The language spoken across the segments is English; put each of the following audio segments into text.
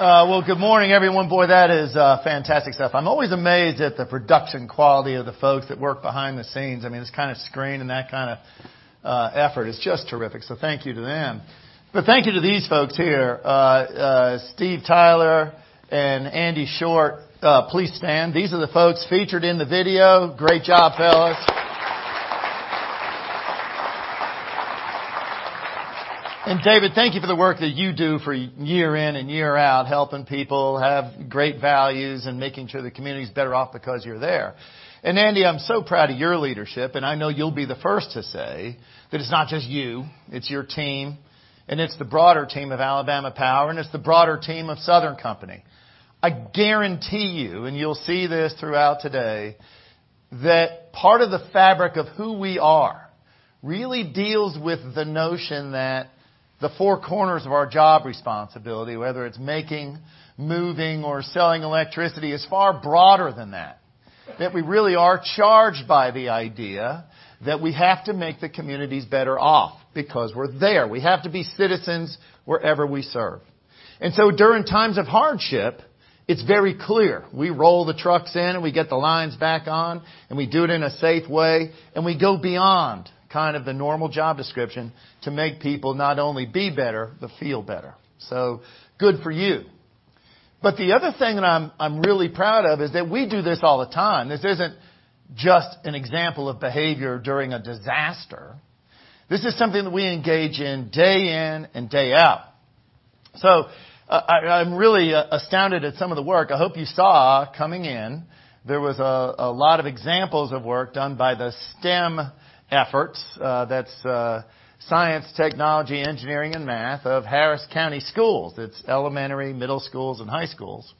Good morning, everyone. That is fantastic stuff. I'm always amazed at the production quality of the folks that work behind the scenes. This kind of screen and that kind of effort is just terrific, thank you to them. Thank you to these folks here, Steve Tyler and Andy Short. Please stand. These are the folks featured in the video. Great job, fellas. David, thank you for the work that you do for year in and year out, helping people have great values and making sure the community's better off because you're there. Andy, I'm so proud of your leadership, and I know you'll be the first to say that it's not just you, it's your team, and it's the broader team of Alabama Power, and it's the broader team of Southern Company. I guarantee you'll see this throughout today, that part of the fabric of who we are really deals with the notion that the four corners of our job responsibility, whether it's making, moving, or selling electricity, is far broader than that. We really are charged by the idea that we have to make the communities better off because we're there. We have to be citizens wherever we serve. During times of hardship, it's very clear. We roll the trucks in and we get the lines back on, and we do it in a safe way, and we go beyond the normal job description to make people not only be better, but feel better. Good for you. The other thing that I'm really proud of is that we do this all the time. This isn't just an example of behavior during a disaster. This is something that we engage in day in and day out. I'm really astounded at some of the work. I hope you saw coming in, there was a lot of examples of work done by the STEM efforts, that's science, technology, engineering, and math, of Harris County Schools. It's elementary, middle schools, and high schools.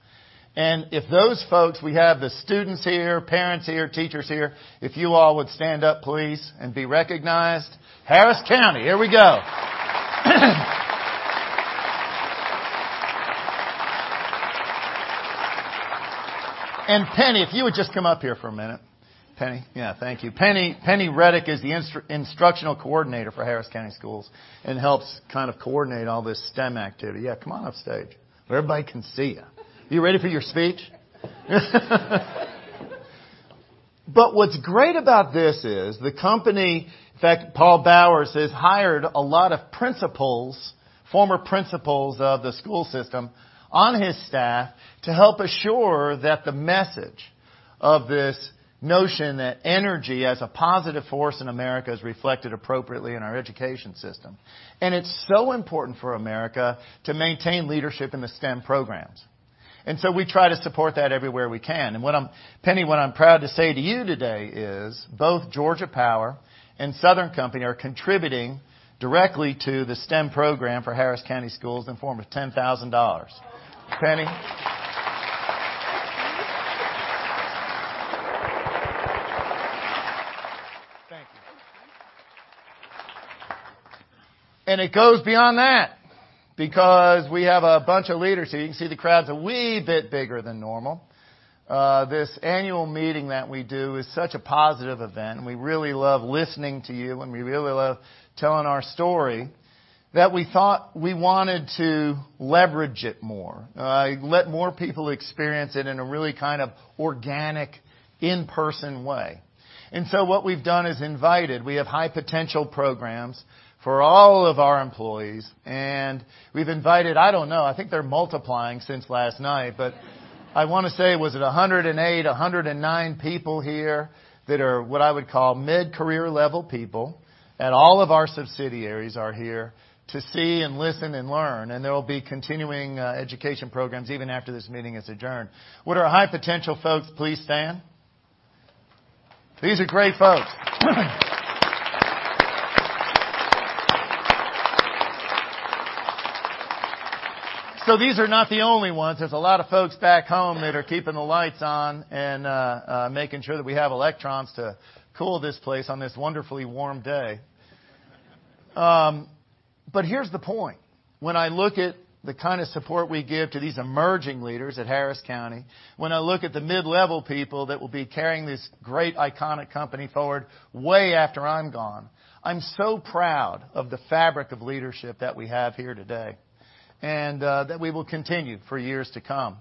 If those folks, we have the students here, parents here, teachers here, if you all would stand up, please, and be recognized. Harris County, here we go. Penny, if you would just come up here for a minute. Penny? Yeah. Thank you. Penny Reddick is the Instructional Coordinator for Harris County Schools and helps coordinate all this STEM activity. Come on upstage where everybody can see you. You ready for your speech? What's great about this is the company, in fact, Paul Bowers, has hired a lot of principals, former principals of the school system on his staff to help assure that the message of this notion that energy as a positive force in America is reflected appropriately in our education system. It's so important for America to maintain leadership in the STEM programs. We try to support that everywhere we can. Penny, what I'm proud to say to you today is both Georgia Power and Southern Company are contributing directly to the STEM program for Harris County Schools in the form of $10,000. Penny. Thank you. It goes beyond that, because we have a bunch of leaders here. You can see the crowd's a wee bit bigger than normal. This annual meeting that we do is such a positive event. We really love listening to you, and we really love telling our story that we thought we wanted to leverage it more, let more people experience it in a really kind of organic in-person way. What we've done is invited, we have high potential programs for all of our employees, and we've invited, I don't know, I think they're multiplying since last night, but I want to say, was it 108, 109 people here that are what I would call mid-career level people at all of our subsidiaries are here to see and listen and learn, and there will be continuing education programs even after this meeting is adjourned. Would our high potential folks please stand? These are great folks. These are not the only ones. There's a lot of folks back home that are keeping the lights on and making sure that we have electrons to cool this place on this wonderfully warm day. Here's the point. When I look at the kind of support we give to these emerging leaders at Harris County, when I look at the mid-level people that will be carrying this great iconic company forward way after I'm gone, I'm so proud of the fabric of leadership that we have here today, and that we will continue for years to come.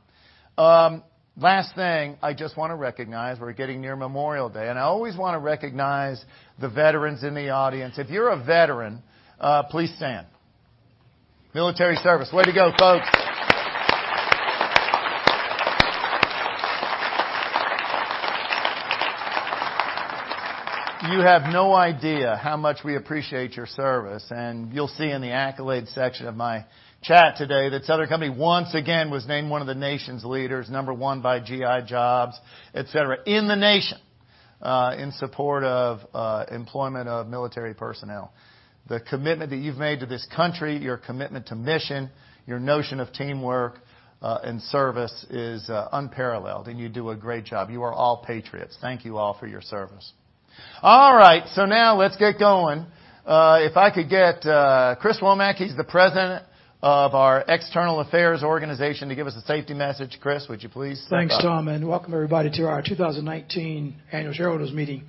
Last thing, I just want to recognize we're getting near Memorial Day, and I always want to recognize the veterans in the audience. If you're a veteran, please stand. Military service. Way to go, folks. You have no idea how much we appreciate your service, and you'll see in the accolade section of my chat today that Southern Company, once again, was named one of the nation's leaders, number one by G.I. Jobs, et cetera, in the nation, in support of employment of military personnel. The commitment that you've made to this country, your commitment to mission, your notion of teamwork and service is unparalleled, and you do a great job. You are all patriots. Thank you all for your service. All right, now let's get going. If I could get Chris Womack, he's the President of our External Affairs organization, to give us a safety message. Chris, would you please stand up? Thanks, Tom, and welcome everybody to our 2019 Annual Shareholders Meeting.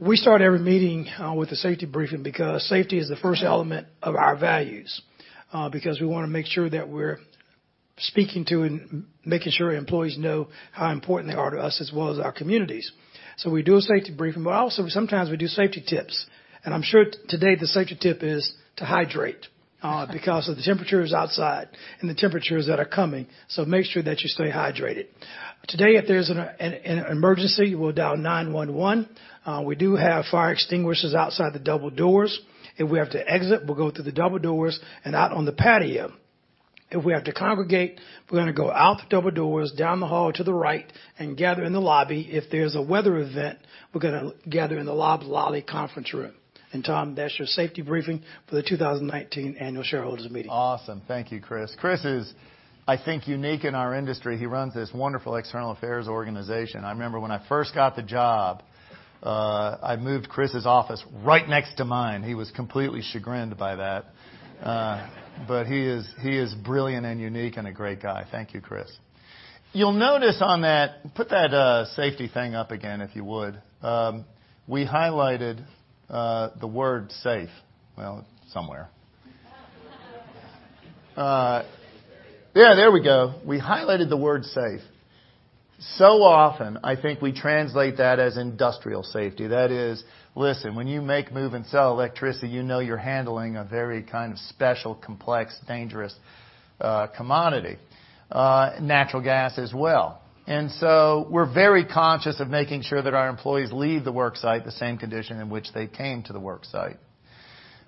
We start every meeting with a safety briefing because safety is the first element of our values, because we want to make sure that we're speaking to and making sure employees know how important they are to us as well as our communities. We do a safety briefing, but also sometimes we do safety tips, and I'm sure today the safety tip is to hydrate because of the temperatures outside and the temperatures that are coming. Make sure that you stay hydrated. Today, if there's an emergency, we'll dial 911. We do have fire extinguishers outside the double doors. If we have to exit, we'll go through the double doors and out on the patio. If we have to congregate, we're going to go out the double doors, down the hall to the right and gather in the lobby. If there's a weather event, we're going to gather in the LOB Lobby conference room. Tom, that's your safety briefing for the 2019 annual shareholders meeting. Awesome. Thank you, Chris. Chris is, I think, unique in our industry. He runs this wonderful external affairs organization. I remember when I first got the job, I moved Chris's office right next to mine. He was completely chagrined by that. He is brilliant and unique and a great guy. Thank you, Chris. You'll notice on that, put that safety thing up again, if you would. We highlighted the word safe. Well, somewhere. Yeah, there we go. We highlighted the word safe. Often, I think we translate that as industrial safety. That is, listen, when you make, move and sell electricity, you know you're handling a very kind of special, complex, dangerous commodity. Natural gas as well. We're very conscious of making sure that our employees leave the work site the same condition in which they came to the work site.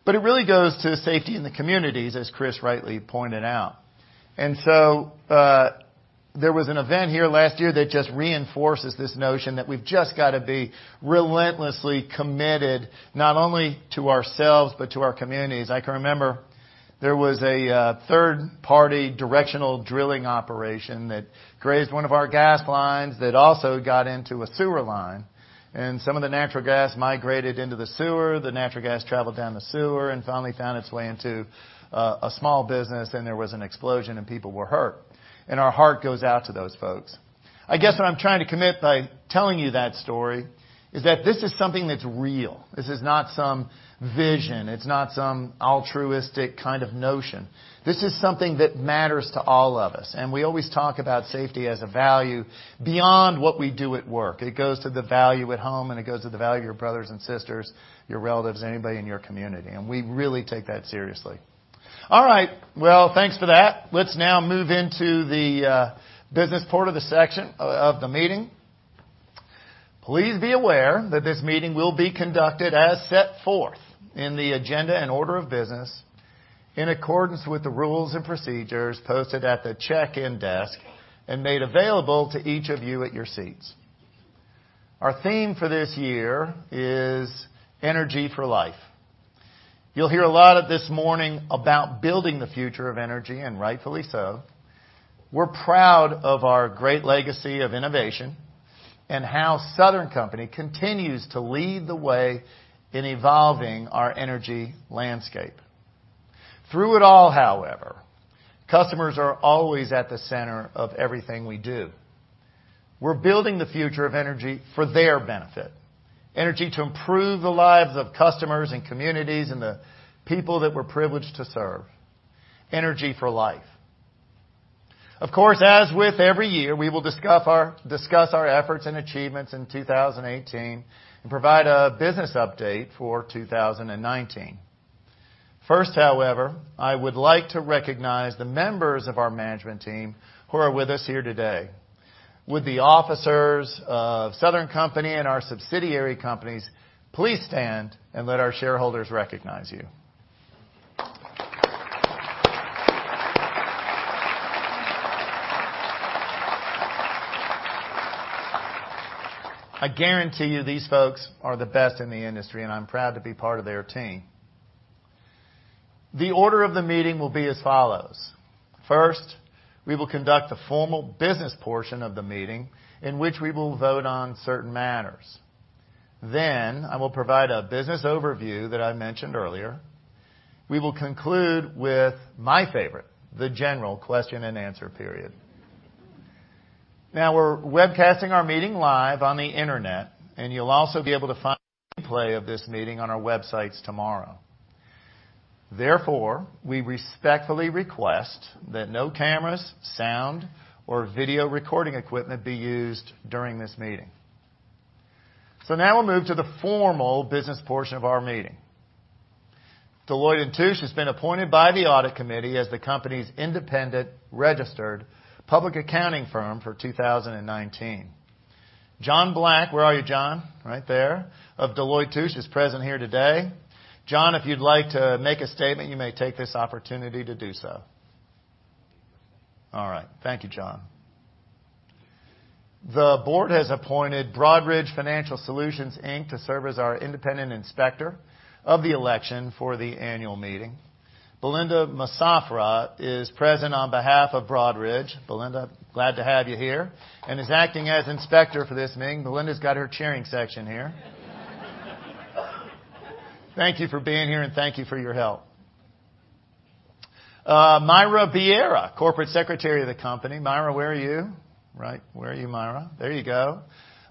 It really goes to safety in the communities, as Chris rightly pointed out. There was an event here last year that just reinforces this notion that we've just got to be relentlessly committed, not only to ourselves but to our communities. I can remember there was a third-party directional drilling operation that grazed one of our gas lines that also got into a sewer line, some of the natural gas migrated into the sewer. The natural gas traveled down the sewer and finally found its way into a small business, there was an explosion and people were hurt. Our heart goes out to those folks. I guess what I'm trying to commit by telling you that story is that this is something that's real. This is not some vision. It's not some altruistic kind of notion. This is something that matters to all of us, we always talk about safety as a value beyond what we do at work. It goes to the value at home, it goes to the value of your brothers and sisters, your relatives, anybody in your community. We really take that seriously. All right, well, thanks for that. Let's now move into the business part of the meeting. Please be aware that this meeting will be conducted as set forth in the agenda and order of business, in accordance with the rules and procedures posted at the check-in desk and made available to each of you at your seats. Our theme for this year is Energy for Life. You'll hear a lot of this morning about building the future of energy, rightfully so. We're proud of our great legacy of innovation and how Southern Company continues to lead the way in evolving our energy landscape. Through it all, however, customers are always at the center of everything we do. We're building the future of energy for their benefit. Energy to improve the lives of customers and communities and the people that we're privileged to serve. Energy for life. Of course, as with every year, we will discuss our efforts and achievements in 2018 and provide a business update for 2019. First, however, I would like to recognize the members of our management team who are with us here today. Would the officers of Southern Company and our subsidiary companies please stand and let our shareholders recognize you. I guarantee you, these folks are the best in the industry, and I'm proud to be part of their team. The order of the meeting will be as follows. First, we will conduct the formal business portion of the meeting in which we will vote on certain matters. I will provide a business overview that I mentioned earlier. We will conclude with my favorite, the general question and answer period. We're webcasting our meeting live on the internet, and you'll also be able to find a replay of this meeting on our websites tomorrow. Therefore, we respectfully request that no cameras, sound, or video recording equipment be used during this meeting. Now we'll move to the formal business portion of our meeting. Deloitte & Touche has been appointed by the Audit Committee as the company's independent registered public accounting firm for 2019. John Black, where are you John? Right there. Of Deloitte & Touche is present here today. John, if you'd like to make a statement, you may take this opportunity to do so. All right. Thank you, John. The board has appointed Broadridge Financial Solutions, Inc. to serve as our independent inspector of the election for the annual meeting. Belinda Musafrah is present on behalf of Broadridge. Belinda, glad to have you here, and is acting as inspector for this meeting. Belinda's got her cheering section here. Thank you for being here, and thank you for your help. Myra Bierria, corporate secretary of the company. Myra, where are you? Where are you, Myra? There you go.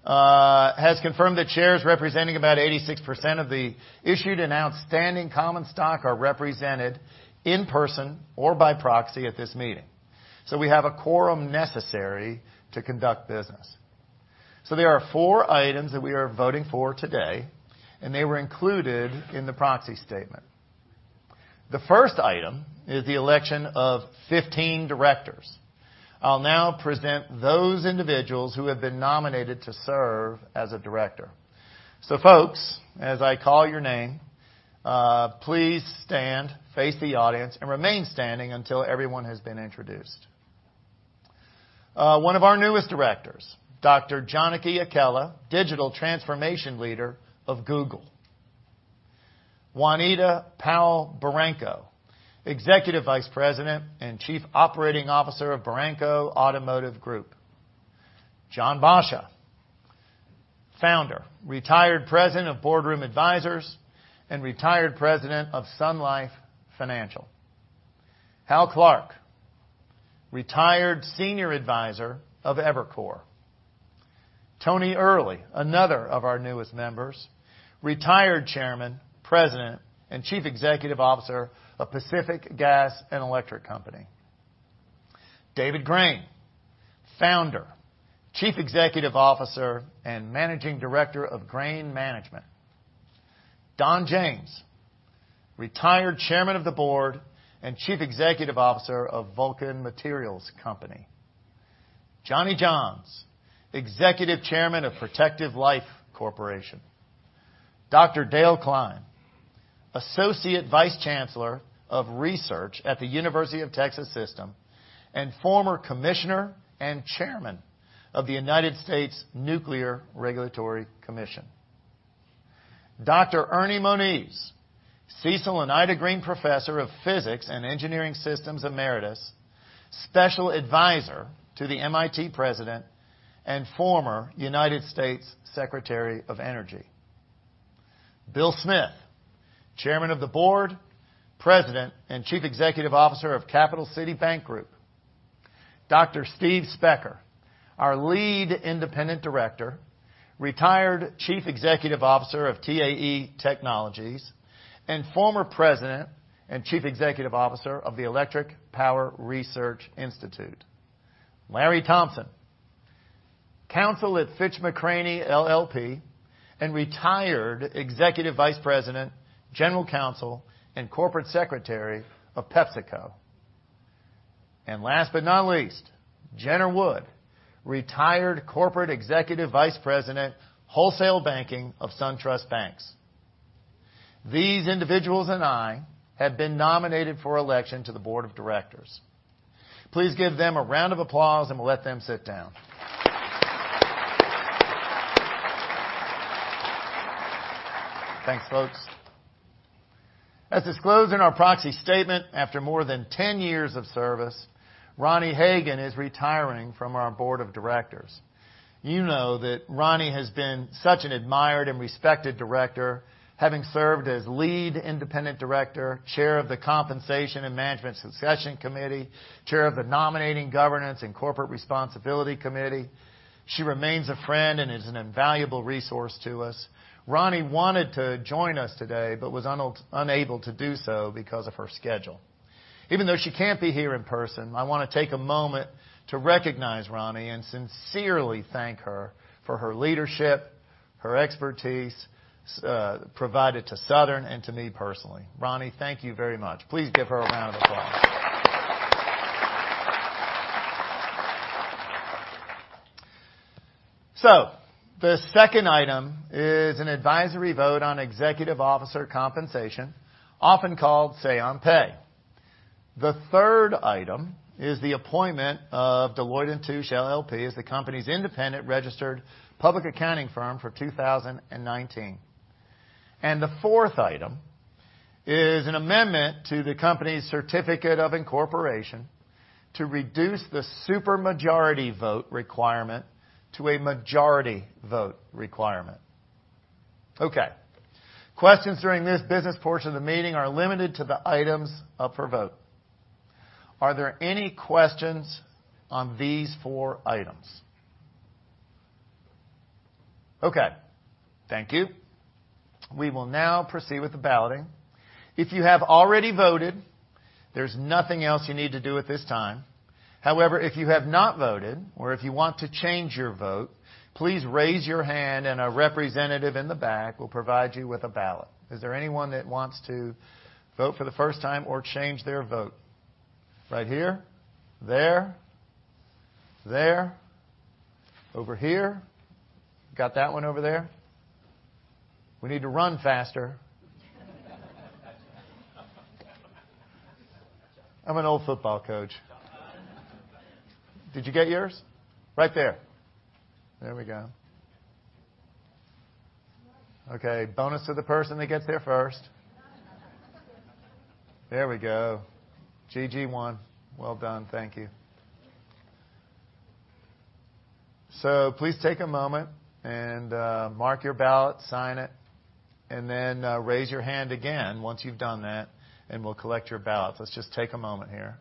Has confirmed that shares representing about 86% of the issued and outstanding common stock are represented in person or by proxy at this meeting. We have a quorum necessary to conduct business. There are four items that we are voting for today, and they were included in the proxy statement. The first item is the election of 15 directors. I'll now present those individuals who have been nominated to serve as a director. Folks, as I call your name, please stand, face the audience, and remain standing until everyone has been introduced. One of our newest directors, Dr. Janaki Akella, Digital Transformation Leader of Google. Juanita Powell Baranco, Executive Vice President and Chief Operating Officer of Baranco Automotive Group. Jon Boscia, founder, retired President of Boardroom Advisors, LLC and retired President of Sun Life Financial. Hal Clark, retired Senior Advisor of Evercore. Tony Earley, another of our newest members, retired Chairman, President, and Chief Executive Officer of Pacific Gas and Electric Company. David Grain, founder, Chief Executive Officer, and Managing Director of Grain Management. Don James, retired Chairman of the Board and Chief Executive Officer of Vulcan Materials Company. Johnny Johns, Executive Chairman of Protective Life Corporation. Dr. Dale Klein, Associate Vice Chancellor of Research at the University of Texas System and former Commissioner and Chairman of the United States Nuclear Regulatory Commission. Dr. Ernie Moniz, Cecil and Ida Green Professor of Physics and Engineering Systems, Emeritus Special Advisor to the MIT president, and former United States Secretary of Energy. Bill Smith, Chairman of the Board, President, and Chief Executive Officer of Capital City Bank Group. Dr. Steve Specker, our Lead Independent Director, retired Chief Executive Officer of TAE Technologies, and former President and Chief Executive Officer of the Electric Power Research Institute. Larry Thompson, counsel at Finch McCranie LLP and retired Executive Vice President, General Counsel, and Corporate Secretary of PepsiCo. Last but not least, Jenner Wood, retired Corporate Executive Vice President, Wholesale Banking of SunTrust Banks. These individuals and I have been nominated for election to the board of directors. Please give them a round of applause and we'll let them sit down. Thanks, folks. As disclosed in our proxy statement, after more than 10 years of service, Ronnie Hagan is retiring from our board of directors. You know that Ronnie has been such an admired and respected director, having served as Lead Independent Director, Chair of the Compensation and Management Succession Committee, Chair of the Nominating, Governance and Corporate Responsibility Committee. She remains a friend and is an invaluable resource to us. Ronnie wanted to join us today, but was unable to do so because of her schedule. Even though she can't be here in person, I want to take a moment to recognize Ronnie and sincerely thank her for her leadership, her expertise provided to Southern and to me personally. Ronnie, thank you very much. Please give her a round of applause. The second item is an advisory vote on executive officer compensation, often called say on pay. The third item is the appointment of Deloitte & Touche LLP as the company's independent registered public accounting firm for 2019. The fourth item is an amendment to the company's certificate of incorporation to reduce the super majority vote requirement to a majority vote requirement. Okay. Questions during this business portion of the meeting are limited to the items up for vote. Are there any questions on these four items? Okay, thank you. We will now proceed with the balloting. If you have already voted, there's nothing else you need to do at this time. However, if you have not voted or if you want to change your vote, please raise your hand and a representative in the back will provide you with a ballot. Is there anyone that wants to vote for the first time or change their vote? Right here, there, over here. Got that one over there. We need to run faster. I'm an old football coach. Did you get yours? Right there. There we go. Okay, bonus to the person that gets there first. There we go. GG won. Well done. Thank you. So please take a moment and mark your ballot, sign it, and then raise your hand again once you've done that, and we'll collect your ballots. Let's just take a moment here.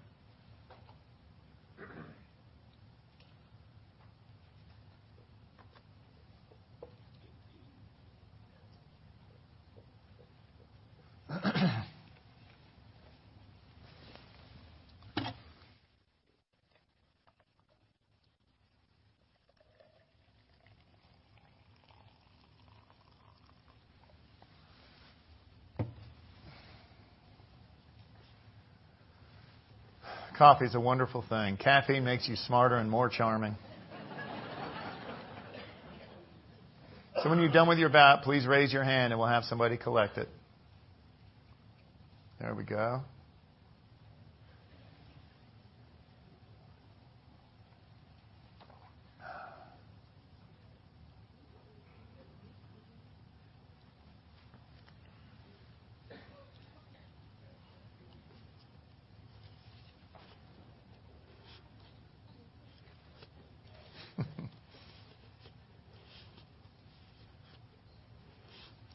Coffee is a wonderful thing. Caffeine makes you smarter and more charming. When you're done with your ballot, please raise your hand and we'll have somebody collect it. There we go.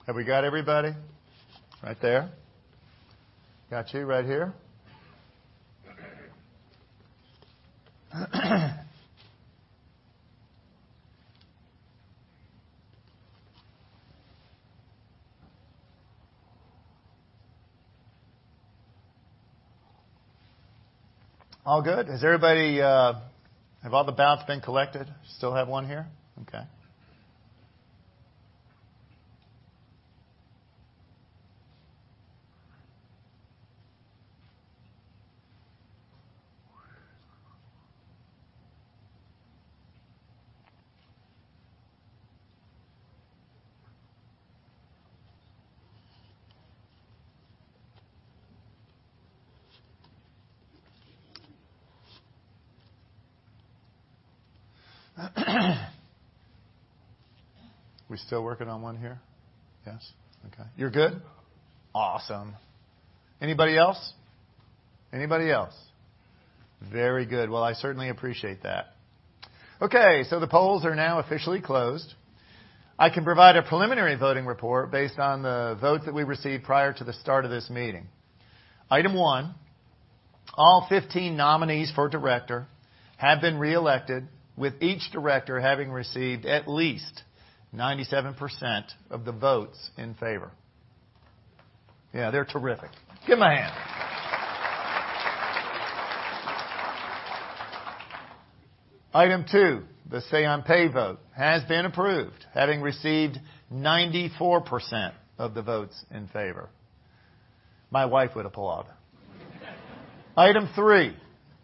Have we got everybody? Right there. Got you right here. All good. Have all the ballots been collected? Still have one here? Okay. We still working on one here? Yes. You're good? Awesome. Anybody else? Very good. I certainly appreciate that. The polls are now officially closed. I can provide a preliminary voting report based on the votes that we received prior to the start of this meeting. Item one, all 15 nominees for director have been reelected with each director having received at least 97% of the votes in favor. Yeah, they're terrific. Give them a hand. Item two, the say on pay vote has been approved, having received 94% of the votes in favor. My wife would applaud. Item three,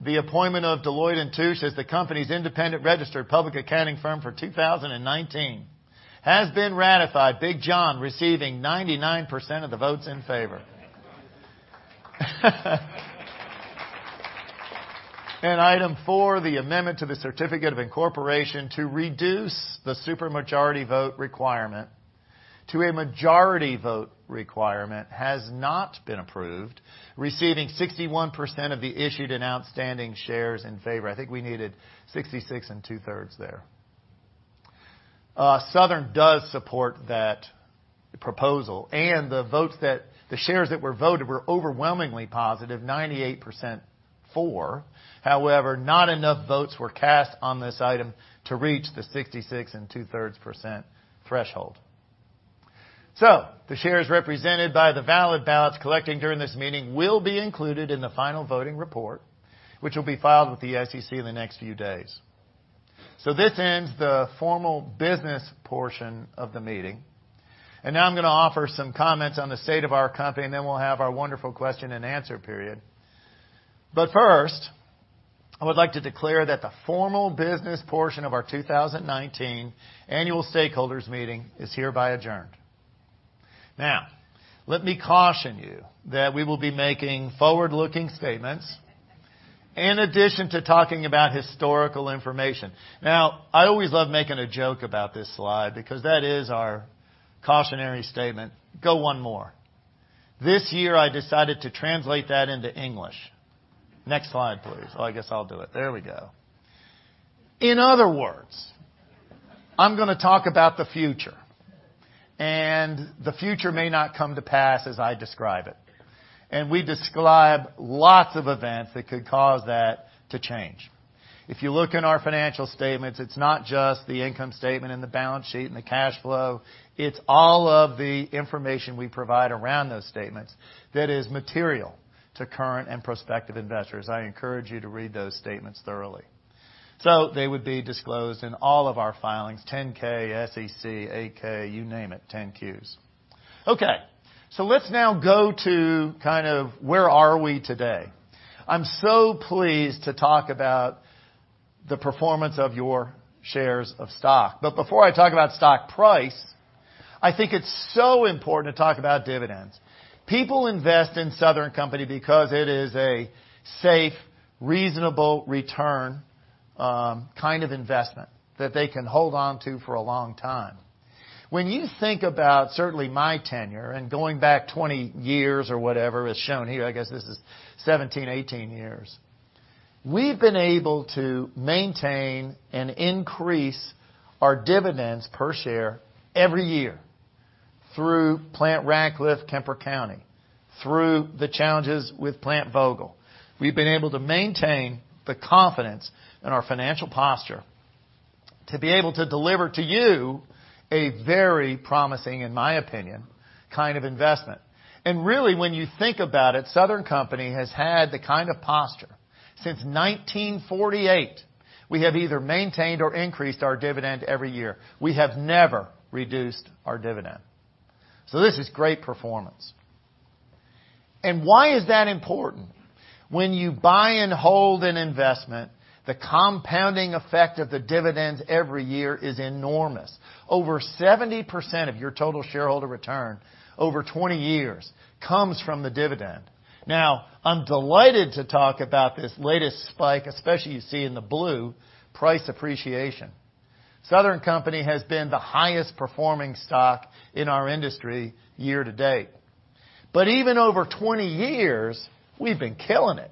the appointment of Deloitte & Touche as the company's independent registered public accounting firm for 2019 has been ratified. Big John receiving 99% of the votes in favor. Item four, the amendment to the certificate of incorporation to reduce the super majority vote requirement to a majority vote requirement has not been approved, receiving 61% of the issued and outstanding shares in favor. I think we needed 66 and two-thirds there. Southern does support that proposal, and the shares that were voted were overwhelmingly positive, 98% for. However, not enough votes were cast on this item to reach the 66 and two-thirds percent threshold. The shares represented by the valid ballots collecting during this meeting will be included in the final voting report, which will be filed with the SEC in the next few days. This ends the formal business portion of the meeting. Now I'm going to offer some comments on the state of our company, and then we'll have our wonderful question and answer period. First, I would like to declare that the formal business portion of our 2019 annual stakeholders meeting is hereby adjourned. Let me caution you that we will be making forward-looking statements in addition to talking about historical information. I always love making a joke about this slide because that is our cautionary statement. Go one more. This year, I decided to translate that into English. Next slide, please. I guess I'll do it. There we go. In other words, I'm going to talk about the future. The future may not come to pass as I describe it. We describe lots of events that could cause that to change. If you look in our financial statements, it's not just the income statement and the balance sheet and the cash flow. It's all of the information we provide around those statements that is material to current and prospective investors. I encourage you to read those statements thoroughly. They would be disclosed in all of our filings, 10-K, SEC, 8-K, you name it, 10-Qs. Let's now go to where are we today. I'm so pleased to talk about the performance of your shares of stock. Before I talk about stock price, I think it's so important to talk about dividends. People invest in The Southern Company because it is a safe, reasonable return kind of investment that they can hold on to for a long time. When you think about certainly my tenure and going back 20 years or whatever is shown here, I guess this is 17, 18 years, we've been able to maintain and increase our dividends per share every year through Plant Ratcliffe, Kemper County, through the challenges with Plant Vogtle. We've been able to maintain the confidence in our financial posture to be able to deliver to you a very promising, in my opinion, kind of investment. Really, when you think about it, The Southern Company has had the kind of posture since 1948. We have either maintained or increased our dividend every year. We have never reduced our dividend. This is great performance. Why is that important? When you buy and hold an investment, the compounding effect of the dividends every year is enormous. Over 70% of your total shareholder return over 20 years comes from the dividend. I'm delighted to talk about this latest spike, especially you see in the blue price appreciation. The Southern Company has been the highest performing stock in our industry year to date. Even over 20 years, we've been killing it.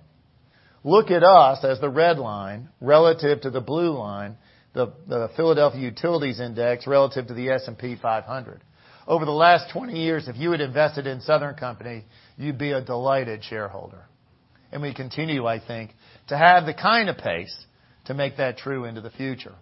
Look at us as the red line relative to the blue line, the PHLX Utility Sector relative to the S&P 500. Over the last 20 years, if you had invested in The Southern Company, you'd be a delighted shareholder. We continue, I think, to have the kind of pace to make that true into the future.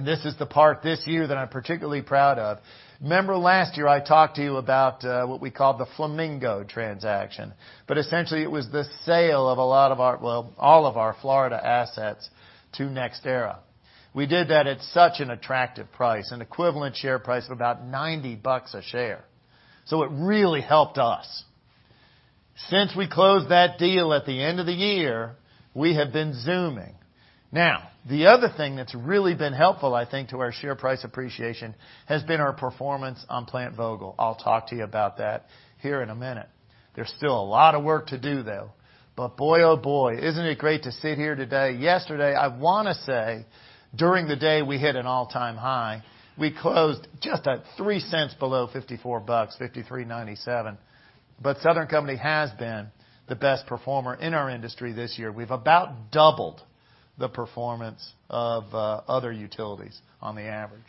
This is the part this year that I'm particularly proud of. Remember last year I talked to you about what we call the Flamingo transaction, but essentially, it was the sale of a lot of our, well, all of our Florida assets to NextEra. We did that at such an attractive price, an equivalent share price of about $90 a share. It really helped us. Since we closed that deal at the end of the year, we have been zooming. The other thing that's really been helpful, I think, to our share price appreciation has been our performance on Plant Vogtle. I'll talk to you about that here in a minute. There's still a lot of work to do, though, but boy, oh boy, isn't it great to sit here today? Yesterday, I want to say, during the day, we hit an all-time high. We closed just at $0.03 below $54, $53.97. The Southern Company has been the best performer in our industry this year. We've about doubled the performance of other utilities on the average.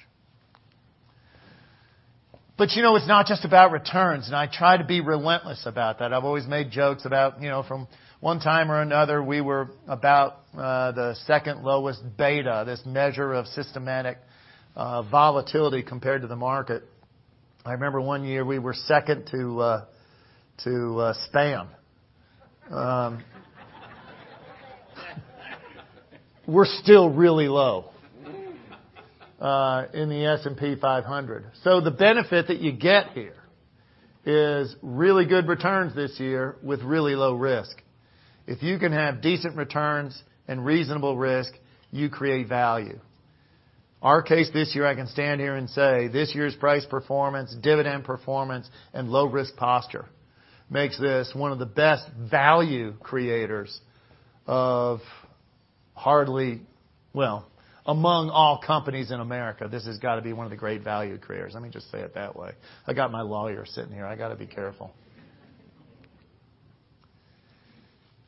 It's not just about returns, and I try to be relentless about that. I've always made jokes about from one time or another, we were about the second lowest beta, this measure of systematic volatility compared to the market. I remember one year we were second to spam. We're still really low in the S&P 500. The benefit that you get here is really good returns this year with really low risk. If you can have decent returns and reasonable risk, you create value. Our case this year, I can stand here and say this year's price performance, dividend performance, and low risk posture makes this one of the best value creators of Well, among all companies in America, this has got to be one of the great value creators. Let me just say it that way. I got my lawyer sitting here. I got to be careful.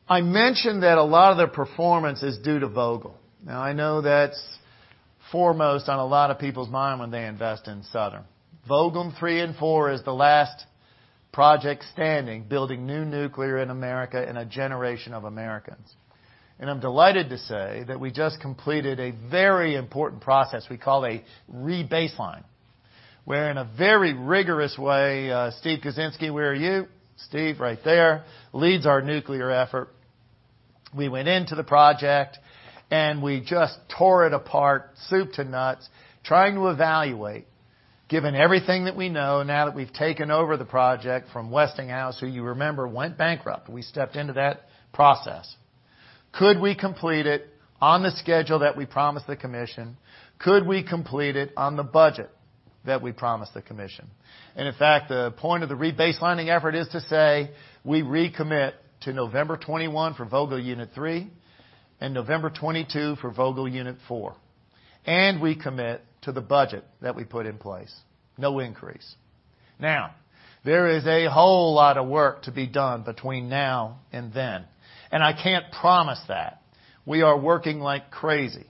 I mentioned that a lot of their performance is due to Vogtle. Now, I know that's foremost on a lot of people's mind when they invest in Southern. Vogtle Units 3 and 4 is the last project standing, building new nuclear in America in a generation of Americans. I'm delighted to say that we just completed a very important process we call a rebaseline, where in a very rigorous way, Steve Kuczynski, where are you? Steve, right there, leads our nuclear effort. We went into the project, we just tore it apart, soup to nuts, trying to evaluate, given everything that we know now that we've taken over the project from Westinghouse, who you remember went bankrupt, we stepped into that process. Could we complete it on the schedule that we promised the commission? Could we complete it on the budget that we promised the commission? In fact, the point of the rebaselining effort is to say we recommit to November 2021 for Vogtle Unit Three and November 2022 for Vogtle Unit Four. We commit to the budget that we put in place. No increase. There is a whole lot of work to be done between now and then, and I can't promise that. We are working like crazy.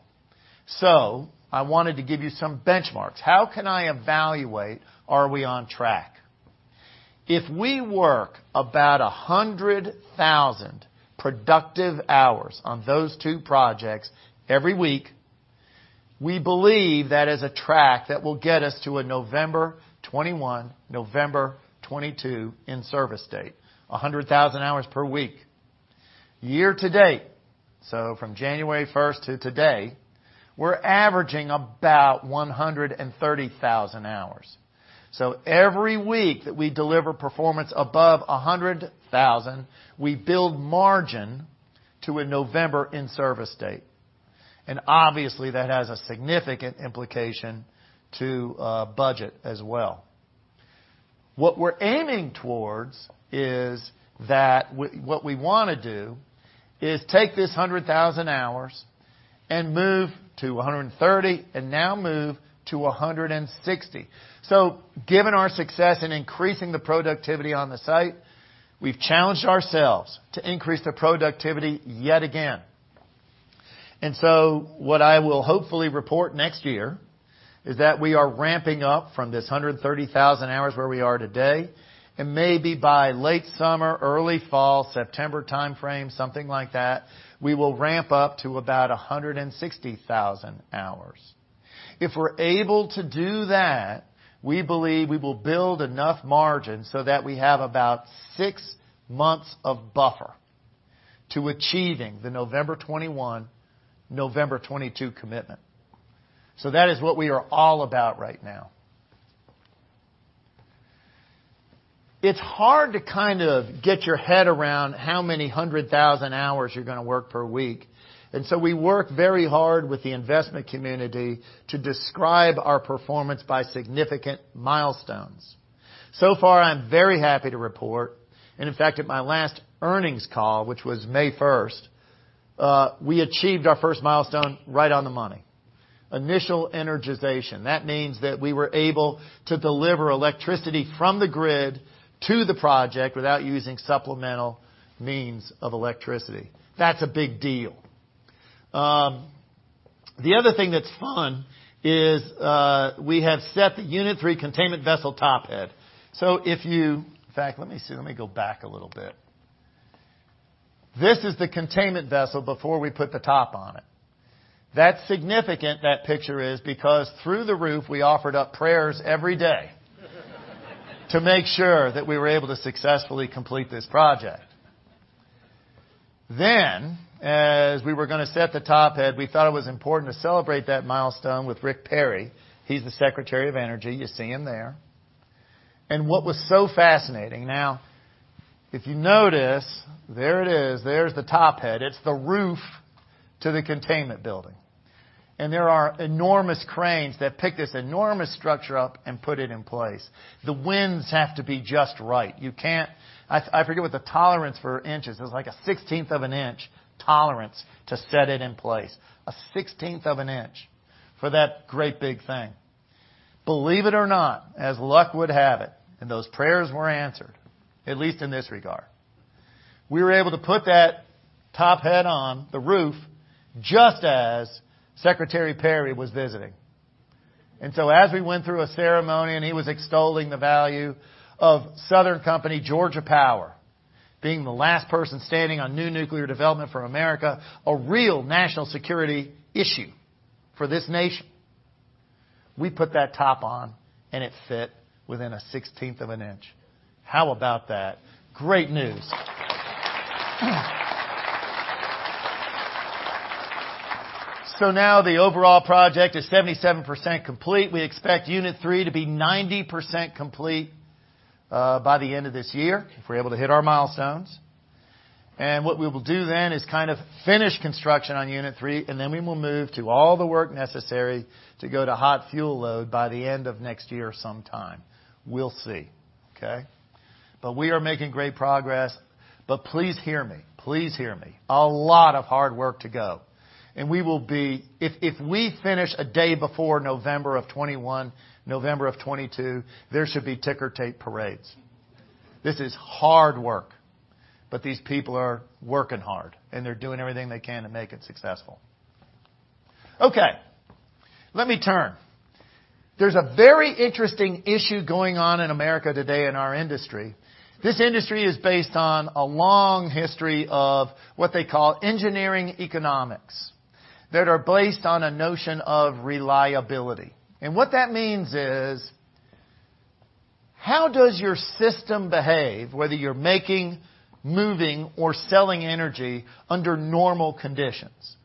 I wanted to give you some benchmarks. How can I evaluate, are we on track? If we work about 100,000 productive hours on those two projects every week, we believe that is a track that will get us to a November 2021, November 2022 in-service date, 100,000 hours per week. Year to date, from January 1st to today, we're averaging about 130,000 hours. Every week that we deliver performance above 100,000, we build margin to a November in-service date. Obviously, that has a significant implication to budget as well. What we're aiming towards is that what we want to do is take this 100,000 hours and move to 130,000, and now move to 160,000. Given our success in increasing the productivity on the site, we've challenged ourselves to increase the productivity yet again. What I will hopefully report next year is that we are ramping up from this 130,000 hours where we are today, maybe by late summer, early fall, September timeframe, something like that, we will ramp up to about 160,000 hours. If we're able to do that, we believe we will build enough margin so that we have about six months of buffer to achieving the November 2021, November 2022 commitment. That is what we are all about right now. It's hard to get your head around how many 100,000 hours you're going to work per week, we work very hard with the investment community to describe our performance by significant milestones. So far, I'm very happy to report, in fact, at my last earnings call, which was May 1st, we achieved our first milestone right on the money. Initial energization. That means that we were able to deliver electricity from the grid to the project without using supplemental means of electricity. That's a big deal. The other thing that's fun is, we have set the unit three containment vessel top head. In fact, let me see. Let me go back a little bit. This is the containment vessel before we put the top on it. That's significant, that picture is, because through the roof, we offered up prayers every day to make sure that we were able to successfully complete this project. As we were going to set the top head, we thought it was important to celebrate that milestone with Rick Perry. He's the Secretary of Energy. You see him there. Now, if you notice, there it is. There's the top head. It's the roof to the containment building. There are enormous cranes that pick this enormous structure up and put it in place. The winds have to be just right. I forget what the tolerance for inches is. It was like a 16th of an inch tolerance to set it in place. A 16th of an inch for that great big thing. Believe it or not, as luck would have it, and those prayers were answered, at least in this regard. We were able to put that top head on the roof just as Secretary Perry was visiting. As we went through a ceremony and he was extolling the value of Southern Company Georgia Power being the last person standing on new nuclear development for America, a real national security issue for this nation, we put that top on and it fit within a 16th of an inch. How about that? Great news. Now the overall project is 77% complete. We expect unit three to be 90% complete by the end of this year, if we're able to hit our milestones. What we will do then is kind of finish construction on unit three, and then we will move to all the work necessary to go to hot fuel load by the end of next year sometime. We'll see. Okay? We are making great progress. Please hear me. Please hear me. A lot of hard work to go. If we finish a day before November of 2021, November of 2022, there should be ticker tape parades. This is hard work, but these people are working hard, and they're doing everything they can to make it successful. Okay, let me turn. There's a very interesting issue going on in America today in our industry. This industry is based on a long history of what they call engineering economics that are based on a notion of reliability. What that means is, how does your system behave, whether you're making, moving, or selling energy under normal conditions?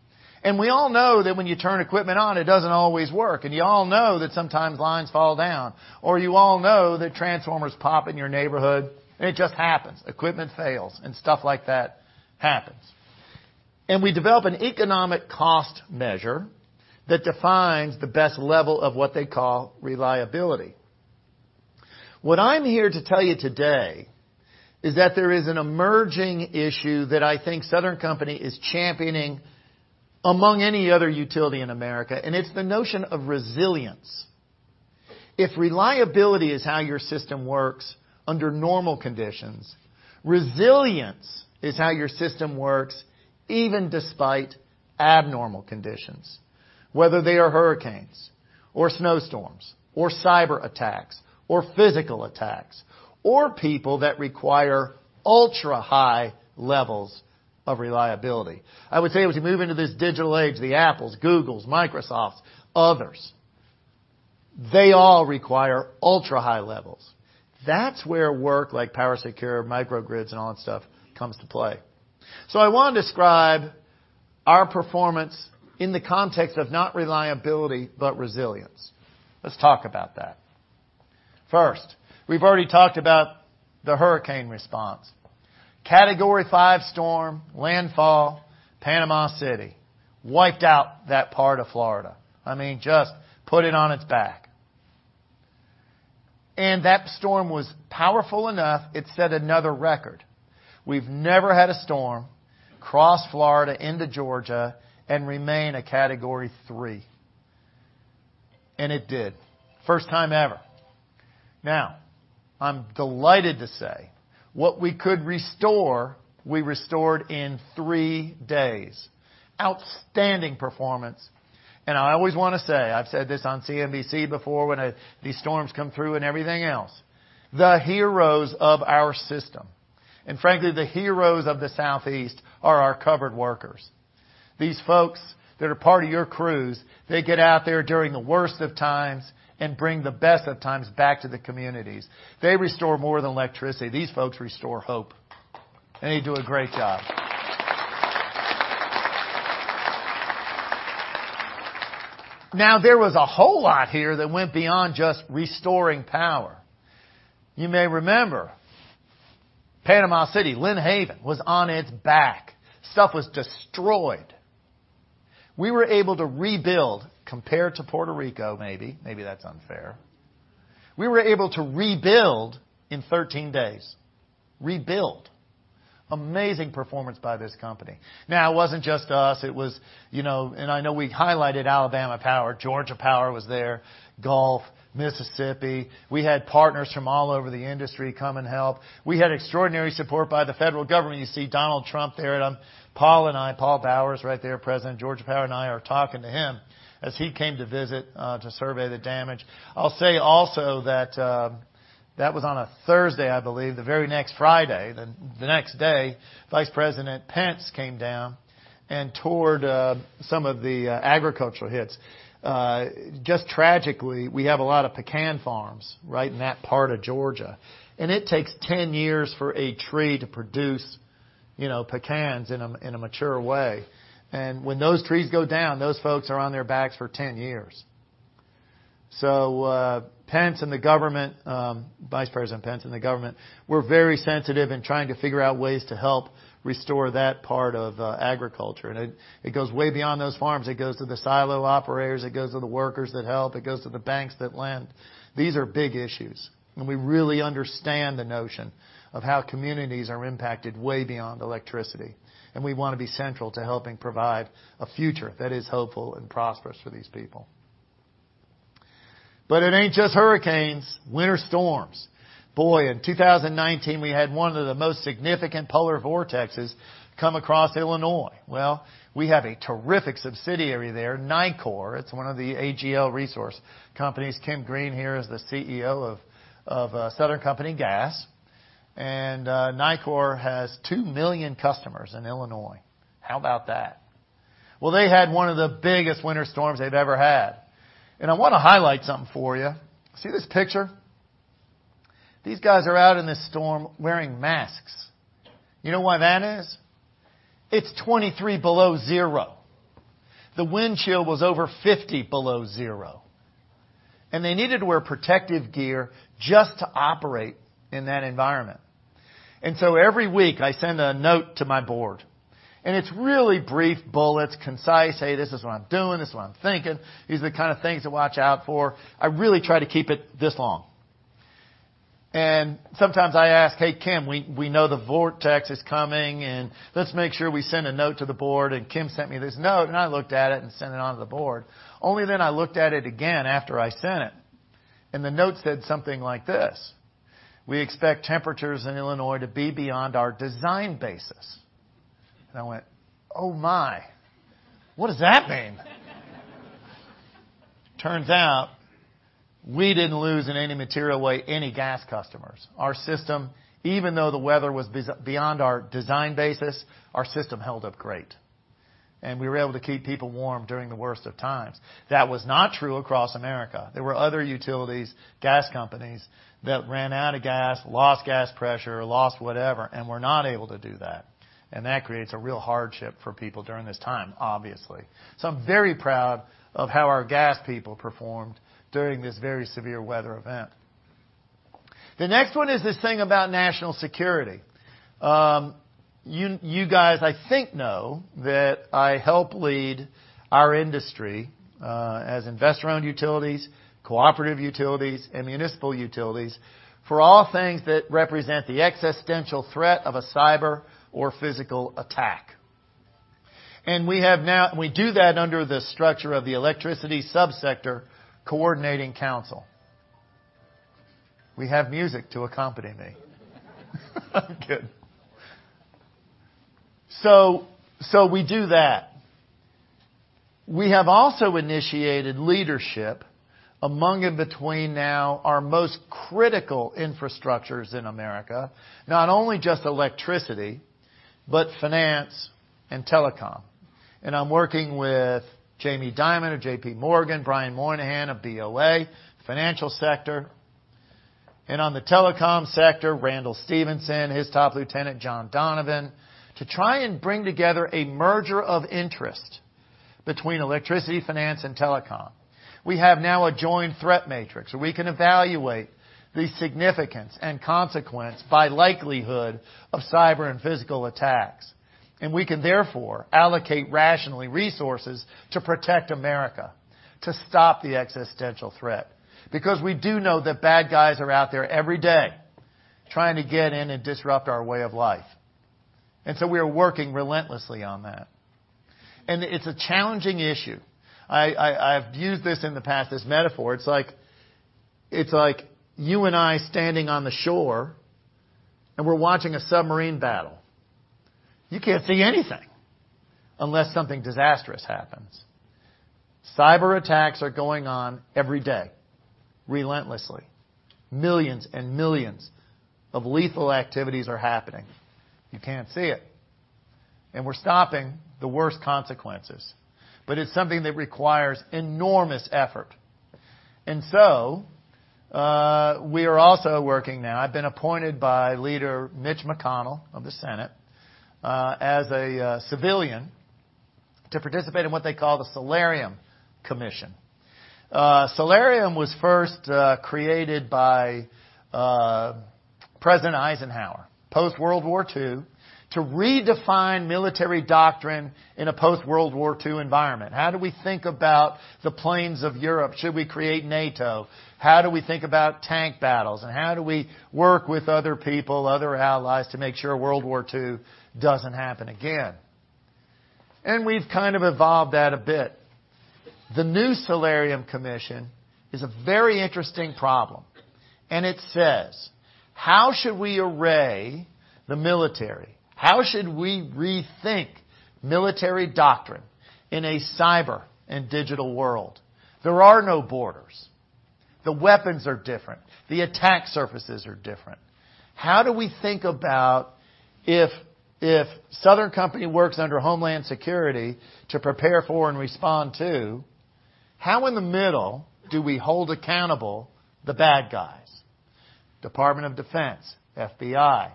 We all know that when you turn equipment on, it doesn't always work. You all know that sometimes lines fall down, or you all know that transformers pop in your neighborhood, and it just happens. Equipment fails and stuff like that happens. We develop an economic cost measure that defines the best level of what they call reliability. What I'm here to tell you today is that there is an emerging issue that I think Southern Company is championing among any other utility in America, it's the notion of resilience. If reliability is how your system works under normal conditions, resilience is how your system works even despite abnormal conditions, whether they are hurricanes or snowstorms or cyber attacks or physical attacks or people that require ultra-high levels of reliability. I would say, as we move into this digital age, the Apple, Google, Microsoft, others, they all require ultra-high levels. That's where work like PowerSecure, microgrids and all that stuff comes to play. I want to describe our performance in the context of not reliability, but resilience. Let's talk about that. First, we've already talked about the hurricane response. Category 5 storm landfall, Panama City. Wiped out that part of Florida. Just put it on its back. That storm was powerful enough, it set another record. We've never had a storm cross Florida into Georgia and remain a Category 3. It did. First time ever. I'm delighted to say, what we could restore, we restored in three days. Outstanding performance. I always want to say, I've said this on CNBC before, when these storms come through and everything else, the heroes of our system, and frankly, the heroes of the Southeast are our covered workers. These folks that are part of your crews, they get out there during the worst of times and bring the best of times back to the communities. They restore more than electricity. These folks restore hope, and they do a great job. There was a whole lot here that went beyond just restoring power. You may remember, Panama City, Lynn Haven was on its back. Stuff was destroyed. We were able to rebuild, compared to Puerto Rico, maybe. Maybe that's unfair. We were able to rebuild in 13 days. Rebuild. Amazing performance by this company. It wasn't just us. I know we highlighted Alabama Power. Georgia Power was there, Gulf Power, Mississippi Power. We had partners from all over the industry come and help. We had extraordinary support by the federal government. You see Donald Trump there. Paul and I, Paul Bowers right there, President of Georgia Power, and I are talking to him as he came to visit to survey the damage. I'll say also that was on a Thursday, I believe. The very next Friday, the next day, Vice President Pence came down and toured some of the agricultural hits. Just tragically, we have a lot of pecan farms right in that part of Georgia, and it takes 10 years for a tree to produce pecans in a mature way. When those trees go down, those folks are on their backs for 10 years. Vice President Pence and the government were very sensitive in trying to figure out ways to help restore that part of agriculture. It goes way beyond those farms. It goes to the silo operators. It goes to the workers that help. It goes to the banks that lend. These are big issues, and we really understand the notion of how communities are impacted way beyond electricity, and we want to be central to helping provide a future that is hopeful and prosperous for these people. It ain't just hurricanes. Winter storms. Boy, in 2019, we had one of the most significant polar vortexes come across Illinois. Well, we have a terrific subsidiary there, Nicor. It's one of the AGL Resources. Kim Greene here is the CEO of Southern Company Gas. Nicor has two million customers in Illinois. How about that? They had one of the biggest winter storms they've ever had. I want to highlight something for you. See this picture? These guys are out in this storm wearing masks. You know why that is? It's 23 below zero. The wind chill was over 50 below zero, and they needed to wear protective gear just to operate in that environment. Every week, I send a note to my board, and it's really brief bullets, concise, "Hey, this is what I'm doing, this is what I'm thinking. These are the kind of things to watch out for." I really try to keep it this long. Sometimes I ask, "Hey, Kim, we know the vortex is coming, and let's make sure we send a note to the board." Kim sent me this note, and I looked at it and sent it on to the board. Only I looked at it again after I sent it, and the note said something like this: "We expect temperatures in Illinois to be beyond our design basis." I went, "Oh, my. What does that mean?" Turns out we didn't lose in any material way any gas customers. Our system, even though the weather was beyond our design basis, our system held up great, and we were able to keep people warm during the worst of times. That was not true across America. There were other utilities, gas companies, that ran out of gas, lost gas pressure, lost whatever, and were not able to do that. That creates a real hardship for people during this time, obviously. I'm very proud of how our gas people performed during this very severe weather event. The next one is this thing about national security. You guys, I think know that I help lead our industry as investor-owned utilities, cooperative utilities, and municipal utilities for all things that represent the existential threat of a cyber or physical attack. We do that under the structure of the Electricity Subsector Coordinating Council. We have music to accompany me. I'm kidding. We do that. We have also initiated leadership among and between now our most critical infrastructures in America, not only just electricity, but finance and telecom. I'm working with Jamie Dimon of JPMorgan, Brian Moynihan of Bank of America, financial sector, and on the telecom sector, Randall Stephenson, his top lieutenant, John Donovan, to try and bring together a merger of interest between electricity, finance, and telecom. We have now a joint threat matrix where we can evaluate the significance and consequence by likelihood of cyber and physical attacks, and we can therefore allocate rationally resources to protect America, to stop the existential threat. We do know that bad guys are out there every day trying to get in and disrupt our way of life. We are working relentlessly on that, and it's a challenging issue. I've used this in the past, this metaphor. It's like you and I standing on the shore, and we're watching a submarine battle. You can't see anything unless something disastrous happens. Cyber attacks are going on every day relentlessly. Millions and millions of lethal activities are happening. You can't see it, and we're stopping the worst consequences. It's something that requires enormous effort. We are also working now, I've been appointed by Leader Mitch McConnell of the Senate, as a civilian to participate in what they call the Solarium Commission. Solarium was first created by President Eisenhower, post-World War II, to redefine military doctrine in a post-World War II environment. How do we think about the planes of Europe? Should we create NATO? How do we think about tank battles? How do we work with other people, other allies, to make sure World War II doesn't happen again? We've kind of evolved that a bit. The new Solarium Commission is a very interesting problem, it says, "How should we array the military? How should we rethink military doctrine in a cyber and digital world?" There are no borders. The weapons are different. The attack surfaces are different. How do we think about if Southern Company works under Homeland Security to prepare for and respond to, how in the middle do we hold accountable the bad guys? U.S. Department of Defense, FBI,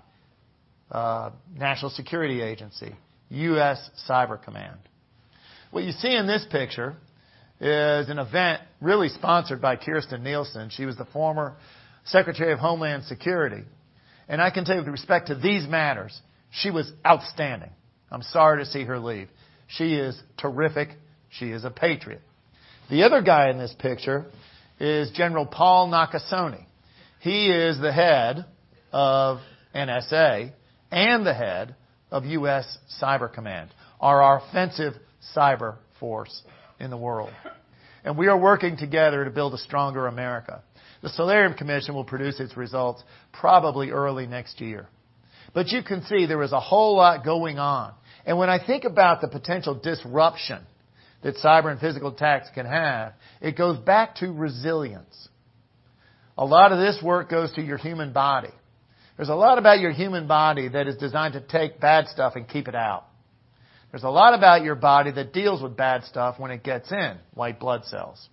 National Security Agency, U.S. Cyber Command. What you see in this picture is an event really sponsored by Kirstjen Nielsen. She was the former Secretary of Homeland Security, I can tell you with respect to these matters, she was outstanding. I'm sorry to see her leave. She is terrific. She is a patriot. The other guy in this picture is General Paul Nakasone. He is the head of NSA and the head of U.S. Cyber Command, or our offensive cyber force in the world. We are working together to build a stronger America. The Solarium Commission will produce its results probably early next year. You can see there is a whole lot going on. When I think about the potential disruption that cyber and physical attacks can have, it goes back to resilience. A lot of this work goes to your human body. There's a lot about your human body that is designed to take bad stuff and keep it out. There's a lot about your body that deals with bad stuff when it gets in, like blood cells.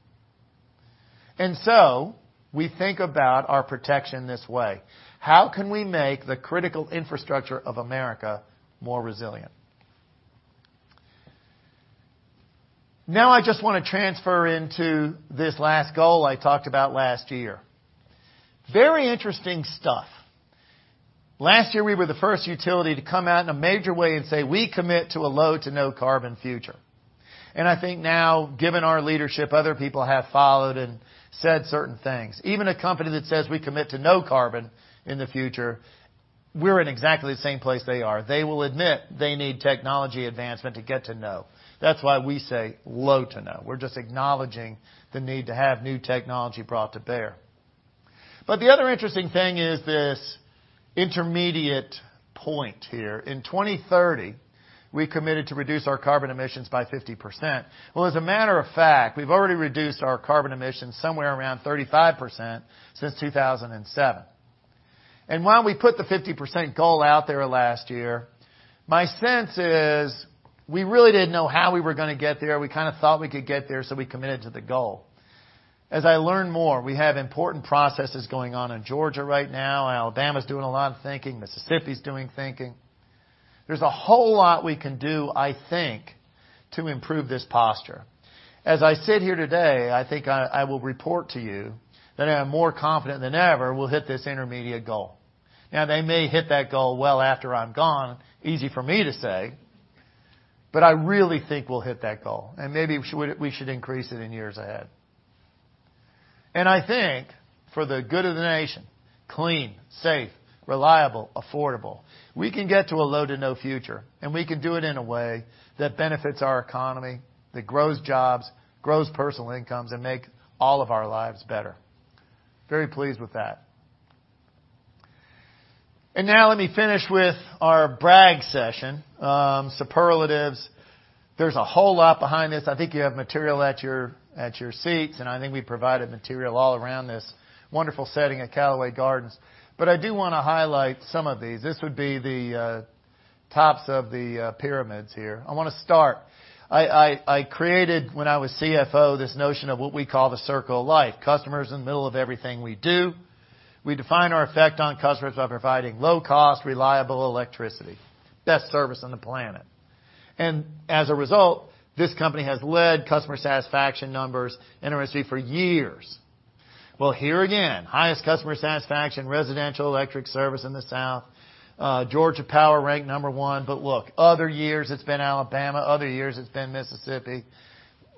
We think about our protection this way. How can we make the critical infrastructure of America more resilient? Now I just want to transfer into this last goal I talked about last year. Very interesting stuff. Last year, we were the first utility to come out in a major way and say we commit to a low to no carbon future. I think now, given our leadership, other people have followed and said certain things. Even a company that says we commit to no carbon in the future, we're in exactly the same place they are. They will admit they need technology advancement to get to no. That's why we say low to no. We're just acknowledging the need to have new technology brought to bear. The other interesting thing is this intermediate point here. In 2030, we committed to reduce our carbon emissions by 50%. As a matter of fact, we've already reduced our carbon emissions somewhere around 35% since 2007. While we put the 50% goal out there last year, my sense is we really didn't know how we were going to get there. We kind of thought we could get there, so we committed to the goal. As I learn more, we have important processes going on in Georgia right now, and Alabama's doing a lot of thinking. Mississippi's doing thinking. There's a whole lot we can do, I think, to improve this posture. As I sit here today, I think I will report to you that I am more confident than ever we'll hit this intermediate goal. They may hit that goal well after I'm gone, easy for me to say, but I really think we'll hit that goal. Maybe we should increase it in years ahead. I think for the good of the nation, clean, safe, reliable, affordable, we can get to a low to no future, and we can do it in a way that benefits our economy, that grows jobs, grows personal incomes, and make all of our lives better. Very pleased with that. Now let me finish with our brag session. Superlatives. There's a whole lot behind this. I think you have material at your seats, and I think we provided material all around this wonderful setting at Callaway Gardens. I do want to highlight some of these. This would be the tops of the pyramids here. I want to start. I created when I was CFO, this notion of what we call the circle of life. Customers in the middle of everything we do. We define our effect on customers by providing low-cost, reliable electricity. Best service on the planet. As a result, this company has led customer satisfaction numbers in our industry for years. Here again, highest customer satisfaction residential electric service in the South. Georgia Power ranked number one, but look, other years it's been Alabama, other years it's been Mississippi.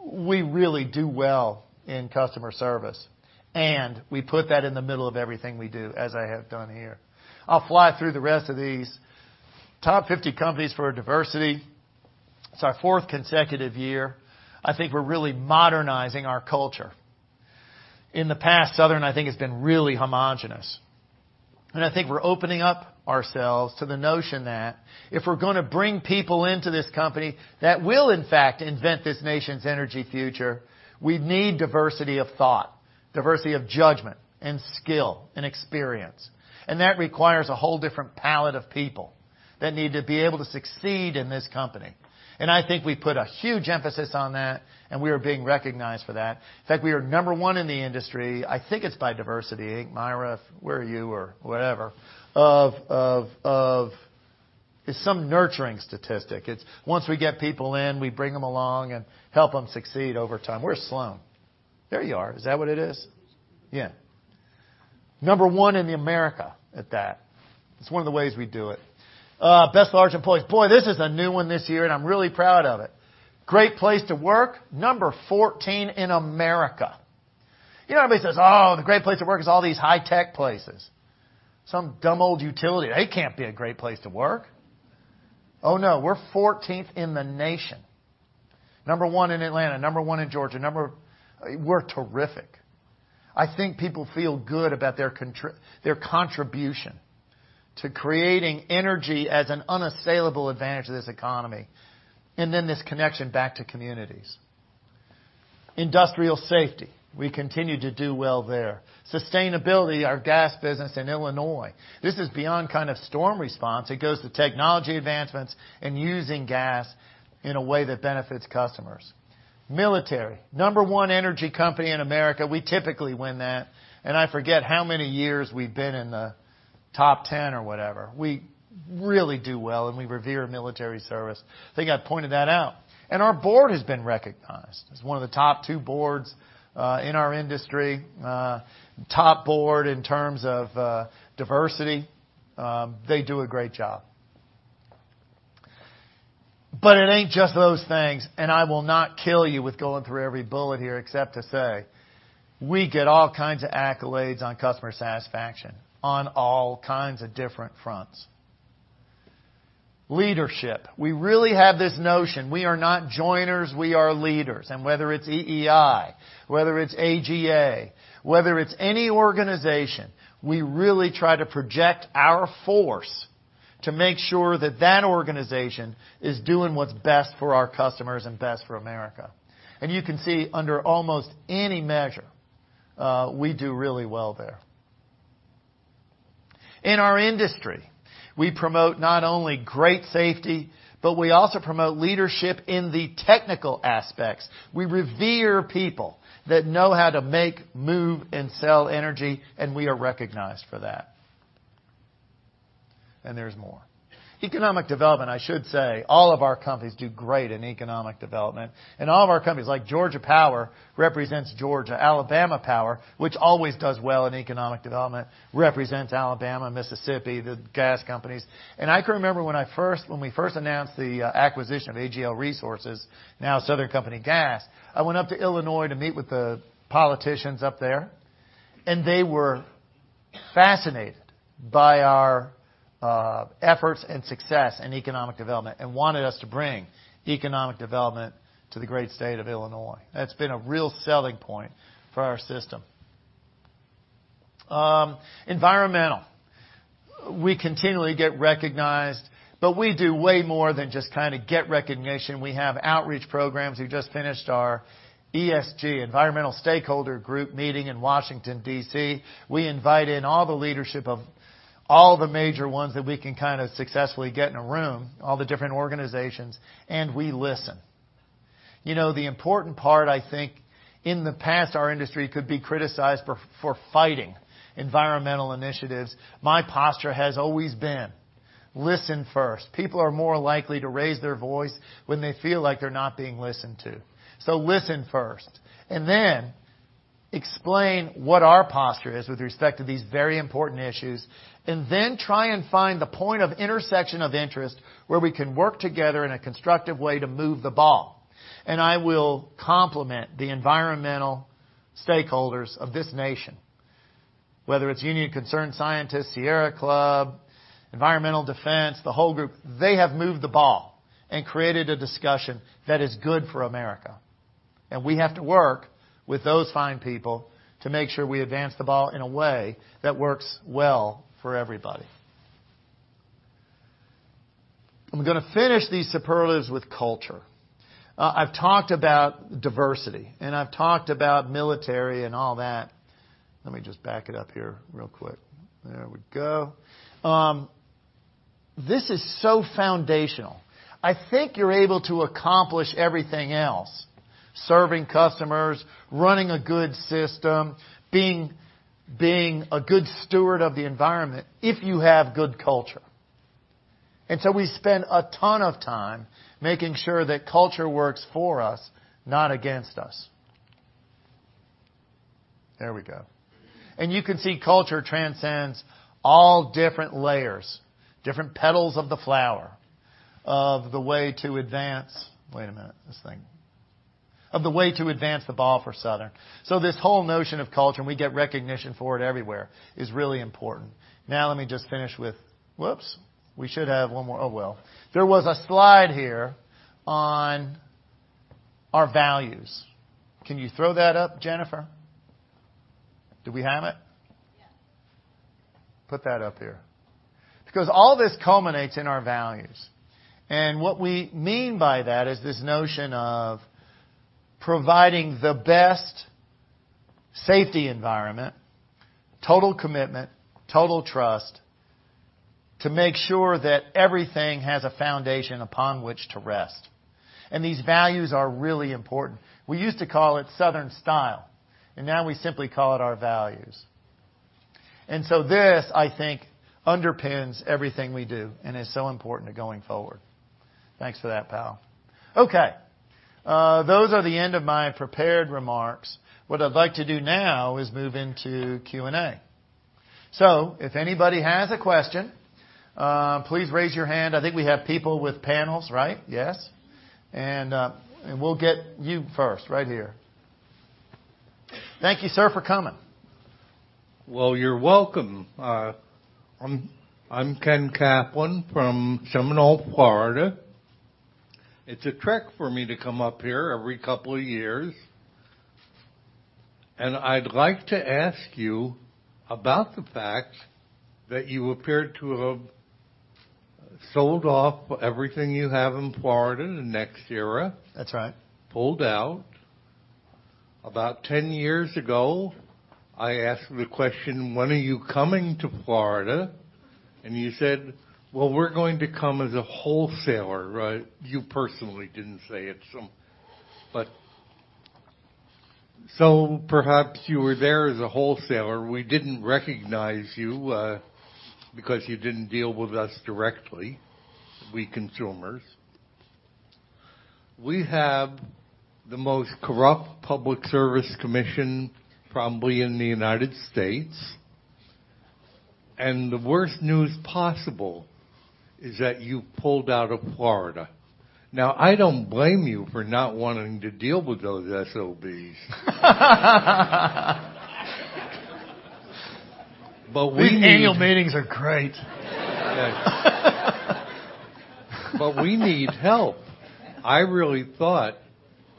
We really do well in customer service, and we put that in the middle of everything we do, as I have done here. I'll fly through the rest of these. Top 50 companies for diversity. It's our fourth consecutive year. I think we're really modernizing our culture. In the past, Southern, I think, has been really homogenous. I think we're opening up ourselves to the notion that if we're going to bring people into this company that will, in fact, invent this nation's energy future, we need diversity of thought, diversity of judgment and skill and experience. That requires a whole different palette of people that need to be able to succeed in this company. I think we put a huge emphasis on that, and we are being recognized for that. In fact, we are number one in the industry, I think it's by diversity. Myra, where are you or whatever? It's some nurturing statistic. It's once we get people in, we bring them along and help them succeed over time. Where's Sloan? There you are. Is that what it is? Yeah. Number one in America at that. It's one of the ways we do it. Best large employers. This is a new one this year, and I'm really proud of it. Great place to work, number 14 in America. Everybody says, "Oh, the great place to work is all these high-tech places. Some dumb old utility, they can't be a great place to work." No. We're 14th in the nation. Number one in Atlanta, number one in Georgia. We're terrific. I think people feel good about their contribution to creating energy as an unassailable advantage to this economy, and then this connection back to communities. Industrial safety, we continue to do well there. Sustainability, our gas business in Illinois. This is beyond storm response. It goes to technology advancements and using gas in a way that benefits customers. Military, number 1 energy company in America. We typically win that. I forget how many years we've been in the top 10 or whatever. We really do well. We revere military service. They got pointed that out. Our board has been recognized as one of the top 2 boards in our industry. Top board in terms of diversity. They do a great job. It ain't just those things. I will not kill you with going through every bullet here except to say, we get all kinds of accolades on customer satisfaction on all kinds of different fronts. Leadership. We really have this notion we are not joiners, we are leaders. Whether it's EEI, whether it's AGA, whether it's any organization, we really try to project our force to make sure that that organization is doing what's best for our customers and best for America. You can see under almost any measure, we do really well there. In our industry, we promote not only great safety, but we also promote leadership in the technical aspects. We revere people that know how to make, move, and sell energy. We are recognized for that. There's more. Economic development, I should say, all of our companies do great in economic development. All of our companies, like Georgia Power, represents Georgia. Alabama Power, which always does well in economic development, represents Alabama, Mississippi, the gas companies. I can remember when we first announced the acquisition of AGL Resources, now Southern Company Gas, I went up to Illinois to meet with the politicians up there. They were fascinated by our efforts and success in economic development and wanted us to bring economic development to the great state of Illinois. That's been a real selling point for our system. Environmental. We continually get recognized, but we do way more than just get recognition. We have outreach programs. We just finished our ESG, Environmental Stakeholder Group, meeting in Washington, D.C. We invite in all the leadership of all the major ones that we can successfully get in a room, all the different organizations. We listen. The important part, I think, in the past, our industry could be criticized for fighting environmental initiatives. My posture has always been listen first. People are more likely to raise their voice when they feel like they're not being listened to. Listen first, then explain what our posture is with respect to these very important issues, then try and find the point of intersection of interest where we can work together in a constructive way to move the ball. I will compliment the environmental stakeholders of this nation, whether it's Union of Concerned Scientists, Sierra Club, Environmental Defense, the whole group. They have moved the ball and created a discussion that is good for America. We have to work with those fine people to make sure we advance the ball in a way that works well for everybody. I'm going to finish these superlatives with culture. I've talked about diversity. I've talked about military and all that. Let me just back it up here real quick. There we go. This is so foundational. I think you're able to accomplish everything else, serving customers, running a good system, being a good steward of the environment, if you have good culture. We spend a ton of time making sure that culture works for us, not against us. There we go. You can see culture transcends all different layers, different petals of the flower, of the way to advance the ball for Southern. This whole notion of culture, and we get recognition for it everywhere, is really important. Now let me just finish with. Whoops. We should have one more. Oh, well. There was a slide here on our values. Can you throw that up, Jennifer? Do we have it? Yes. Put that up here. All this culminates in our values. What we mean by that is this notion of providing the best safety environment, total commitment, total trust, to make sure that everything has a foundation upon which to rest. These values are really important. We used to call it Southern style, and now we simply call it our values. This, I think, underpins everything we do and is so important to going forward. Thanks for that, pal. Okay. Those are the end of my prepared remarks. What I'd like to do now is move into Q&A. If anybody has a question, please raise your hand. I think we have people with panels, right? Yes. We'll get you first, right here. Thank you, sir, for coming. Well, you're welcome. I'm Ken Kaplan from Seminole, Florida. It's a trek for me to come up here every couple of years. I'd like to ask you about the fact that you appeared to have sold off everything you have in Florida to NextEra. That's right. Pulled out. About 10 years ago, I asked the question, "When are you coming to Florida?" You said, "Well, we're going to come as a wholesaler." You personally didn't say it, but so perhaps you were there as a wholesaler. We didn't recognize you, because you didn't deal with us directly, we consumers. We have the most corrupt Public Service Commission probably in the U.S., and the worst news possible is that you pulled out of Florida. I don't blame you for not wanting to deal with those SOBs. We need The annual meetings are great. We need help. I really thought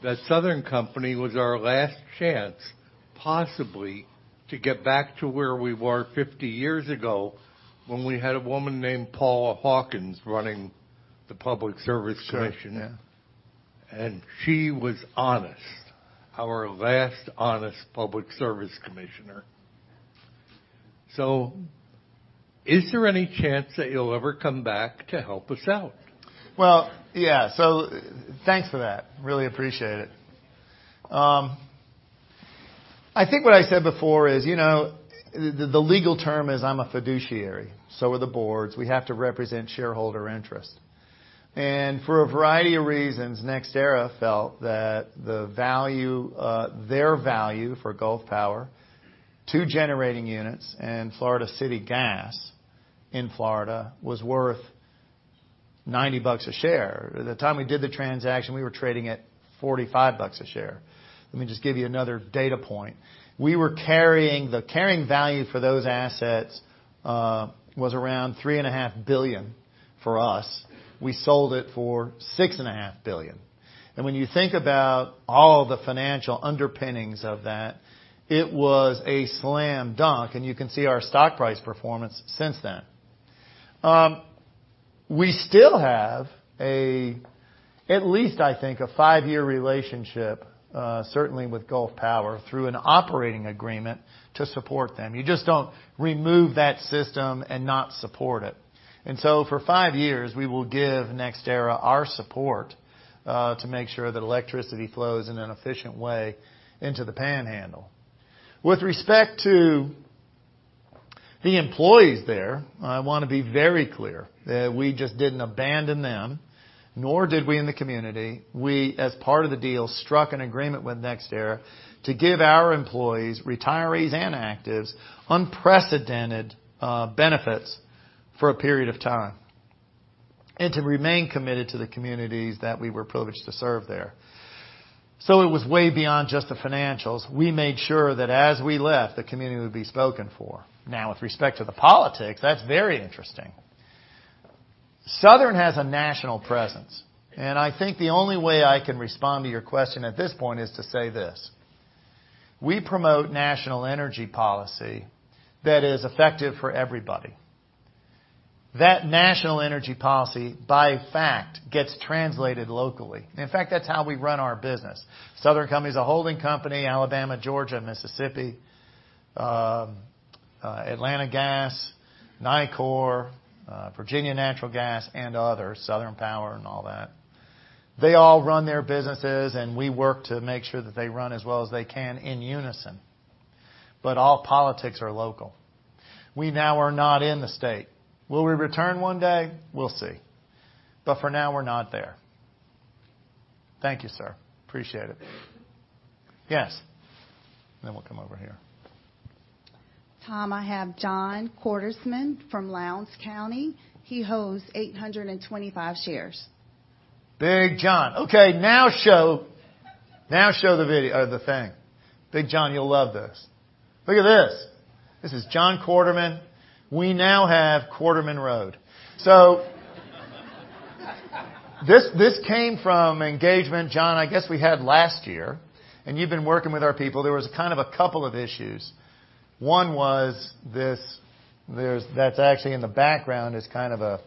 that Southern Company was our last chance, possibly, to get back to where we were 50 years ago when we had a woman named Paula Hawkins running the Public Service Commission. Correct. Yeah. She was honest, our last honest Public Service Commissioner. Is there any chance that you'll ever come back to help us out? Well, yeah. Thanks for that. Really appreciate it. I think what I said before is, the legal term is I'm a fiduciary. So are the boards. We have to represent shareholder interest. For a variety of reasons, NextEra felt that their value for Gulf Power, 2 generating units, and Florida City Gas in Florida was worth $90 a share. At the time we did the transaction, we were trading at $45 a share. Let me just give you another data point. The carrying value for those assets was around $ three and a half billion for us. We sold it for $ six and a half billion. When you think about all the financial underpinnings of that, it was a slam dunk, and you can see our stock price performance since then. We still have a, at least I think, a five-year relationship, certainly with Gulf Power, through an operating agreement to support them. You just don't remove that system and not support it. For five years, we will give NextEra our support to make sure that electricity flows in an efficient way into the Panhandle. With respect to the employees there, I want to be very clear that we just didn't abandon them, nor did we in the community. We, as part of the deal, struck an agreement with NextEra to give our employees, retirees, and actives, unprecedented benefits for a period of time, and to remain committed to the communities that we were privileged to serve there. It was way beyond just the financials. We made sure that as we left, the community would be spoken for. With respect to the politics, that's very interesting. Southern has a national presence. I think the only way I can respond to your question at this point is to say this: We promote national energy policy that is effective for everybody. That national energy policy, by fact, gets translated locally. In fact, that's how we run our business. Southern Company is a holding company, Alabama, Georgia, and Mississippi, Atlanta Gas, Nicor, Virginia Natural Gas, and others, Southern Power and all that. They all run their businesses, and we work to make sure that they run as well as they can in unison. All politics are local. We now are not in the state. Will we return one day? We'll see. For now, we're not there. Thank you, sir. Appreciate it. Yes. We'll come over here. Tom, I have John Quarterman from Lowndes County. He holds 825 shares. Big John. Okay, now show the thing. Big John, you'll love this. Look at this. This is John Quarterman. This came from engagement, John, I guess we had last year, and you've been working with our people. There was a couple of issues. One was this, that's actually in the background is kind of a,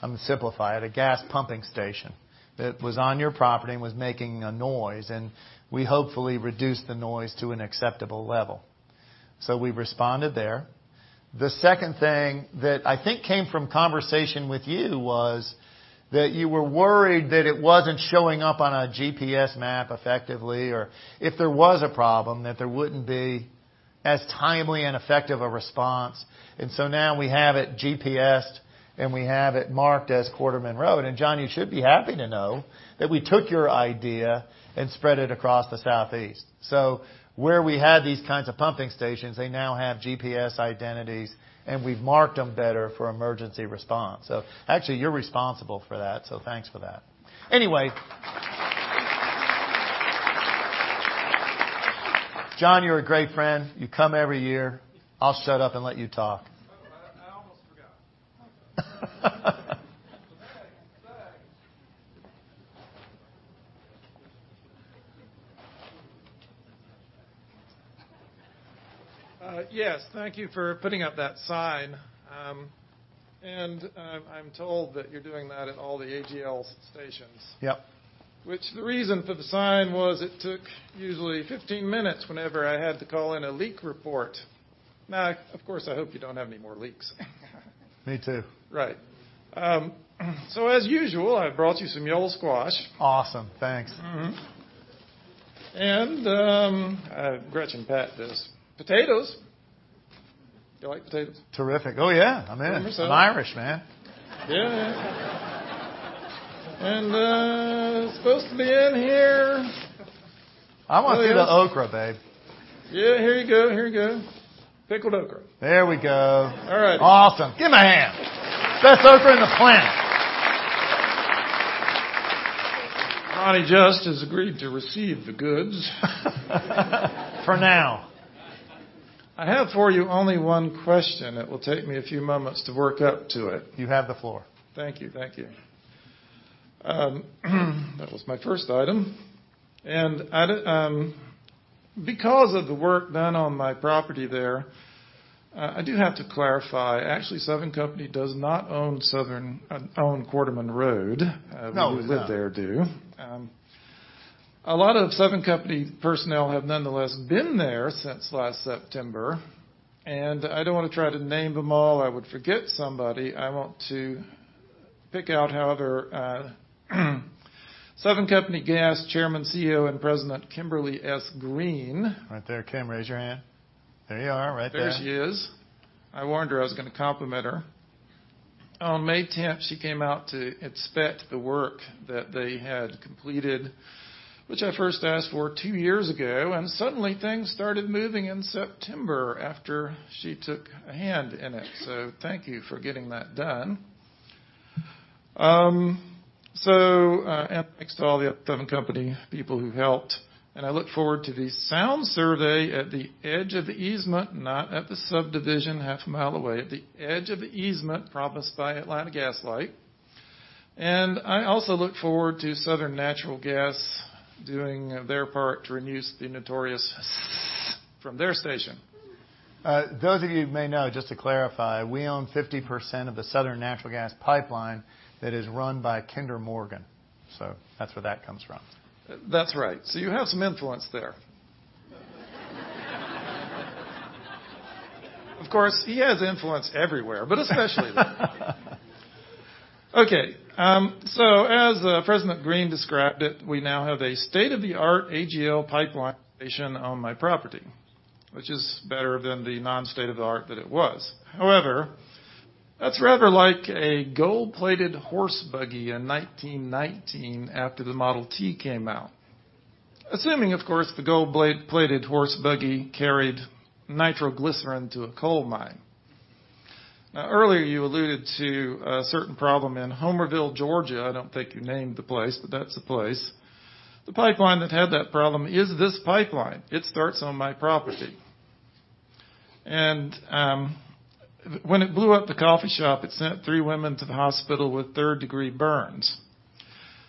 I'm going to simplify it, a gas pumping station that was on your property and was making a noise, and we hopefully reduced the noise to an acceptable level. We responded there. The second thing that I think came from conversation with you was that you were worried that it wasn't showing up on a GPS map effectively, or if there was a problem, that there wouldn't be as timely and effective a response. Now we have it GPS'd, and we have it marked as Quarterman Road. John, you should be happy to know that we took your idea and spread it across the Southeast. Where we had these kinds of pumping stations, they now have GPS identities, and we've marked them better for emergency response. Actually, you're responsible for that. Thanks for that. Anyway. John, you're a great friend. You come every year. I'll shut up and let you talk. I almost forgot. Thanks. Yes, thank you for putting up that sign. I'm told that you're doing that at all the AGL stations. Yep. The reason for the sign was it took usually 15 minutes whenever I had to call in a leak report. Of course, I hope you don't have any more leaks. Me too. Right. As usual, I brought you some yellow squash. Awesome. Thanks. Mm-hmm. Gretchen packed this. Potatoes. You like potatoes? Terrific. Oh, yeah. I'm in. Thought so. I'm Irish, man. Yeah. It's supposed to be in here. I want to see the okra, babe. Yeah, here you go. Pickled okra. There we go. All right. Awesome. Give him a hand. Best okra in the planet. Roddy Just has agreed to receive the goods. For now. I have for you only one question. It will take me a few moments to work up to it. You have the floor. Thank you. That was my first item. Because of the work done on my property there, I do have to clarify, actually, Southern Company does not own Quarterman Road. No, we do not. We who live there do. A lot of Southern Company personnel have nonetheless been there since last September, and I don't want to try to name them all. I would forget somebody. I want to pick out, however, Southern Company Gas Chairman, CEO, and President, Kimberly S. Greene. Right there. Kim, raise your hand. There you are right there. There she is. I warned her I was going to compliment her. On May 10th, she came out to inspect the work that they had completed, which I first asked for two years ago, and suddenly things started moving in September after she took a hand in it. Thank you for getting that done. Thanks to all the Southern Company people who helped. I look forward to the sound survey at the edge of the easement, not at the subdivision half a mile away. At the edge of the easement promised by Atlanta Gas Light. I also look forward to Southern Natural Gas doing their part to reduce the notorious from their station. Those of you who may know, just to clarify, we own 50% of the Southern Natural Gas Pipeline that is run by Kinder Morgan. That's where that comes from. You have some influence there. Of course, he has influence everywhere, but especially there. Okay. As President Greene described it, we now have a state-of-the-art AGL pipeline station on my property, which is better than the non-state-of-the-art that it was. However, that's rather like a gold-plated horse buggy in 1919 after the Model T came out. Assuming, of course, the gold-plated horse buggy carried nitroglycerin to a coal mine. Earlier you alluded to a certain problem in Homerville, Georgia. I don't think you named the place, but that's the place. The pipeline that had that problem is this pipeline. It starts on my property. When it blew up the coffee shop, it sent three women to the hospital with third-degree burns.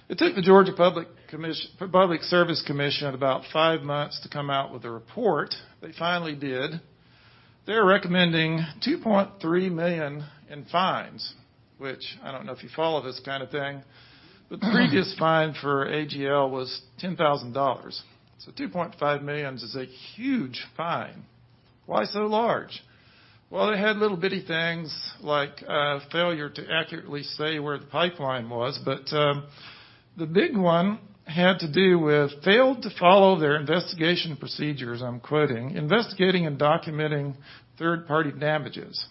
It took the Georgia Public Service Commission about five months to come out with a report. They finally did. They're recommending $2.3 million in fines. Which, I don't know if you follow this kind of thing, but the previous fine for AGL was $10,000. $2.5 million is a huge fine. Why so large? Well, they had little bitty things like failure to accurately say where the pipeline was, but the big one had to do with, "Failed to follow their investigation procedures," I'm quoting, "investigating and documenting third-party damages."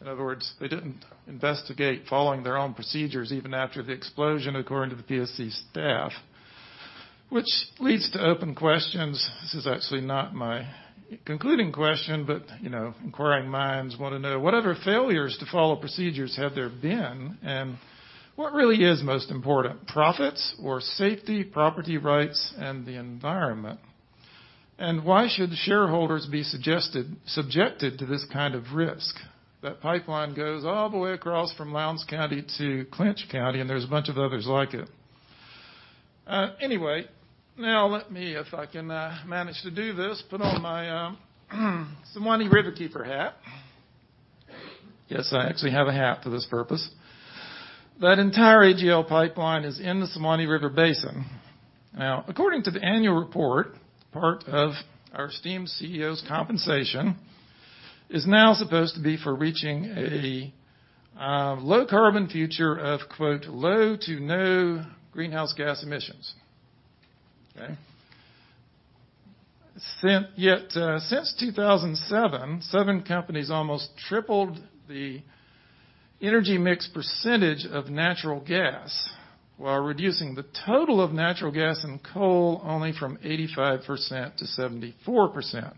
In other words, they didn't investigate following their own procedures even after the explosion, according to the PSC staff, which leads to open questions. This is actually not my concluding question, inquiring minds want to know, what other failures to follow procedures have there been, and what really is most important, profits or safety, property rights, and the environment? Why should shareholders be subjected to this kind of risk? That pipeline goes all the way across from Lowndes County to Clinch County, there's a bunch of others like it. Let me, if I can manage to do this, put on my Suwannee Riverkeeper hat. Yes, I actually have a hat for this purpose. That entire AGL pipeline is in the Suwannee River Basin. According to the annual report, part of our esteemed CEO's compensation is now supposed to be for reaching a low-carbon future of, quote, "low to no greenhouse gas emissions." Okay. Yet, since 2007, Southern Company's almost tripled the energy mix percentage of natural gas while reducing the total of natural gas and coal only from 85% to 74%.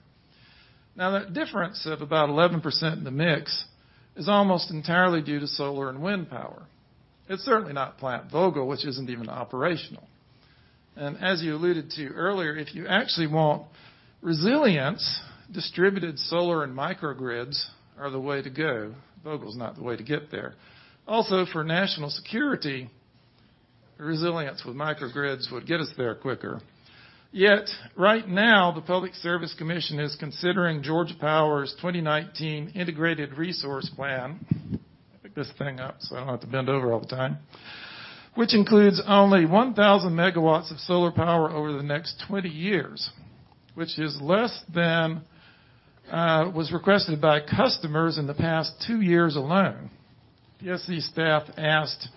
That difference of about 11% in the mix is almost entirely due to solar and wind power. It's certainly not Plant Vogtle, which isn't even operational. As you alluded to earlier, if you actually want resilience, distributed solar and microgrids are the way to go. Vogtle's not the way to get there. Also, for national security, resilience with microgrids would get us there quicker. Yet, right now, the Public Service Commission is considering Georgia Power's 2019 Integrated Resource Plan. Pick this thing up so I don't have to bend over all the time. Which includes only 1,000 MW of solar power over the next 20 years, which is less than was requested by customers in the past two years alone. PSC staff asked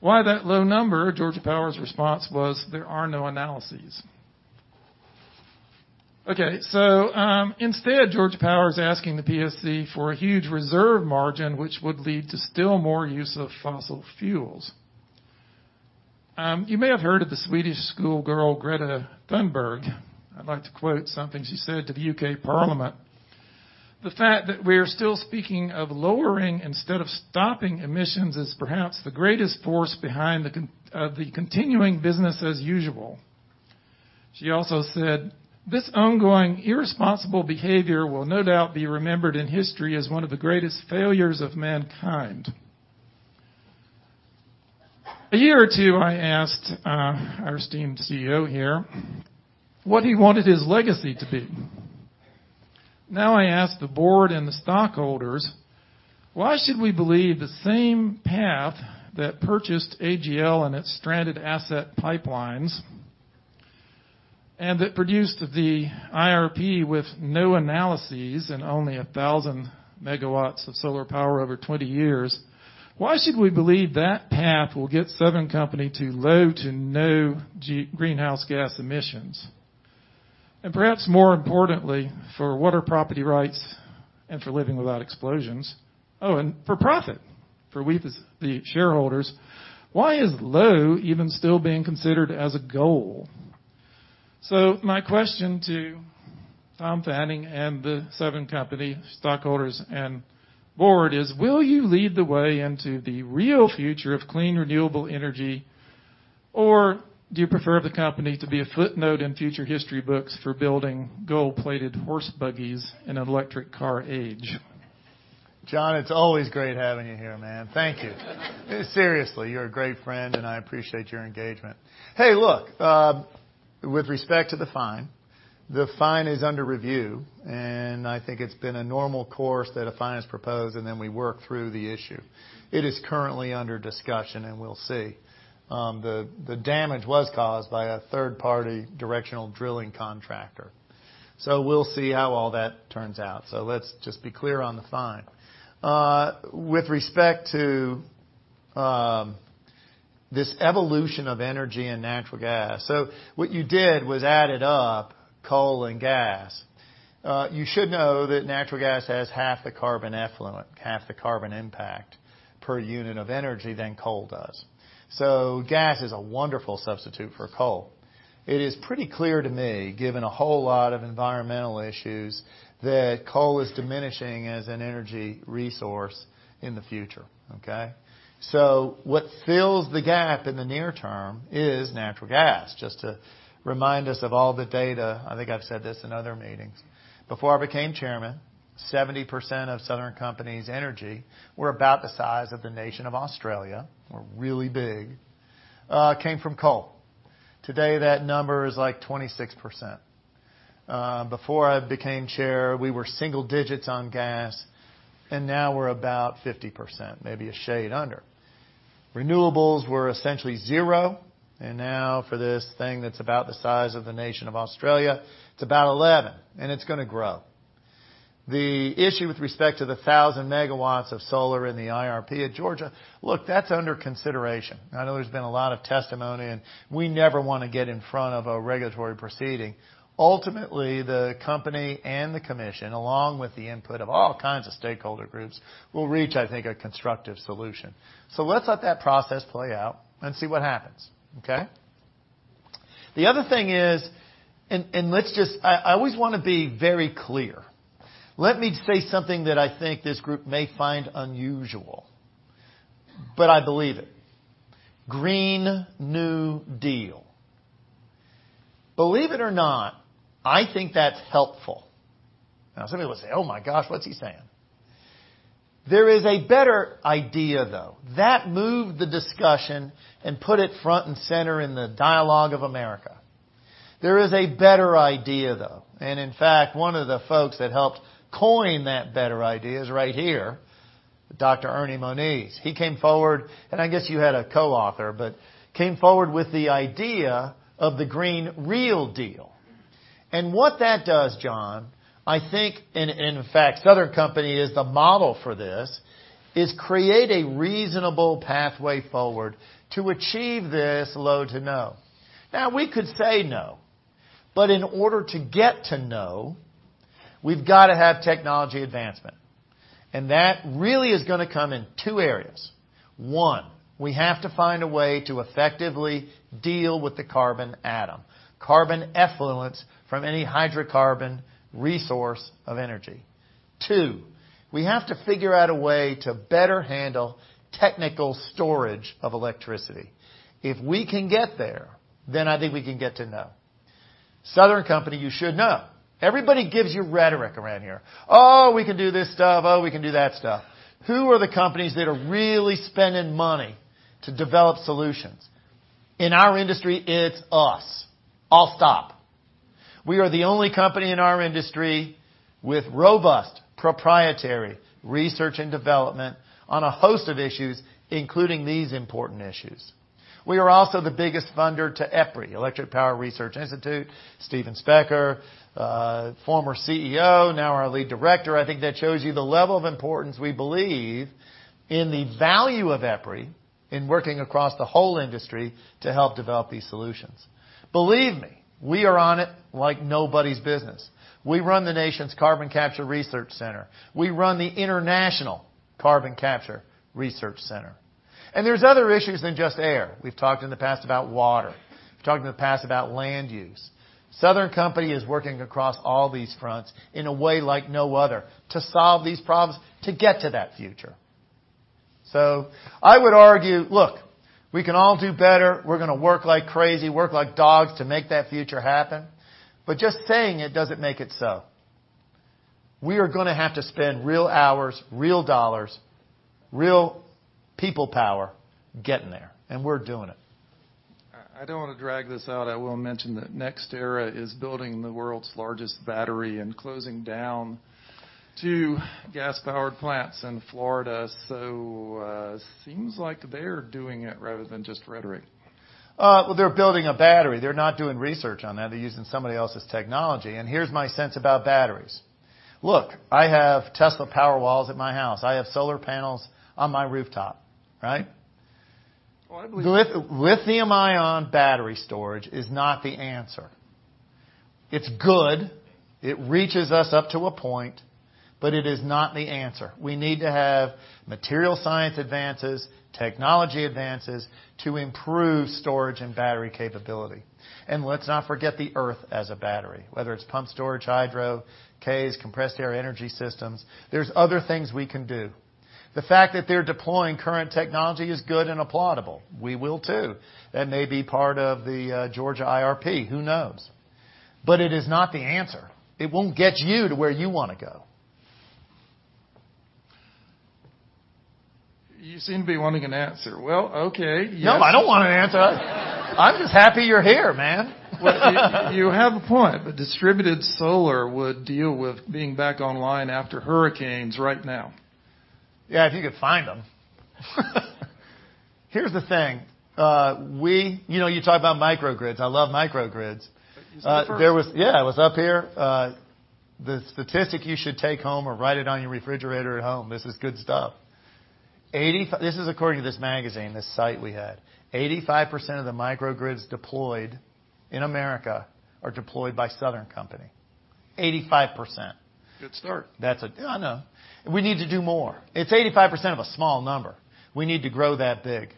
why that low number. Georgia Power's response was there are no analyses. Instead, Georgia Power is asking the PSC for a huge reserve margin, which would lead to still more use of fossil fuels. You may have heard of the Swedish schoolgirl, Greta Thunberg. I'd like to quote something she said to the U.K. Parliament. "The fact that we're still speaking of lowering instead of stopping emissions is perhaps the greatest force behind the continuing business as usual." She also said, "This ongoing irresponsible behavior will no doubt be remembered in history as one of the greatest failures of mankind." A year or two, I asked our esteemed CEO here what he wanted his legacy to be. Now I ask the board and the stockholders, why should we believe the same path that purchased AGL and its stranded asset pipelines, and that produced the IRP with no analyses and only 1,000 MW of solar power over 20 years, why should we believe that path will get Southern Company to low to no greenhouse gas emissions? Perhaps more importantly, for what are property rights and for living without explosions, oh, and for profit, for we the shareholders, why is low even still being considered as a goal? My question to Tom Fanning and the Southern Company stockholders and board is, will you lead the way into the real future of clean, renewable energy, or do you prefer the company to be a footnote in future history books for building gold-plated horse buggies in an electric car age? John, it's always great having you here, man. Thank you. Seriously, you're a great friend, and I appreciate your engagement. With respect to the fine, the fine is under review, I think it's been a normal course that a fine is proposed. Then we work through the issue. It is currently under discussion. We'll see. The damage was caused by a third-party directional drilling contractor. We'll see how all that turns out. Let's just be clear on the fine. With respect to this evolution of energy and natural gas, what you did was added up coal and gas. You should know that natural gas has half the carbon effluent, half the carbon impact per unit of energy than coal does. Gas is a wonderful substitute for coal. It is pretty clear to me, given a whole lot of environmental issues, that coal is diminishing as an energy resource in the future. What fills the gap in the near term is natural gas. Just to remind us of all the data, I think I've said this in other meetings. Before I became chairman, 70% of Southern Company's energy were about the size of the nation of Australia, we're really big, came from coal. Today, that number is like 26%. Before I became chair, we were single digits on gas. Now we're about 50%, maybe a shade under. Renewables were essentially zero. Now for this thing that's about the size of the nation of Australia, it's about 11. It's going to grow. The issue with respect to the 1,000 MW of solar in the IRP at Georgia, that's under consideration. I know there's been a lot of testimony. We never want to get in front of a regulatory proceeding. Ultimately, the company and the commission, along with the input of all kinds of stakeholder groups, will reach, I think, a constructive solution. Let's let that process play out and see what happens. Okay? The other thing is, I always want to be very clear. Let me say something that I think this group may find unusual, but I believe it. Green New Deal. Believe it or not, I think that's helpful. Some people say, "Oh, my gosh, what's he saying?" There is a better idea, though. That moved the discussion and put it front and center in the dialogue of America. There is a better idea, though. In fact, one of the folks that helped coin that better idea is right here, Dr. Ernie Moniz. He came forward. I guess you had a co-author, but came forward with the idea of the Green Real Deal. What that does, John, I think, in fact, Southern Company is the model for this, is create a reasonable pathway forward to achieve this low to no. We could say no, but in order to get to no, we've got to have technology advancement. That really is going to come in two areas. One, we have to find a way to effectively deal with the carbon atom, carbon effluents from any hydrocarbon resource of energy. Two, we have to figure out a way to better handle technical storage of electricity. If we can get there, I think we can get to no. Southern Company, you should know. Everybody gives you rhetoric around here. "Oh, we can do this stuff. Oh, we can do that stuff." Who are the companies that are really spending money to develop solutions? In our industry, it's us. I'll stop. We are the only company in our industry with robust proprietary research and development on a host of issues, including these important issues. We are also the biggest funder to EPRI, Electric Power Research Institute. Steven R. Specker, former CEO, now our lead director. I think that shows you the level of importance we believe in the value of EPRI in working across the whole industry to help develop these solutions. Believe me, we are on it like nobody's business. We run the nation's Carbon Capture Research Center. We run the International Carbon Capture Research Center. There's other issues than just air. We've talked in the past about water. We've talked in the past about land use. Southern Company is working across all these fronts in a way like no other to solve these problems, to get to that future. I would argue, look, we can all do better. We're going to work like crazy, work like dogs to make that future happen. Just saying it doesn't make it so. We are going to have to spend real hours, real dollars, real people power getting there. We're doing it. I don't want to drag this out. I will mention that NextEra is building the world's largest battery and closing down two gas-powered plants in Florida. Seems like they're doing it rather than just rhetoric. Well, they're building a battery. They're not doing research on that. They're using somebody else's technology. Here's my sense about batteries. Look, I have Tesla Powerwall at my house. I have solar panels on my rooftop. Right? Well, Lithium-ion battery storage is not the answer. It's good. It reaches us up to a point, but it is not the answer. We need to have material science advances, technology advances to improve storage and battery capability. Let's not forget the Earth as a battery, whether it's pumped storage, hydro, CAES, compressed-air energy systems. There's other things we can do. The fact that they're deploying current technology is good and applaudable. We will too. That may be part of the Georgia IRP. Who knows? It is not the answer. It won't get you to where you want to go. You seem to be wanting an answer. Well, okay. Yes. No, I don't want an answer. I'm just happy you're here, man. Well, you have a point. Distributed solar would deal with being back online after hurricanes right now. Yeah, if you could find them. Here's the thing. You talk about microgrids. I love microgrids. You spoke first. Yeah, I was up here. The statistic you should take home or write it on your refrigerator at home, this is good stuff. This is according to this magazine, this site we had. 85% of the microgrids deployed in America are deployed by Southern Company. 85%. Good start. I know. We need to do more. It's 85% of a small number. We need to grow that big.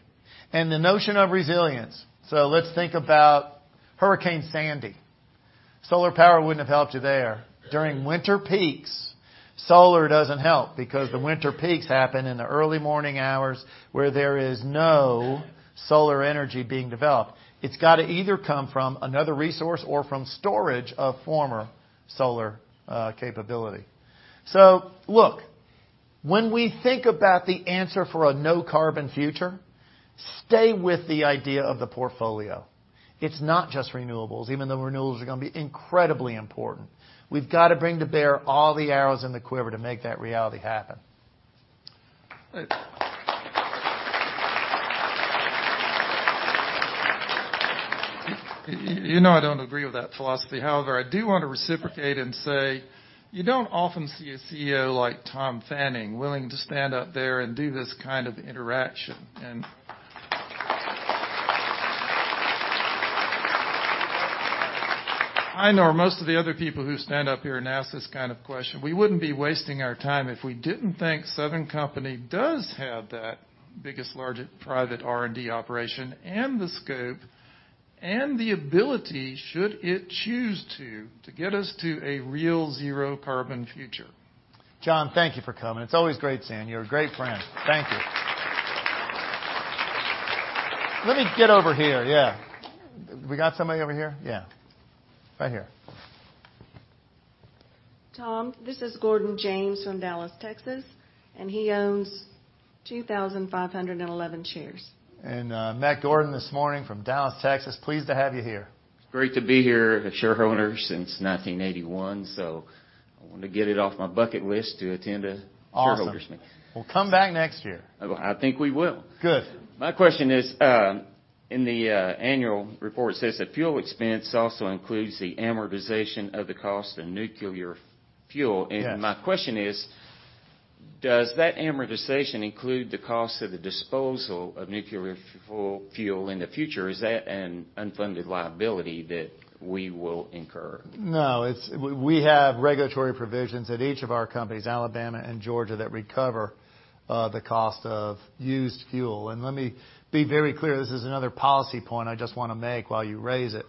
The notion of resilience. Let's think about Hurricane Sandy. Solar power wouldn't have helped you there. During winter peaks, solar doesn't help because the winter peaks happen in the early morning hours where there is no solar energy being developed. It's got to either come from another resource or from storage of former solar capability. Look. When we think about the answer for a no carbon future, stay with the idea of the portfolio. It's not just renewables, even though renewables are going to be incredibly important. We've got to bring to bear all the arrows in the quiver to make that reality happen. You know I don't agree with that philosophy. I do want to reciprocate and say, you don't often see a CEO like Tom Fanning willing to stand up there and do this kind of interaction, and I know most of the other people who stand up here and ask this kind of question. We wouldn't be wasting our time if we didn't think Southern Company does have that biggest, largest private R&D operation and the scope and the ability, should it choose to get us to a real zero carbon future. John, thank you for coming. It's always great seeing you. You're a great friend. Thank you. Let me get over here. Yeah. We got somebody over here? Yeah. Right here. Tom, this is Gordon James from Dallas, Texas. He owns 2,511 shares. Matt Gordon this morning from Dallas, Texas. Pleased to have you here. It's great to be here. A shareholder since 1981, I wanted to get it off my bucket list to attend. Awesome Shareholders meeting. Well, come back next year. I think we will. Good. My question is, in the annual report, it says that fuel expense also includes the amortization of the cost of nuclear fuel. Yes. My question is, does that amortization include the cost of the disposal of nuclear fuel in the future? Is that an unfunded liability that we will incur? No. We have regulatory provisions at each of our companies, Alabama and Georgia, that recover the cost of used fuel. Let me be very clear, this is another policy point I just want to make while you raise it.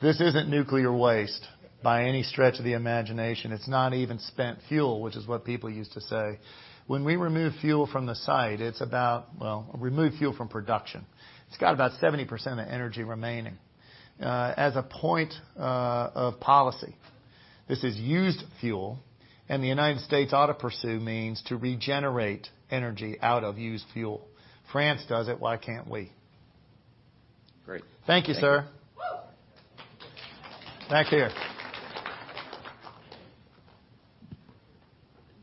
This isn't nuclear waste by any stretch of the imagination. It's not even spent fuel, which is what people used to say. When we remove fuel from the site, well, remove fuel from production. It's got about 70% of energy remaining. As a point of policy, this is used fuel and the United States ought to pursue means to regenerate energy out of used fuel. France does it, why can't we? Great. Thank you, sir. Woo! Back here.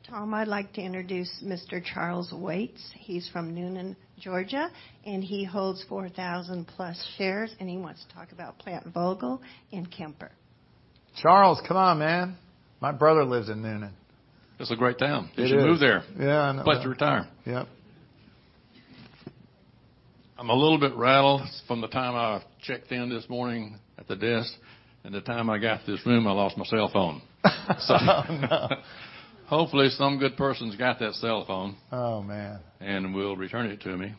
Tom, I'd like to introduce Mr. Charles Waits. He's from Newnan, Georgia, and he holds 4,000-plus shares, and he wants to talk about Plant Vogtle and Kemper. Charles, come on, man. My brother lives in Newnan. It's a great town. It is. You should move there. Yeah, I know. Place to retire. Yep. I'm a little bit rattled from the time I checked in this morning at the desk and the time I got to this room, I lost my cellphone. Oh, no. Hopefully some good person's got that cellphone. Oh, man Will return it to me.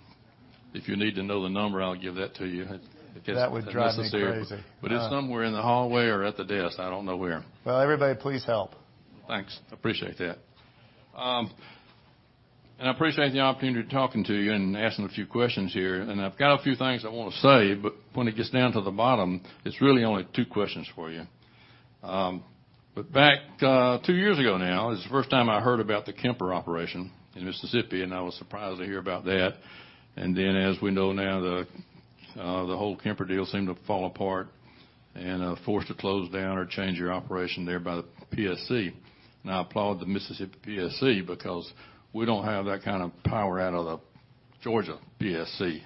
If you need to know the number, I'll give that to you if it's necessary. That would drive me crazy. It's somewhere in the hallway or at the desk, I don't know where. Well, everybody please help. Thanks. Appreciate that. I appreciate the opportunity to talking to you and asking a few questions here. I've got a few things I want to say, but when it gets down to the bottom, it's really only two questions for you. Back two years ago now is the first time I heard about the Kemper operation in Mississippi, and I was surprised to hear about that. As we know now, the whole Kemper deal seemed to fall apart and forced to close down or change your operation there by the PSC. I applaud the Mississippi PSC because we don't have that kind of power out of the Georgia PSC,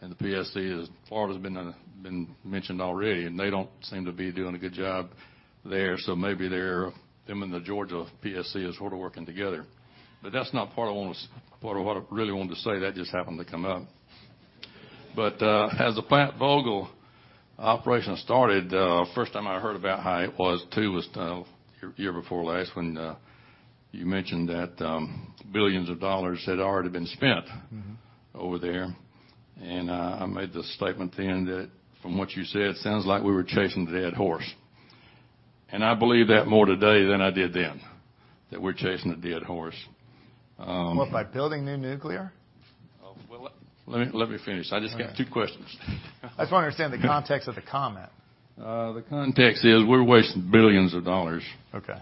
and the PSC is, Florida's been mentioned already, and they don't seem to be doing a good job there, so maybe they're, them and the Georgia PSC is sort of working together. That's not part of what I wanted to say. That just happened to come up. As the Plant Vogtle operation started, first time I heard about how it was too was the year before last when you mentioned that $billions had already been spent- over there. I made the statement then that from what you said, sounds like we were chasing a dead horse. I believe that more today than I did then, that we're chasing a dead horse. What, by building new nuclear? Well, let me finish. I just got two questions. I just want to understand the context of the comment. The context is we're wasting billions of dollars. Okay.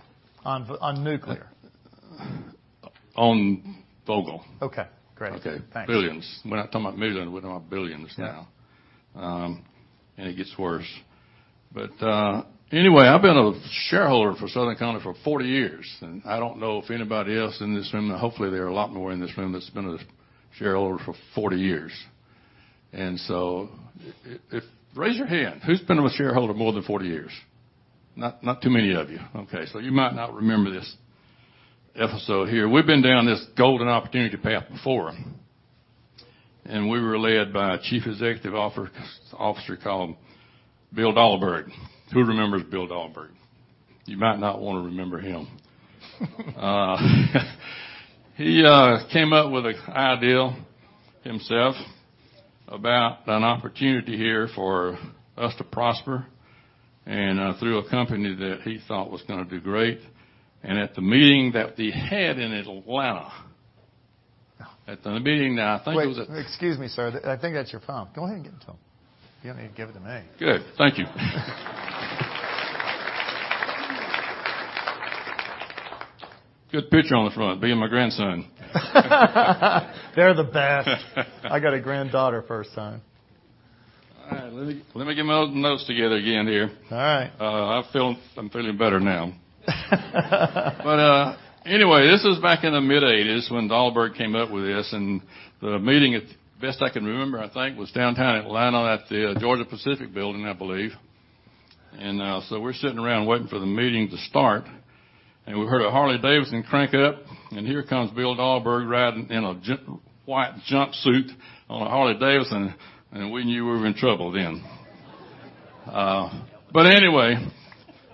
On nuclear? On Vogtle. Okay. Great. Okay. Thanks. Billions. We're not talking about millions, we're talking about billions now. Yeah. It gets worse. Anyway, I've been a shareholder for Southern Company for 40 years, I don't know if anybody else in this room, now hopefully there are a lot more in this room that's been a shareholder for 40 years, if Raise your hand, who's been a shareholder more than 40 years? Not too many of you. Okay. You might not remember this episode here. We've been down this golden opportunity path before, and we were led by a chief executive officer called Bill Dahlberg. Who remembers Bill Dahlberg? You might not want to remember him. He came up with an idea himself about an opportunity here for us to prosper, through a company that he thought was gonna do great. at the meeting that they had in Atlanta, at the meeting that I think was Wait, excuse me, sir. I think that's your phone. Go ahead and get the phone. You don't need to give it to me. Good. Thank you. Good picture on the front, me and my grandson. They're the best. I got a granddaughter first time. All right. Let me get my old notes together again here. All right. I'm feeling better now. Anyway, this is back in the mid-'80s when Dahlberg came up with this. The meeting, at best I can remember, I think, was downtown Atlanta at the Georgia-Pacific Center, I believe. So we're sitting around waiting for the meeting to start. We heard a Harley-Davidson crank up, here comes Bill Dahlberg riding in a white jumpsuit on a Harley-Davidson, and we knew we were in trouble then. Anyway,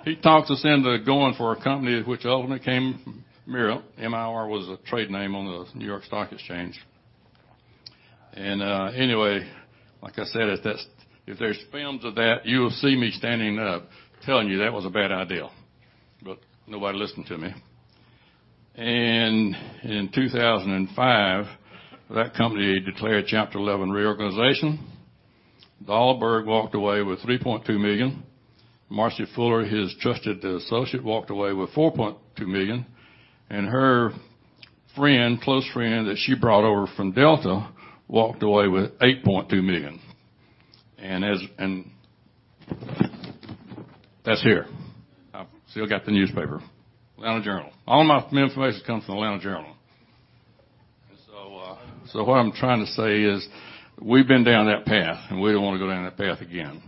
he talked us into going for a company which ultimately became MIR. MIR was a trade name on the New York Stock Exchange. Anyway, like I said, if there's films of that, you'll see me standing up telling you that was a bad idea. Nobody listened to me. In 2005, that company declared Chapter 11 reorganization. Dahlberg walked away with $3.2 million. Marce Fuller, his trusted associate, walked away with $4.2 million, and her close friend that she brought over from Delta walked away with $8.2 million. That's here. I've still got the newspaper, The Atlanta Journal. All my information comes from The Atlanta Journal. So, what I'm trying to say is, we've been down that path, and we don't want to go down that path again,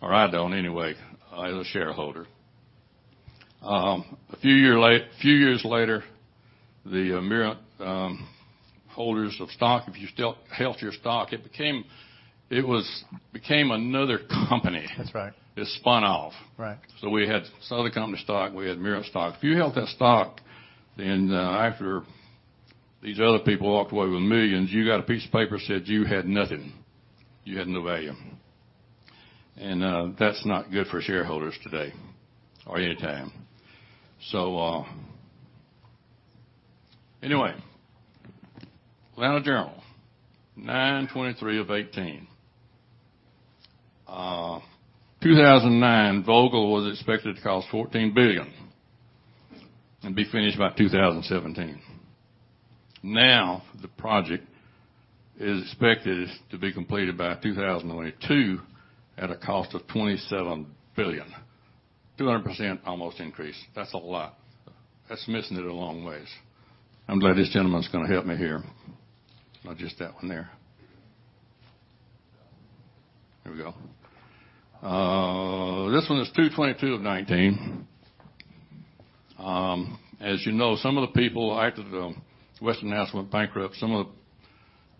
or I don't anyway, as a shareholder. A few years later, the MIR holders of stock, if you still held your stock, it became another company. That's right. It spun off. Right. So we had Southern Company stock, we had MIR stock. If you held that stock, then after these other people walked away with millions, you got a piece of paper that said you had nothing. You had no value. That's not good for shareholders today or any time. The Atlanta Journal-Constitution, September 23, 2018. 2009, Vogtle was expected to cost $14 billion and be finished by 2017. Now, the project is expected to be completed by 2022 at a cost of $27 billion. 200% almost increase. That's a lot. That's missing it a long way. I'm glad this gentleman's going to help me here. Not just that one there. Here we go. This one is February 22, 2019. As you know, some of the people, after Westinghouse went bankrupt, some of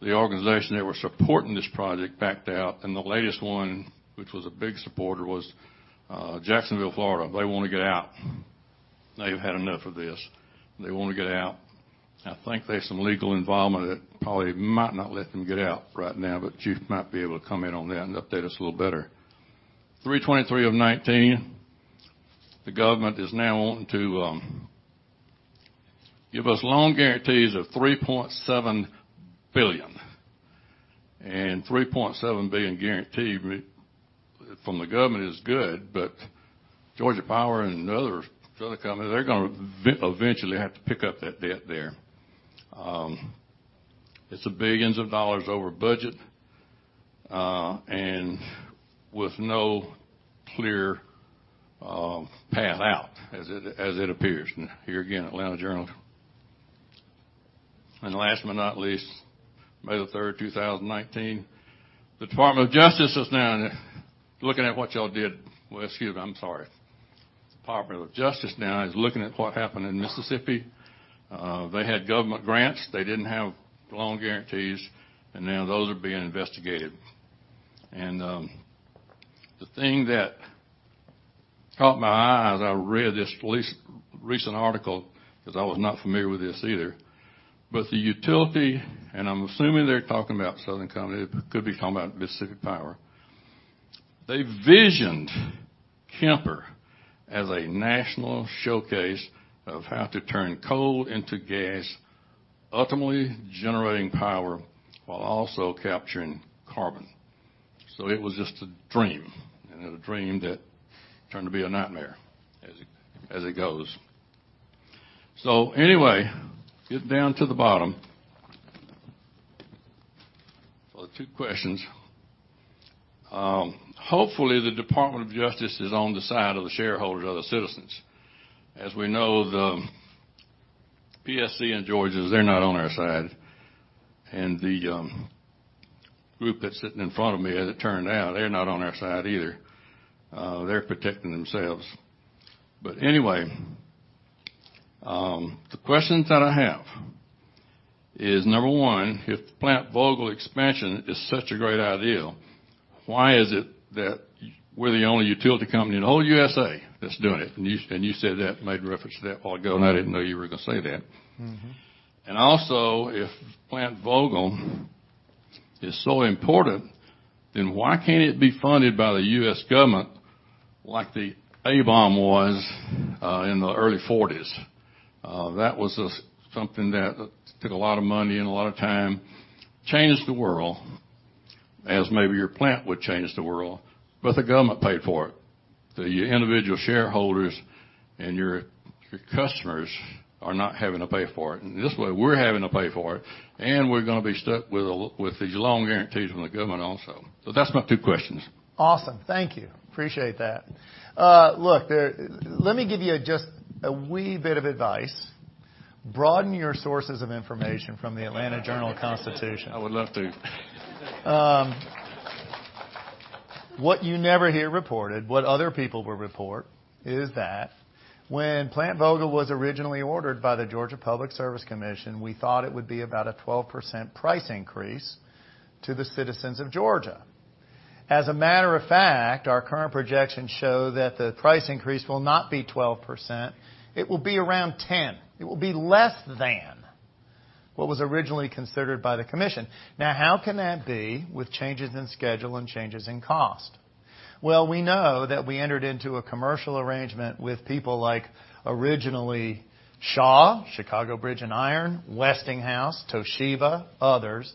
the organization that were supporting this project backed out, and the latest one, which was a big supporter, was Jacksonville, Florida. They want to get out. They've had enough of this. They want to get out. I think there's some legal involvement that probably might not let them get out right now, but you might be able to comment on that and update us a little better. March 23, 2019, the government is now wanting to give us loan guarantees of $3.7 billion. $3.7 billion guarantee from the government is good, but Georgia Power and other companies, they're going to eventually have to pick up that debt there. It's billions of dollars over budget, with no clear path out as it appears. Here again, The Atlanta Journal-Constitution. Last but not least, May 3, 2019, the Department of Justice is now looking at what y'all did. Well, excuse me. I'm sorry. The Department of Justice now is looking at what happened in Mississippi. They had government grants. They didn't have loan guarantees, now those are being investigated. The thing that caught my eye as I read this recent article, because I was not familiar with this either, but the utility, and I'm assuming they're talking about The Southern Company, but it could be talking about Mississippi Power. They visioned Kemper as a national showcase of how to turn coal into gas, ultimately generating power while also capturing carbon. It was just a dream and a dream that turned to be a nightmare as it goes. Get down to the bottom for the two questions. Hopefully, the Department of Justice is on the side of the shareholders or the citizens. As we know, the PSC in Georgia, they're not on our side, the group that's sitting in front of me, as it turned out, they're not on our side either. They're protecting themselves. The questions that I have is, number 1, if Plant Vogtle expansion is such a great idea, why is it that we're the only utility company in the whole USA that's doing it? You said that, made reference to that a while ago, and I didn't know you were going to say that. If Plant Vogtle is so important, then why can't it be funded by the U.S. government like the A-bomb was in the early 1940s? That was something that took a lot of money and a lot of time, changed the world. As maybe your plant would change the world, but the government paid for it. Your individual shareholders and your customers are not having to pay for it. This way, we're having to pay for it, and we're going to be stuck with these loan guarantees from the government also. That's my two questions. Awesome. Thank you. Appreciate that. Let me give you just a wee bit of advice. Broaden your sources of information from The Atlanta Journal-Constitution. I would love to. What you never hear reported, what other people will report, is that when Plant Vogtle was originally ordered by the Georgia Public Service Commission, we thought it would be about a 12% price increase to the citizens of Georgia. As a matter of fact, our current projections show that the price increase will not be 12%, it will be around 10. It will be less than what was originally considered by the commission. How can that be with changes in schedule and changes in cost? Well, we know that we entered into a commercial arrangement with people like originally Shaw, Chicago Bridge & Iron, Westinghouse, Toshiba, others,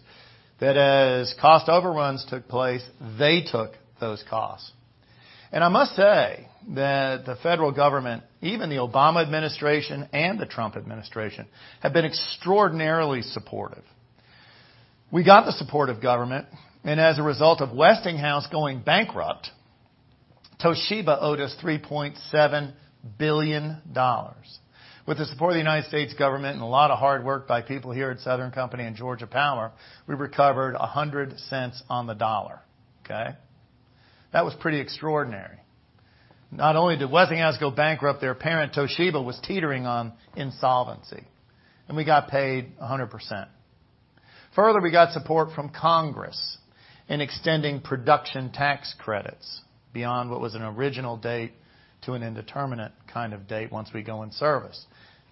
that as cost overruns took place, they took those costs. I must say that the federal government, even the Obama administration and the Trump administration, have been extraordinarily supportive. We got the support of government. As a result of Westinghouse going bankrupt, Toshiba owed us $3.7 billion. With the support of the United States Government and a lot of hard work by people here at Southern Company and Georgia Power, we recovered $1.00 on the dollar. Okay? That was pretty extraordinary. Not only did Westinghouse go bankrupt, their parent, Toshiba, was teetering on insolvency. We got paid 100%. Further, we got support from Congress in extending production tax credits beyond what was an original date to an indeterminate kind of date once we go in service.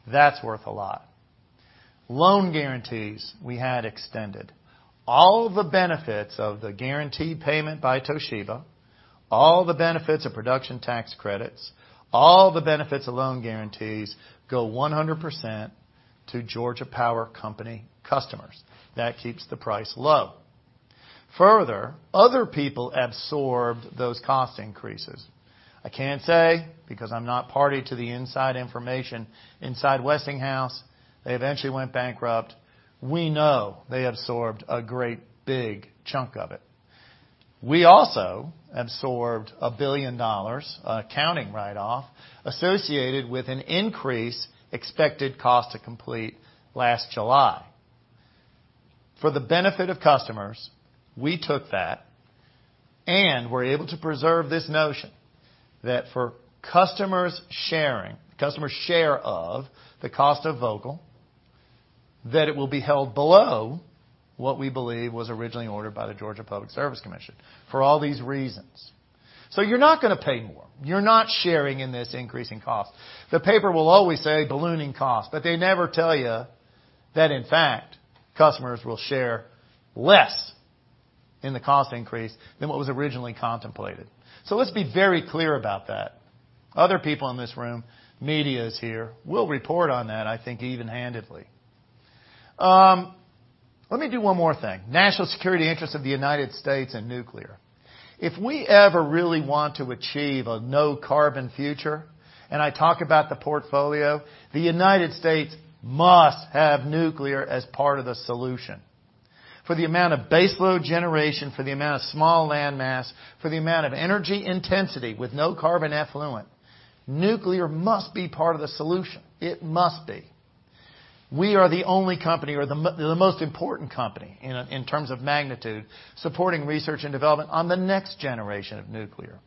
That's worth a lot. Loan guarantees we had extended. All the benefits of the guaranteed payment by Toshiba, all the benefits of production tax credits, all the benefits of loan guarantees go 100% to Georgia Power Company customers. That keeps the price low. Further, other people absorbed those cost increases. I can't say because I'm not party to the inside information inside Westinghouse. They eventually went bankrupt. We know they absorbed a great big chunk of it. We also absorbed a $1 billion accounting write-off associated with an increase expected cost to complete last July. For the benefit of customers, we took that and were able to preserve this notion that for customers' share of the cost of Vogtle, that it will be held below what we believe was originally ordered by the Georgia Public Service Commission for all these reasons. You're not going to pay more. You're not sharing in this increasing cost. The paper will always say ballooning cost, they never tell you that, in fact, customers will share less in the cost increase than what was originally contemplated. Let's be very clear about that. Other people in this room, media's here, will report on that, I think, even-handedly. Let me do one more thing. National security interest of the United States and nuclear. If we ever really want to achieve a no carbon future, I talk about the portfolio, the United States must have nuclear as part of the solution. For the amount of base load generation, for the amount of small land mass, for the amount of energy intensity with no carbon effluent, nuclear must be part of the solution. It must be. We are the only company, or the most important company in terms of magnitude, supporting research and development on the next generation of nuclear.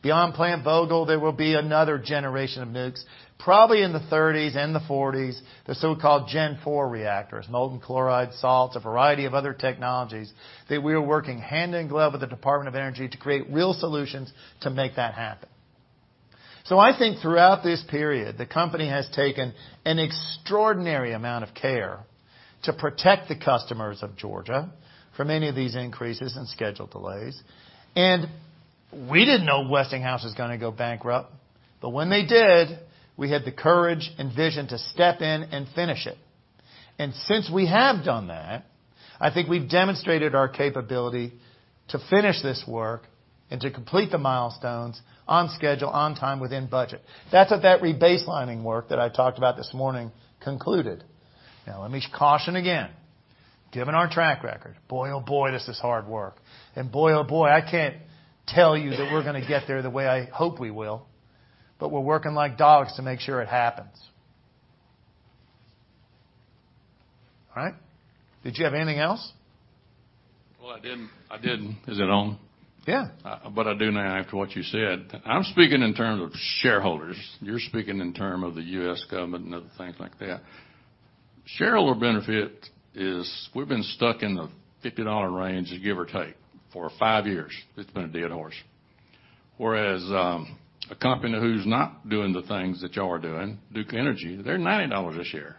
Beyond Plant Vogtle, there will be another generation of nukes, probably in the '30s and the '40s, the so-called Gen IV reactors, molten chloride salts, a variety of other technologies that we are working hand in glove with the Department of Energy to create real solutions to make that happen. I think throughout this period, the company has taken an extraordinary amount of care to protect the customers of Georgia from any of these increases and schedule delays. We didn't know Westinghouse was going to go bankrupt. When they did, we had the courage and vision to step in and finish it. Since we have done that, I think we've demonstrated our capability to finish this work and to complete the milestones on schedule, on time, within budget. That's what that rebaselining work that I talked about this morning concluded. Let me caution again, given our track record, boy, oh, boy, this is hard work. Boy, oh, boy, I can't tell you that we're going to get there the way I hope we will, but we're working like dogs to make sure it happens. All right? Did you have anything else? Well, I didn't. Is it on? Yeah. I do now after what you said. I'm speaking in terms of shareholders. You're speaking in terms of the U.S. government and other things like that. Shareholder benefit is we've been stuck in the $50 range, give or take, for five years. It's been a dead horse. Whereas, a company who's not doing the things that y'all are doing, Duke Energy, they're $90 a share.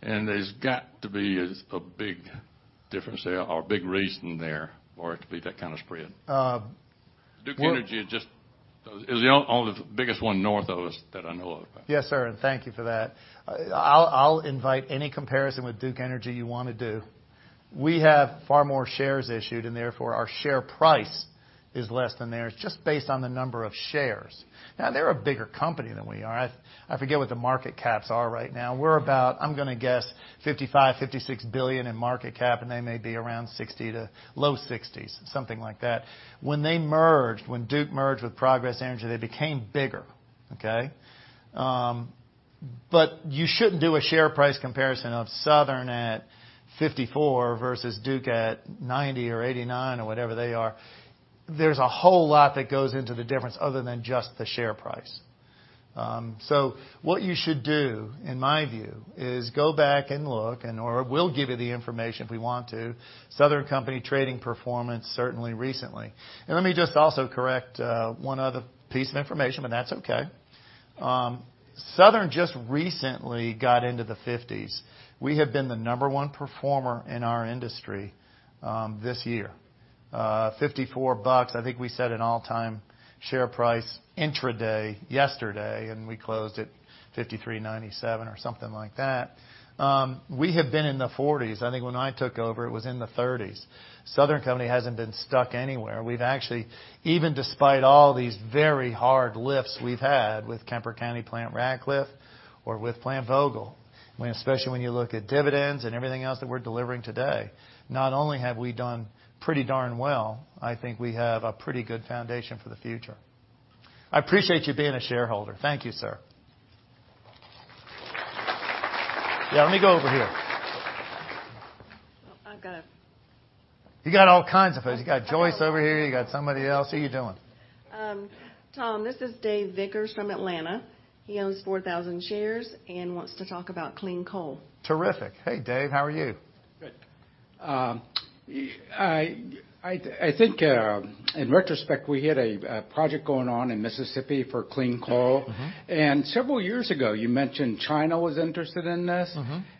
There's got to be a big difference there or a big reason there for it to be that kind of spread. Duke Energy is the biggest one north of us that I know of. Yes, sir. Thank you for that. I'll invite any comparison with Duke Energy you want to do. We have far more shares issued, and therefore our share price is less than theirs, just based on the number of shares. They're a bigger company than we are. I forget what the market caps are right now. We're about, I'm going to guess, $55 billion, $56 billion in market cap, and they may be around $60 billion to low $60s, something like that. When they merged, when Duke merged with Progress Energy, they became bigger. Okay? You shouldn't do a share price comparison of Southern at $54 versus Duke at $90 or $89 or whatever they are. There's a whole lot that goes into the difference other than just the share price. What you should do, in my view, is go back and look, or we'll give you the information if we want to, Southern Company trading performance certainly recently. Let me just also correct one other piece of information. That's okay. Southern just recently got into the 50s. We have been the number one performer in our industry this year. $54, I think we set an all-time share price intraday yesterday. We closed at $53.97 or something like that. We have been in the 40s. I think when I took over, it was in the 30s. Southern Company hasn't been stuck anywhere, even despite all these very hard lifts we've had with Kemper County Plant Ratcliffe or with Plant Vogtle. Especially when you look at dividends and everything else that we're delivering today. Not only have we done pretty darn well. I think we have a pretty good foundation for the future. I appreciate you being a shareholder. Thank you, sir. Yeah, let me go over here. I've got- You got all kinds of folks. You got Joyce over here. You got somebody else. How you doing? Tom, this is Dave Vickers from Atlanta. He owns 4,000 shares and wants to talk about clean coal. Terrific. Hey, Dave. How are you? Good. I think in retrospect, we had a project going on in Mississippi for clean coal. Several years ago, you mentioned China was interested in this.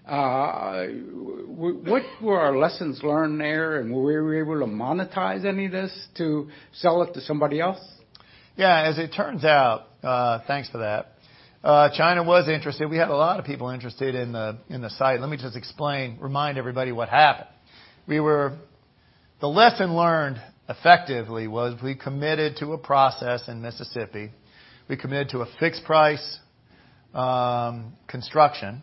What were our lessons learned there, and were we able to monetize any of this to sell it to somebody else? Yeah, as it turns out, thanks for that. China was interested. We had a lot of people interested in the site. Let me just explain, remind everybody what happened. The lesson learned effectively was we committed to a process in Mississippi. We committed to a fixed price construction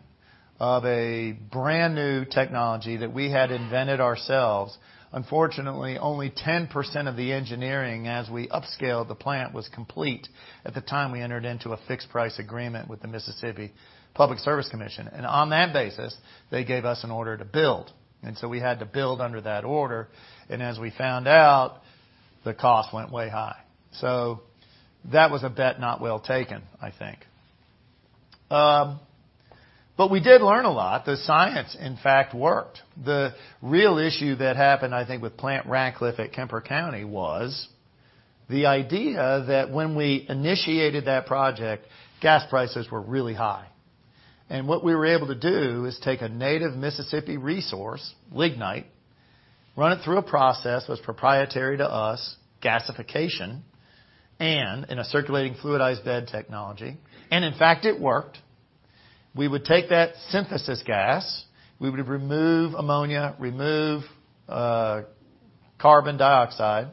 of a brand-new technology that we had invented ourselves. Unfortunately, only 10% of the engineering as we upscaled the plant was complete at the time we entered into a fixed price agreement with the Mississippi Public Service Commission. On that basis, they gave us an order to build. We had to build under that order. As we found out, the cost went way high. That was a bet not well taken, I think. We did learn a lot. The science, in fact, worked. The real issue that happened, I think, with Plant Ratcliffe at Kemper County was the idea that when we initiated that project, gas prices were really high. What we were able to do is take a native Mississippi resource, lignite, run it through a process that's proprietary to us, gasification, in a circulating fluidized bed technology, and in fact it worked. We would take that synthesis gas, we would remove ammonia, remove carbon dioxide,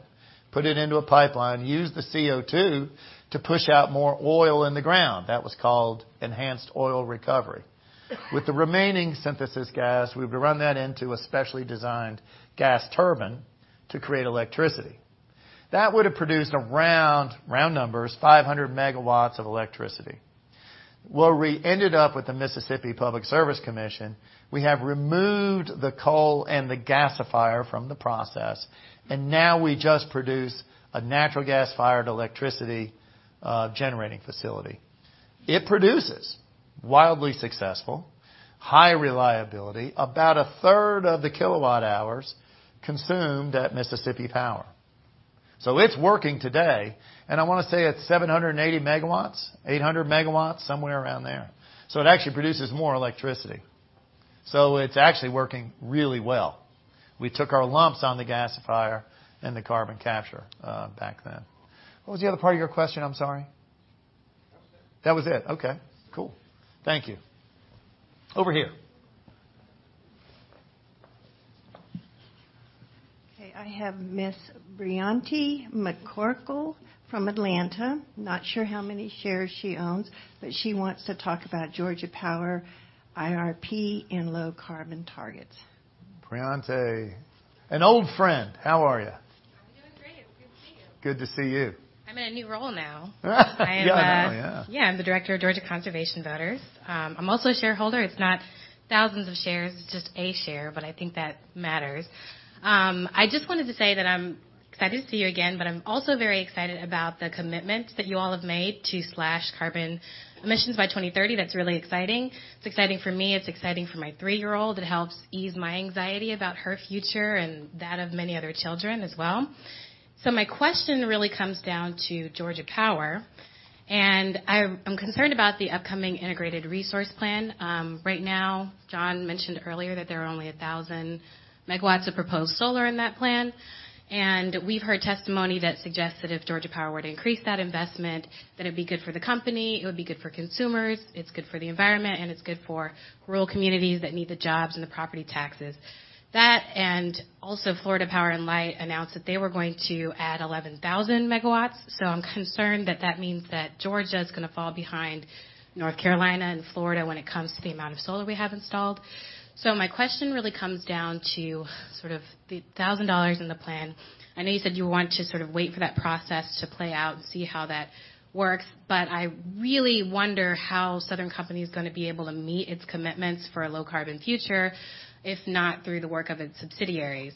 put it into a pipeline, use the CO2 to push out more oil in the ground. That was called enhanced oil recovery. With the remaining synthesis gas, we would run that into a specially designed gas turbine to create electricity. That would have produced around, round numbers, 500 MW of electricity. Where we ended up with the Mississippi Public Service Commission, we have removed the coal and the gasifier from the process, and now we just produce a natural gas-fired electricity generating facility. It produces. Wildly successful, high reliability, about a third of the kilowatt hours consumed at Mississippi Power. It's working today, and I want to say it's 780 MW, 800 MW, somewhere around there. It actually produces more electricity. It's actually working really well. We took our lumps on the gasifier and the carbon capture back then. What was the other part of your question? I'm sorry. That was it. That was it. Okay, cool. Thank you. Over here. Okay, I have Ms. Brionté McCorkle from Atlanta. Not sure how many shares she owns, but she wants to talk about Georgia Power IRP and low carbon targets. Brionte. An old friend. How are you? I'm doing great. Good to see you. Good to see you. I'm in a new role now. Yeah. Yeah, I'm the director of Georgia Conservation Voters. I'm also a shareholder. It's not thousands of shares, it's just a share, but I think that matters. I just wanted to say that I'm excited to see you again, but I'm also very excited about the commitment that you all have made to slash carbon emissions by 2030. That's really exciting. It's exciting for me. It's exciting for my three-year-old. It helps ease my anxiety about her future and that of many other children as well. My question really comes down to Georgia Power. And I'm concerned about the upcoming Integrated Resource Plan. Right now, John mentioned earlier that there are only 1,000 megawatts of proposed solar in that plan. We've heard testimony that suggests that if Georgia Power were to increase that investment, that it'd be good for the company, it would be good for consumers, it's good for the environment, and it's good for rural communities that need the jobs and the property taxes. That, Florida Power & Light announced that they were going to add 11,000 MW. I'm concerned that that means that Georgia is going to fall behind North Carolina and Florida when it comes to the amount of solar we have installed. My question really comes down to sort of the $1,000 in the plan. I know you said you want to sort of wait for that process to play out and see how that works, but I really wonder how Southern Company is going to be able to meet its commitments for a low-carbon future, if not through the work of its subsidiaries.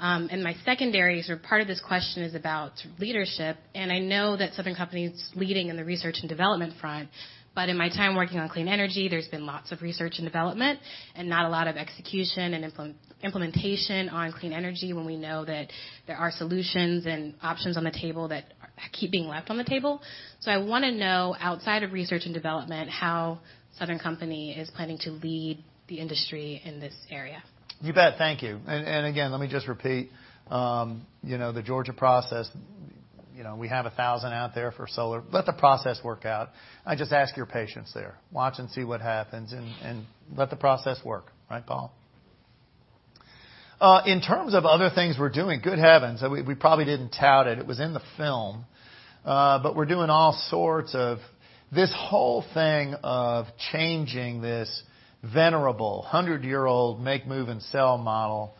My secondary, sort of part of this question is about leadership, and I know that Southern Company is leading in the research and development front, but in my time working on clean energy, there's been lots of research and development and not a lot of execution and implementation on clean energy when we know that there are solutions and options on the table that keep being left on the table. I want to know, outside of research and development, how Southern Company is planning to lead the industry in this area. You bet. Thank you. Again, let me just repeat, the Georgia process, we have 1,000 out there for solar. Let the process work out. I just ask your patience there. Watch and see what happens and let the process work. Right, Paul? In terms of other things we're doing, good heavens, we probably didn't tout it. It was in the film. We're doing all sorts of this whole thing of changing this venerable 100-year-old make move and sell model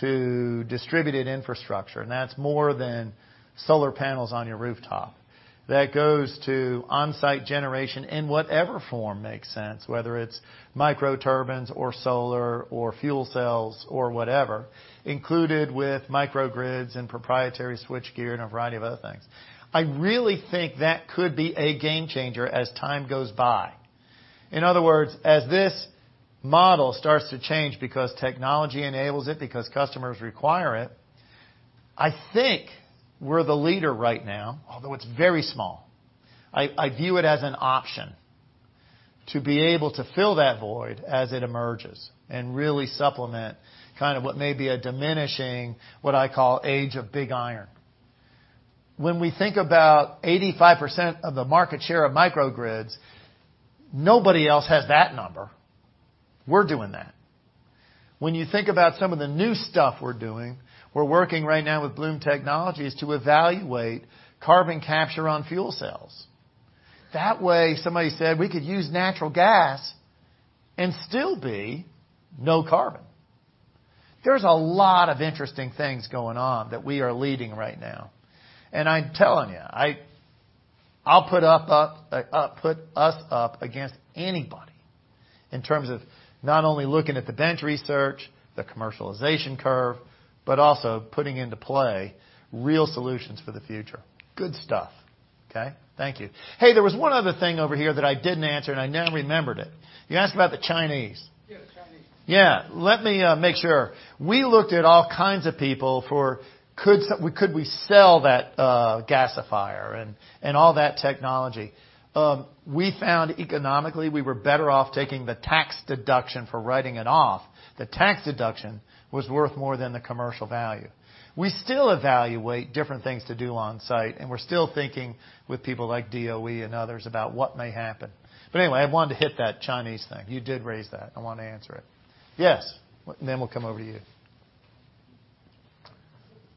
to distributed infrastructure, and that's more than solar panels on your rooftop. That goes to on-site generation in whatever form makes sense, whether it's microturbines or solar or fuel cells or whatever, included with microgrids and proprietary switchgear and a variety of other things. I really think that could be a game changer as time goes by. In other words, as this model starts to change because technology enables it, because customers require it, I think we're the leader right now, although it's very small. I view it as an option to be able to fill that void as it emerges and really supplement kind of what may be a diminishing, what I call Age of Big Iron. When we think about 85% of the market share of microgrids, nobody else has that number. We're doing that. When you think about some of the new stuff we're doing, we're working right now with Bloom Energy to evaluate carbon capture on fuel cells. That way, somebody said we could use natural gas and still be no carbon. There's a lot of interesting things going on that we are leading right now. I'm telling you, I'll put us up against anybody in terms of not only looking at the bench research, the commercialization curve, but also putting into play real solutions for the future. Good stuff. Okay? Thank you. Hey, there was one other thing over here that I didn't answer. I now remembered it. You asked about the Chinese. Yes, Chinese. Yeah. Let me make sure. We looked at all kinds of people for could we sell that gasifier and all that technology. We found economically we were better off taking the tax deduction for writing it off. The tax deduction was worth more than the commercial value. We still evaluate different things to do on-site. We're still thinking with people like DOE and others about what may happen. Anyway, I wanted to hit that Chinese thing. You did raise that. I want to answer it. Yes. Then we'll come over to you.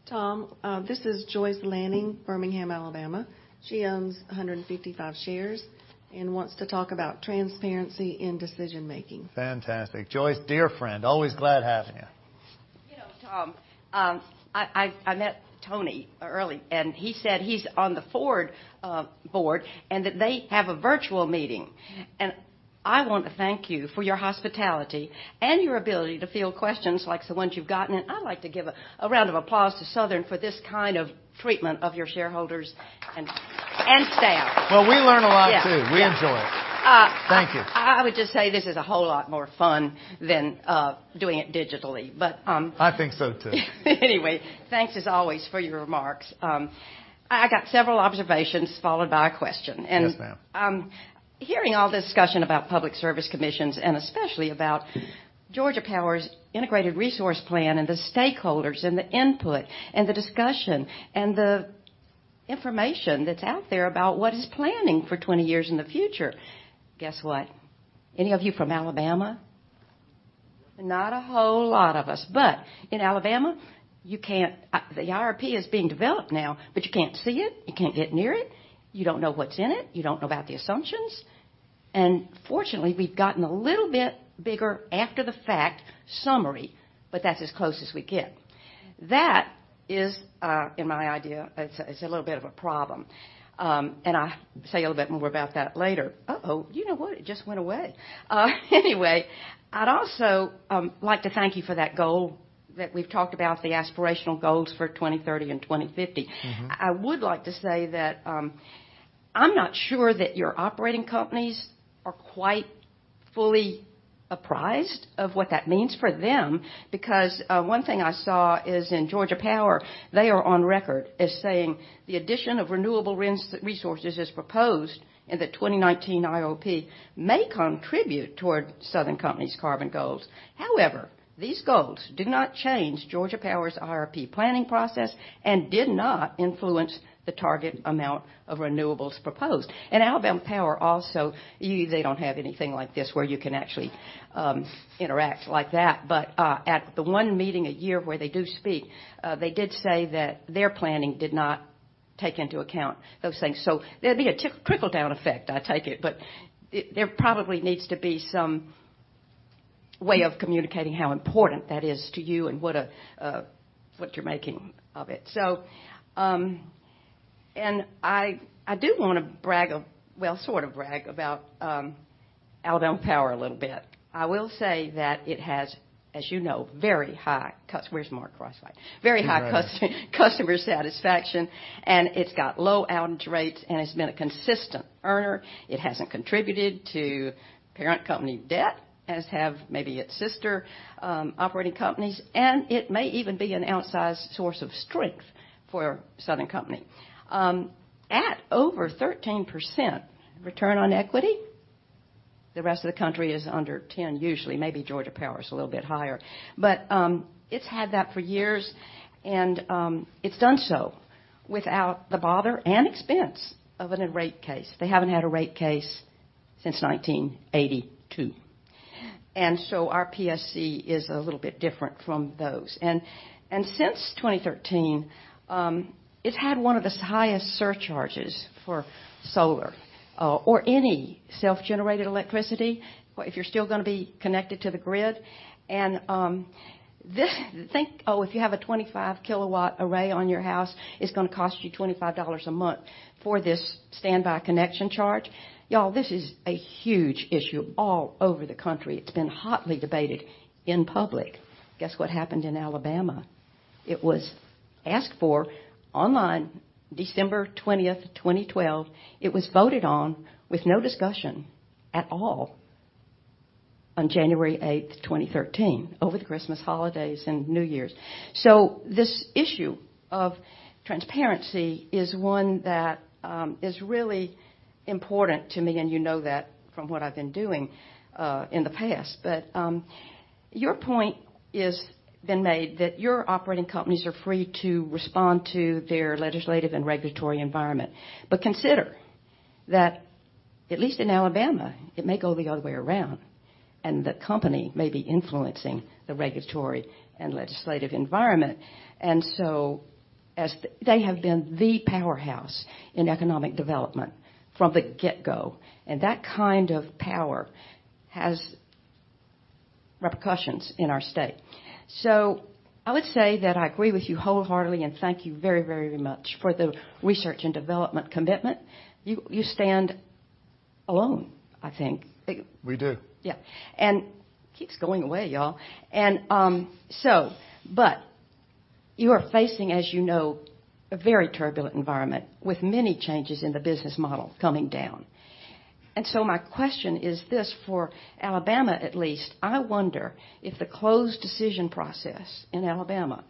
Tom, this is Joyce Lanning, Birmingham, Alabama. She owns 155 shares and wants to talk about transparency in decision making. Fantastic. Joyce, dear friend, always glad having you. Tom, I met Tony Earley, and he said he's on the Ford board and that they have a virtual meeting. I want to thank you for your hospitality and your ability to field questions like the ones you've gotten, and I'd like to give a round of applause to Southern for this kind of treatment of your shareholders and staff. Well, we learn a lot, too. Yes. We enjoy it. Thank you. I would just say this is a whole lot more fun than doing it digitally. I think so, too. Anyway, thanks as always for your remarks. I got several observations followed by a question. Yes, ma'am. Hearing all this discussion about public service commissions and especially about Georgia Power's Integrated Resource Plan and the stakeholders and the input and the discussion and the information that's out there about what is planning for 20 years in the future, guess what? Any of you from Alabama? Not a whole lot of us. In Alabama, the IRP is being developed now, but you can't see it. You can't get near it. You don't know what's in it. You don't know about the assumptions. Fortunately, we've gotten a little bit bigger after the fact summary, but that's as close as we get. That is, in my idea, it's a little bit of a problem. I say a little bit more about that later. You know what? It just went away. I'd also like to thank you for that goal that we've talked about, the aspirational goals for 2030 and 2050. I would like to say that I'm not sure that your operating companies are quite fully apprised of what that means for them. Because one thing I saw is in Georgia Power, they are on record as saying the addition of renewable resources as proposed in the 2019 IRP may contribute toward Southern Company's carbon goals. However, these goals did not change Georgia Power's IRP planning process and did not influence the target amount of renewables proposed. Alabama Power also, they don't have anything like this where you can actually interact like that. At the one meeting a year where they do speak, they did say that their planning did not take into account those things. There'd be a trickle-down effect, I take it, but there probably needs to be some way of communicating how important that is to you and what you're making of it. I do want to brag, well, sort of brag, about Alabama Power a little bit. I will say that it has, as you know, very high customer satisfaction, and it's got low outage rates, and it's been a consistent earner. It hasn't contributed to parent company debt, as have maybe its sister operating companies, and it may even be an outsized source of strength for Southern Company. At over 13% return on equity, the rest of the country is under 10 usually. Maybe Georgia Power is a little bit higher. It's had that for years, and it's done so without the bother and expense of a rate case. They haven't had a rate case since 1982. Our PSC is a little bit different from those. Since 2013, it had one of the highest surcharges for solar or any self-generated electricity if you're still going to be connected to the grid. If you have a 25-kilowatt array on your house, it's going to cost you $25 a month for this standby connection charge. You all. This is a huge issue all over the country. It's been hotly debated in public. Guess what happened in Alabama? It was asked for online December 20th, 2012. It was voted on with no discussion at all on January 8th, 2013, over the Christmas holidays and New Year's. This issue of transparency is one that is really important to me, and you know that from what I've been doing in the past. Your point has been made that your operating companies are free to respond to their legislative and regulatory environment. Consider that at least in Alabama, it may go the other way around, and the company may be influencing the regulatory and legislative environment. As they have been the powerhouse in economic development from the get-go, that kind of power has repercussions in our state. I would say that I agree with you wholeheartedly, and thank you very much for the research and development commitment. You stand alone, I think. We do. Yeah. Keeps going away, you all. You are facing, as you know, a very turbulent environment with many changes in the business model coming down. My question is this, for Alabama, at least, I wonder if the closed decision process in Alabama,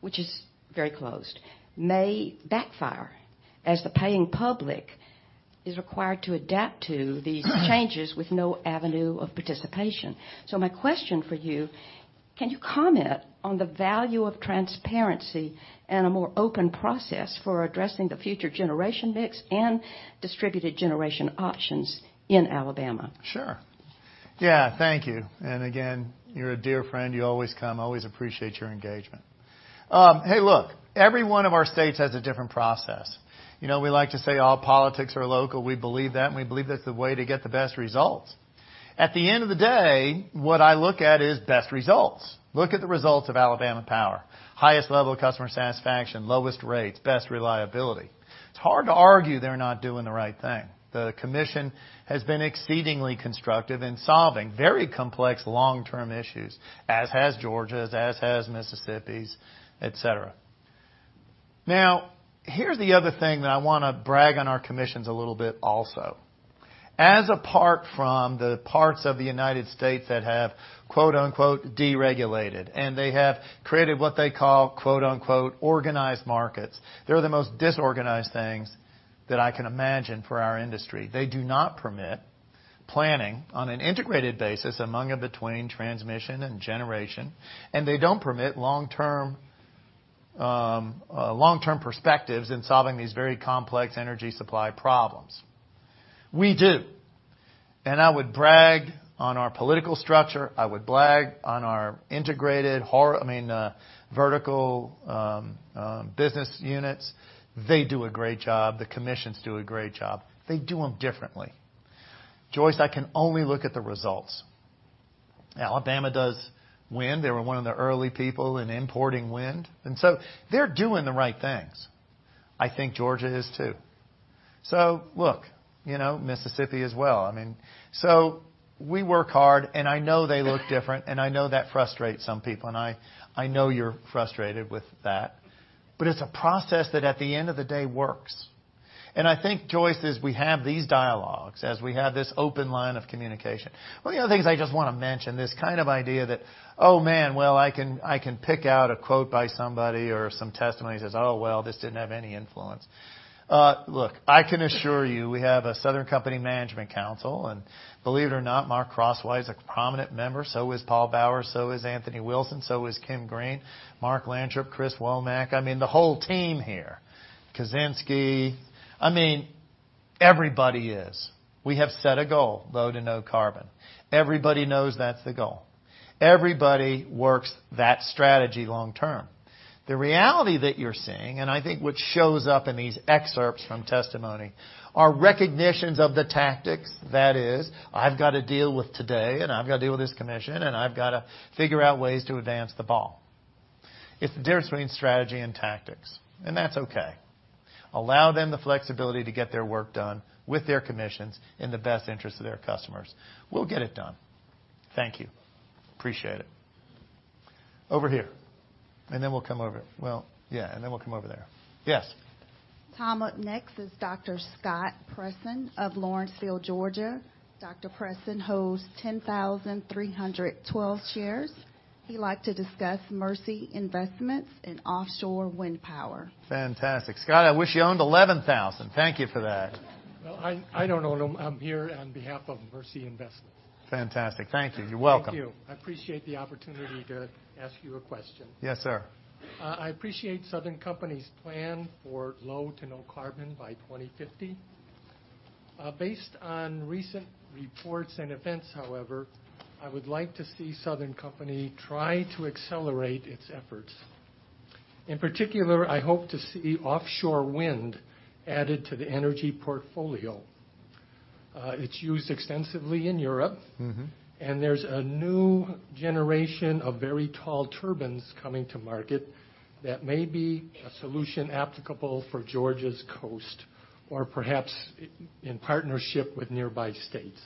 which is very closed, may backfire as the paying public is required to adapt to these changes with no avenue of participation. My question for you, can you comment on the value of transparency and a more open process for addressing the future generation mix and distributed generation options in Alabama? Sure. Again, you're a dear friend. You always come. I always appreciate your engagement. Look, every one of our states has a different process. We like to say all politics are local. We believe that. We believe that's the way to get the best results. At the end of the day, what I look at is best results. Look at the results of Alabama Power. Highest level of customer satisfaction, lowest rates, best reliability. It's hard to argue they're not doing the right thing. The commission has been exceedingly constructive in solving very complex long-term issues, as has Georgia's, as has Mississippi's, et cetera. Here's the other thing that I want to brag on our commissions a little bit also. As apart from the parts of the United States that have "deregulated," and they have created what they call "organized markets," they're the most disorganized things that I can imagine for our industry. They do not permit planning on an integrated basis among and between transmission and generation. They don't permit long-term perspectives in solving these very complex energy supply problems. We do. I would brag on our political structure. I would brag on our integrated vertical business units. They do a great job. The commissions do a great job. They do them differently. Joyce, I can only look at the results. Alabama does wind. They were one of the early people in importing wind, and so they're doing the right things. I think Georgia is, too. Look, Mississippi as well. We work hard, and I know they look different, and I know that frustrates some people, and I know you're frustrated with that. It's a process that at the end of the day works. I think, Joyce, as we have these dialogues, as we have this open line of communication. One of the things I just want to mention, this kind of idea that, oh, man, well, I can pick out a quote by somebody or some testimony says, "Oh, well, this didn't have any influence." Look, I can assure you, we have a Southern Company Management Council, and believe it or not, Mark Crosswhite is a prominent member. So is Paul Bowers, so is Anthony Wilson, so is Kim Greene, Mark Lantrip, Chris Womack. I mean, the whole team here. Kuczynski. I mean, everybody is. We have set a goal, low to no carbon. Everybody knows that's the goal. Everybody works that strategy long term. The reality that you're seeing, and I think what shows up in these excerpts from testimony, are recognitions of the tactics. That is, I've got to deal with today, and I've got to deal with this commission, and I've got to figure out ways to advance the ball. It's the difference between strategy and tactics, and that's okay. Allow them the flexibility to get their work done with their commissions in the best interest of their customers. We'll get it done. Thank you. Appreciate it. Over here, and then we'll come over. Well, yeah, and then we'll come over there. Yes. Tom, up next is Dr. Scott Preston of Lawrenceville, Georgia. Dr. Preston holds 10,312 shares. He'd like to discuss Mercy Investment Services and offshore wind power. Fantastic. Scott, I wish you owned 11,000. Thank you for that. Well, I don't own them. I'm here on behalf of Mercy Investment Services. Fantastic. Thank you. You're welcome. Thank you. I appreciate the opportunity to ask you a question. Yes, sir. I appreciate Southern Company's plan for low to no carbon by 2050. Based on recent reports and events, however, I would like to see Southern Company try to accelerate its efforts. In particular, I hope to see offshore wind added to the energy portfolio. It's used extensively in Europe. There's a new generation of very tall turbines coming to market that may be a solution applicable for Georgia's coast or perhaps in partnership with nearby states.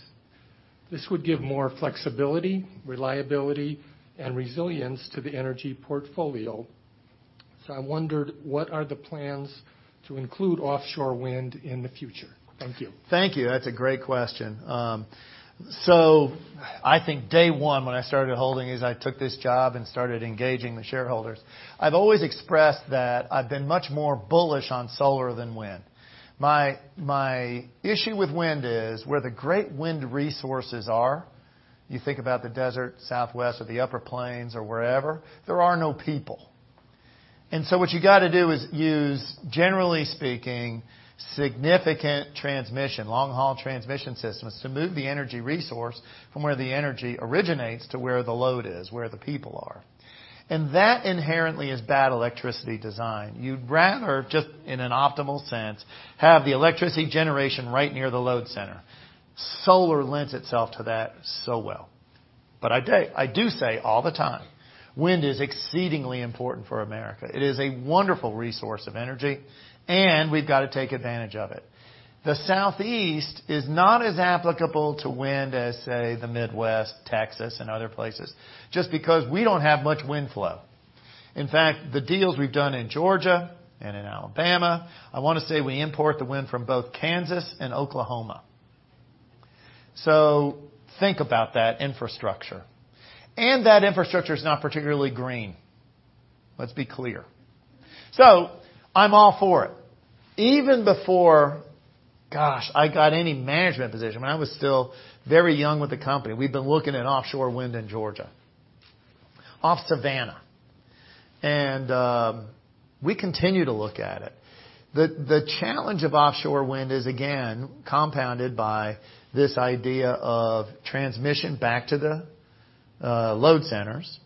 This would give more flexibility, reliability, and resilience to the energy portfolio. I wondered, what are the plans to include offshore wind in the future? Thank you. Thank you. That's a great question. I think day one when I started, I took this job and started engaging the shareholders. I've always expressed that I've been much more bullish on solar than wind. My issue with wind is where the great wind resources are, you think about the desert Southwest or the Upper Plains or wherever, there are no people. What you got to do is use, generally speaking, significant transmission, long-haul transmission systems, to move the energy resource from where the energy originates to where the load is, where the people are. That inherently is bad electricity design. You'd rather, just in an optimal sense, have the electricity generation right near the load center. Solar lends itself to that so well. I do say all the time, wind is exceedingly important for America. It is a wonderful resource of energy, we've got to take advantage of it. The Southeast is not as applicable to wind as, say, the Midwest, Texas, and other places, just because we don't have much wind flow. In fact, the deals we've done in Georgia and in Alabama, I want to say we import the wind from both Kansas and Oklahoma. Think about that infrastructure. That infrastructure is not particularly green. Let's be clear. I'm all for it. Even before, gosh, I got any management position, when I was still very young with the company, we'd been looking at offshore wind in Georgia, off Savannah. We continue to look at it. The challenge of offshore wind is, again, compounded by this idea of transmission back to the load centers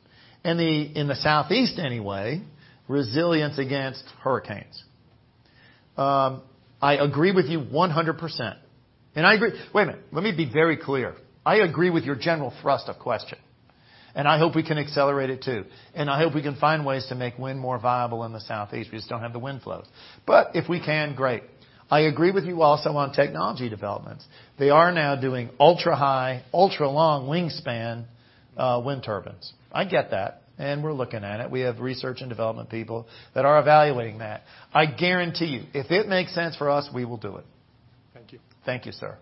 and in the Southeast anyway, resilience against hurricanes. I agree with you 100%. Wait a minute. Let me be very clear. I agree with your general thrust of question, I hope we can accelerate it, too. I hope we can find ways to make wind more viable in the Southeast. We just don't have the wind flows. If we can, great. I agree with you also on technology developments. They are now doing ultra-high, ultra-long wingspan wind turbines. I get that, we're looking at it. We have research and development people that are evaluating that. I guarantee you, if it makes sense for us, we will do it. Thank you. Thank you, sir.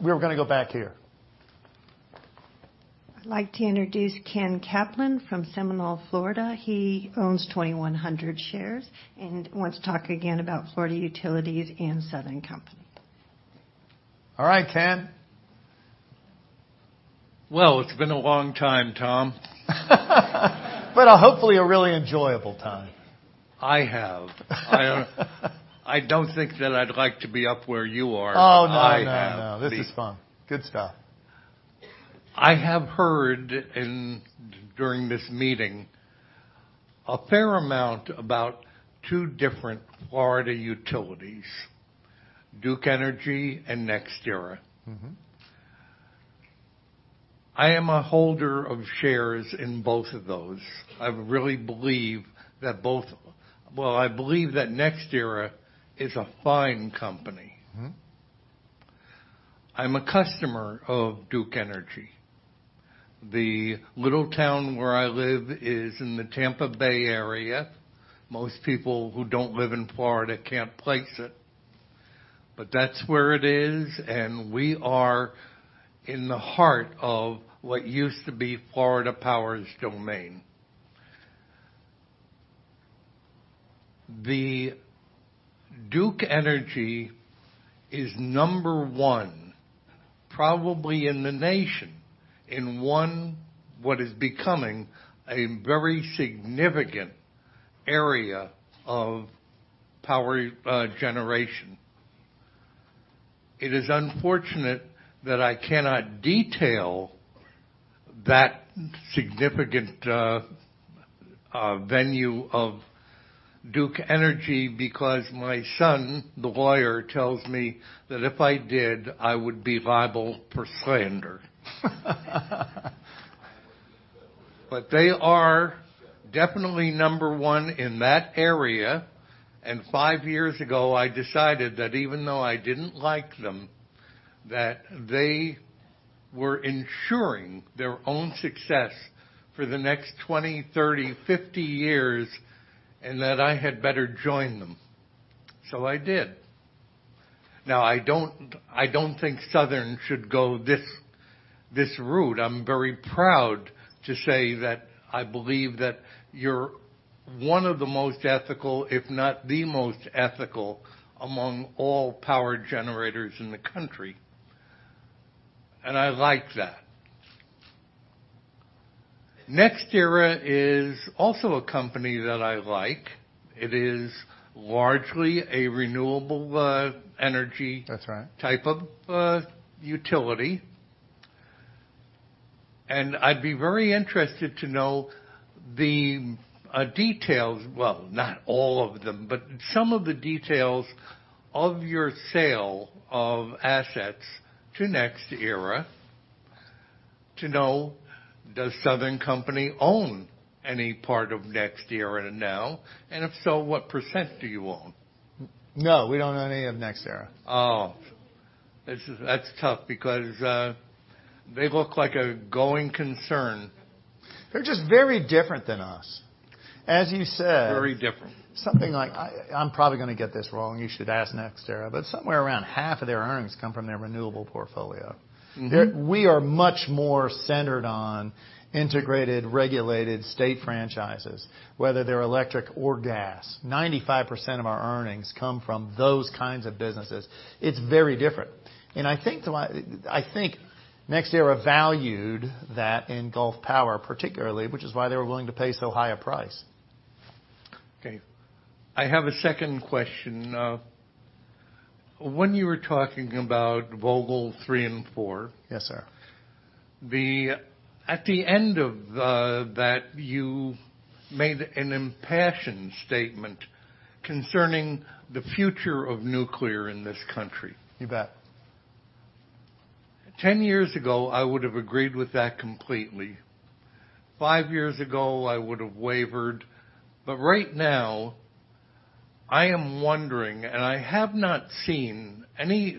We were going to go back here. I'd like to introduce Ken Kaplan from Seminole, Florida. He owns 2,100 shares and wants to talk again about Florida utilities and Southern Company. All right, Ken. Well, it's been a long time, Tom. Hopefully a really enjoyable time. I have. I don't think that I'd like to be up where you are. No, no. I have the- This is fun. Good stuff. I have heard during this meeting a fair amount about two different Florida utilities, Duke Energy and NextEra. I am a holder of shares in both of those. I really believe that both Well, I believe that NextEra is a fine company. I'm a customer of Duke Energy. The little town where I live is in the Tampa Bay area. Most people who don't live in Florida can't place it, but that's where it is, and we are in the heart of what used to be Florida Power's domain. Duke Energy is number one, probably in the nation, in one what is becoming a very significant area of power generation. It is unfortunate that I cannot detail that significant venue of Duke Energy because my son, the lawyer, tells me that if I did, I would be liable for slander. They are definitely number one in that area, and five years ago, I decided that even though I didn't like them, that they were ensuring their own success for the next 20, 30, 50 years, and that I had better join them. I did. I don't think Southern should go this route. I'm very proud to say that I believe that you're one of the most ethical, if not the most ethical, among all power generators in the country, and I like that. NextEra is also a company that I like. It is largely a renewable energy- That's right type of utility. I'd be very interested to know the details, well, not all of them, but some of the details of your sale of assets to NextEra to know, does Southern Company own any part of NextEra now, and if so, what % do you own? No, we don't own any of NextEra. Oh. That's tough because they look like a going concern. They're just very different than us. As you said- Very different something like, I'm probably going to get this wrong, you should ask NextEra, but somewhere around half of their earnings come from their renewable portfolio. We are much more centered on integrated regulated state franchises, whether they're electric or gas. 95% of our earnings come from those kinds of businesses. It's very different. I think NextEra valued that in Gulf Power, particularly, which is why they were willing to pay so high a price. Okay. I have a second question. When you were talking about Vogtle 3 and 4. Yes, sir at the end of that, you made an impassioned statement concerning the future of nuclear in this country. You bet. 10 years ago, I would have agreed with that completely. 5 years ago, I would have wavered. Right now, I am wondering, and I have not seen any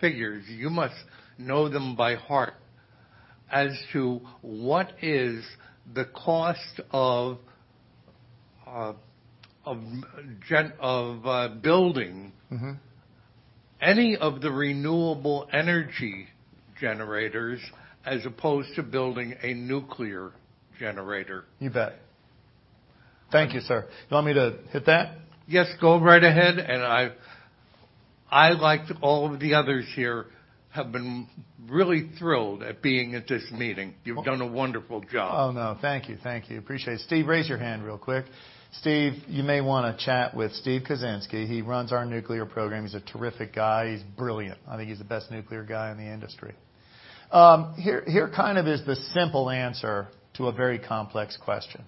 figures, you must know them by heart, as to what is the cost of building. any of the renewable energy generators as opposed to building a nuclear generator. You bet. Thank you, sir. You want me to hit that? Yes, go right ahead. I, like all of the others here, have been really thrilled at being at this meeting. You've done a wonderful job. Oh, no. Thank you. Appreciate it. Steve, raise your hand real quick. Steve, you may want to chat with Steve Kuczynski. He runs our nuclear program. He's a terrific guy. He's brilliant. I think he's the best nuclear guy in the industry. Here kind of is the simple answer to a very complex question.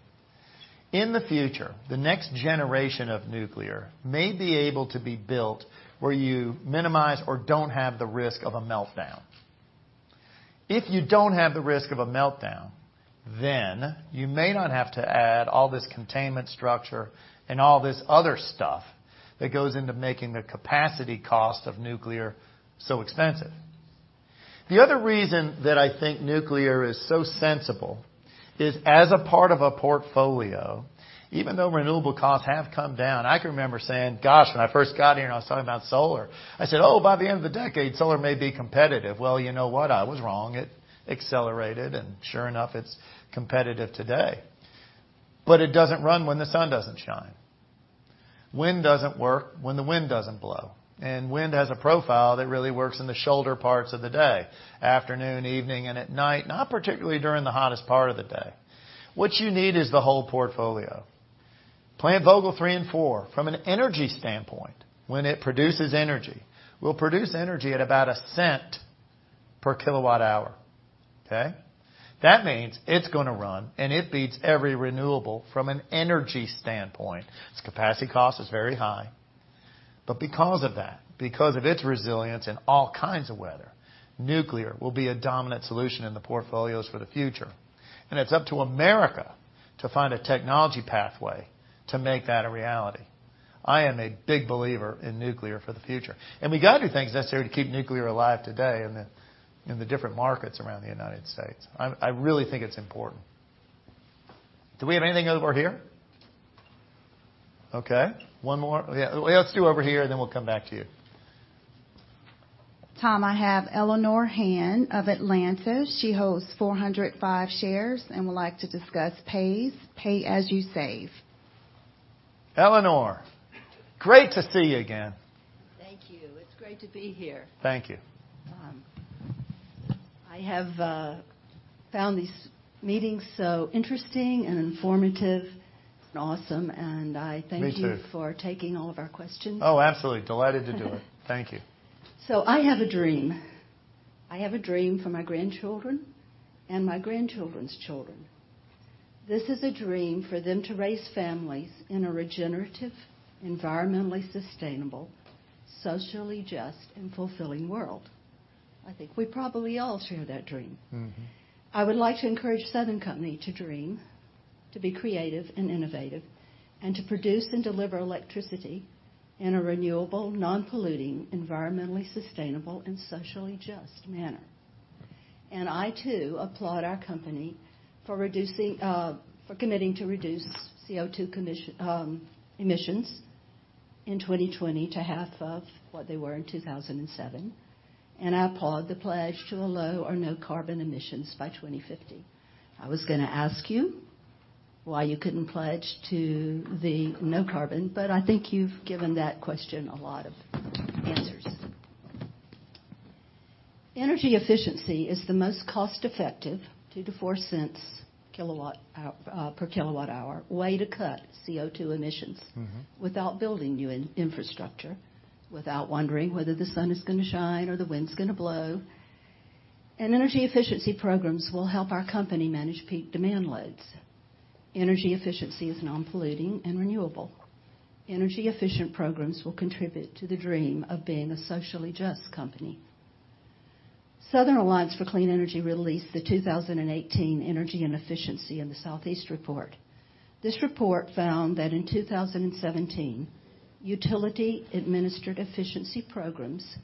In the future, the next generation of nuclear may be able to be built where you minimize or don't have the risk of a meltdown. If you don't have the risk of a meltdown, then you may not have to add all this containment structure and all this other stuff that goes into making the capacity cost of nuclear so expensive. The other reason that I think nuclear is so sensible is as a part of a portfolio, even though renewable costs have come down, I can remember saying, gosh, when I first got here and I was talking about solar, I said, "Oh, by the end of the decade, solar may be competitive." You know what? I was wrong. It accelerated, and sure enough, it's competitive today. It doesn't run when the sun doesn't shine. Wind doesn't work when the wind doesn't blow. Wind has a profile that really works in the shoulder parts of the day, afternoon, evening, and at night, not particularly during the hottest part of the day. What you need is the whole portfolio. Plant Vogtle Three and Four, from an energy standpoint, when it produces energy, will produce energy at about $0.01 per kilowatt hour. Okay? That means it's going to run, and it beats every renewable from an energy standpoint. Its capacity cost is very high. Because of that, because of its resilience in all kinds of weather, nuclear will be a dominant solution in the portfolios for the future. It's up to America to find a technology pathway to make that a reality. I am a big believer in nuclear for the future. We've got to do things necessary to keep nuclear alive today in the different markets around the United States. I really think it's important. Do we have anything over here? Okay, one more. Yeah. Let's do over here, then we'll come back to you. Tom, I have Eleanor Hand of Atlanta. She holds 405 shares and would like to discuss PAYS, Pay As You Save. Eleanor, great to see you again. Thank you. It's great to be here. Thank you. Tom. I have found these meetings so interesting and informative and awesome, and I thank you. Me too. for taking all of our questions. Oh, absolutely. Delighted to do it. Thank you. I have a dream. I have a dream for my grandchildren and my grandchildren's children. This is a dream for them to raise families in a regenerative, environmentally sustainable, socially just, and fulfilling world. I think we probably all share that dream. I would like to encourage Southern Company to dream, to be creative and innovative, and to produce and deliver electricity in a renewable, non-polluting, environmentally sustainable, and socially just manner. I too applaud our company for committing to reduce CO2 emissions in 2020 to half of what they were in 2007, and I applaud the pledge to a low or no carbon emissions by 2050. I was going to ask you why you couldn't pledge to the no carbon, but I think you've given that question a lot of answers. Energy efficiency is the most cost-effective, $0.02-$0.04 per kilowatt-hour, way to cut CO2 emissions. Without building new infrastructure, without wondering whether the sun is going to shine or the wind's going to blow. Energy efficiency programs will help our company manage peak demand loads. Energy efficiency is non-polluting and renewable. Energy efficient programs will contribute to the dream of being a socially just company. Southern Alliance for Clean Energy released the 2018 Energy and Efficiency in the Southeast report. This report found that in 2017, utility administered efficiency programs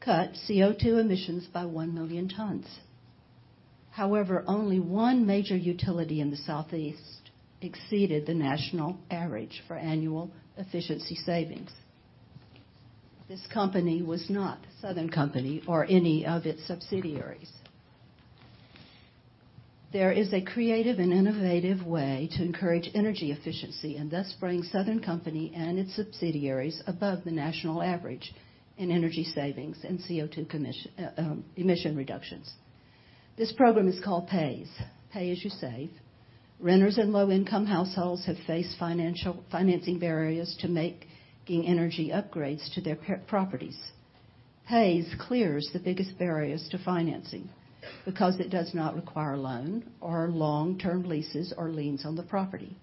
cut CO2 emissions by 1 million tons. However, only one major utility in the Southeast exceeded the national average for annual efficiency savings. This company was not Southern Company or any of its subsidiaries. There is a creative and innovative way to encourage energy efficiency and thus bring Southern Company and its subsidiaries above the national average in energy savings and CO2 emission reductions. This program is called PAYS, Pay As You Save. Renters in low-income households have faced financing barriers to making energy upgrades to their properties. PAYS clears the biggest barriers to financing because it does not require a loan or long-term leases or liens on the property.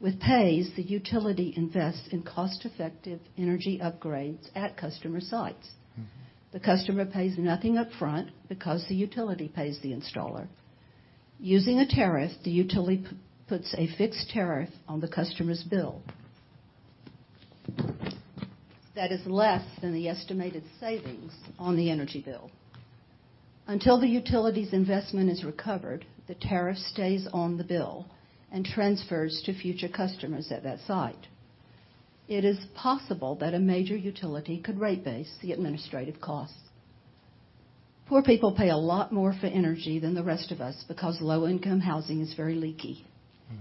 With PAYS, the utility invests in cost-effective energy upgrades at customer sites. The customer pays nothing upfront because the utility pays the installer. Using a tariff, the utility puts a fixed tariff on the customer's bill that is less than the estimated savings on the energy bill. Until the utility's investment is recovered, the tariff stays on the bill and transfers to future customers at that site. It is possible that a major utility could rate base the administrative costs. Poor people pay a lot more for energy than the rest of us because low-income housing is very leaky.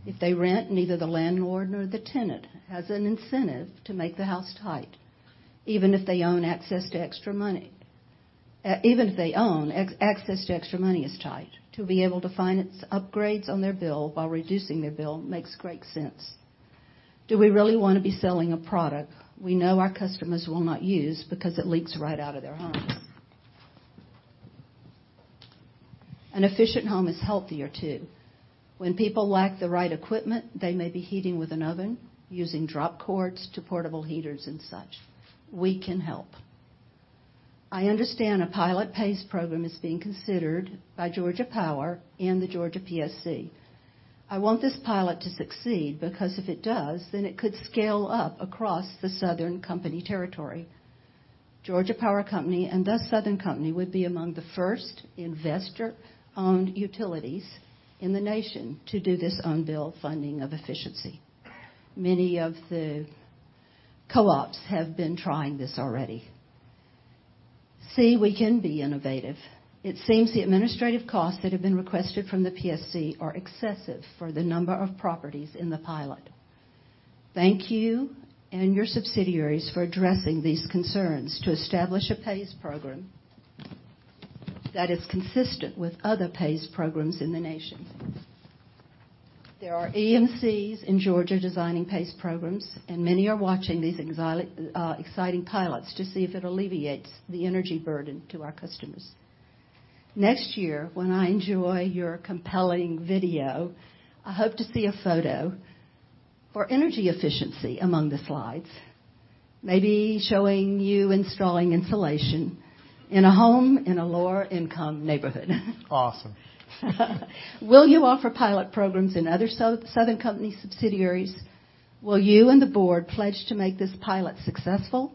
If they rent, neither the landlord nor the tenant has an incentive to make the house tight, even if they own access to extra money. Even if they own, access to extra money is tight. To be able to finance upgrades on their bill while reducing their bill makes great sense. Do we really want to be selling a product we know our customers will not use because it leaks right out of their home? An efficient home is healthier, too. When people lack the right equipment, they may be heating with an oven, using drop cords to portable heaters and such. We can help. I understand a pilot PAYS Program is being considered by Georgia Power and the Georgia PSC. I want this pilot to succeed because if it does, then it could scale up across the Southern Company territory. Georgia Power Company, and thus Southern Company, would be among the first investor-owned utilities in the nation to do this on-bill funding of efficiency. Many of the co-ops have been trying this already. See, we can be innovative. It seems the administrative costs that have been requested from the PSC are excessive for the number of properties in the pilot. Thank you and your subsidiaries for addressing these concerns to establish a PAYS Program that is consistent with other PAYS Programs in the nation. There are EMCs in Georgia designing PAYS Programs, and many are watching these exciting pilots to see if it alleviates the energy burden to our customers. Next year, when I enjoy your compelling video, I hope to see a photo for energy efficiency among the slides. Maybe showing you installing insulation in a home in a lower income neighborhood. Awesome. Will you offer pilot programs in other Southern Company subsidiaries? Will you and the board pledge to make this pilot successful?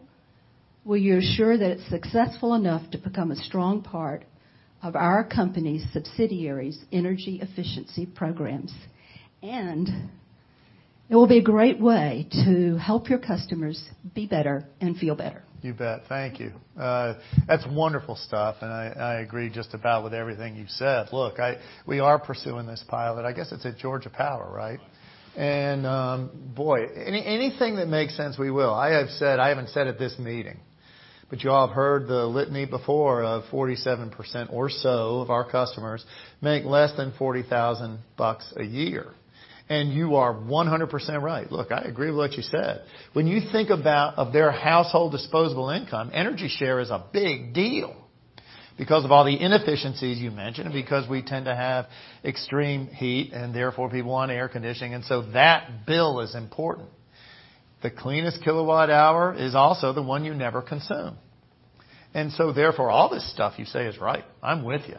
Will you ensure that it's successful enough to become a strong part of our company's subsidiaries' energy efficiency programs? It will be a great way to help your customers be better and feel better. You bet. Thank you. That's wonderful stuff. I agree just about with everything you've said. Look, we are pursuing this pilot. I guess it's at Georgia Power, right? Boy, anything that makes sense, we will. I haven't said at this meeting. You all have heard the litany before of 47% or so of our customers make less than $40,000 a year. You are 100% right. Look, I agree with what you said. When you think about of their household disposable income, energy share is a big deal because of all the inefficiencies you mentioned, because we tend to have extreme heat, and therefore, people want air conditioning. That bill is important. The cleanest kilowatt hour is also the one you never consume. All this stuff you say is right. I'm with you.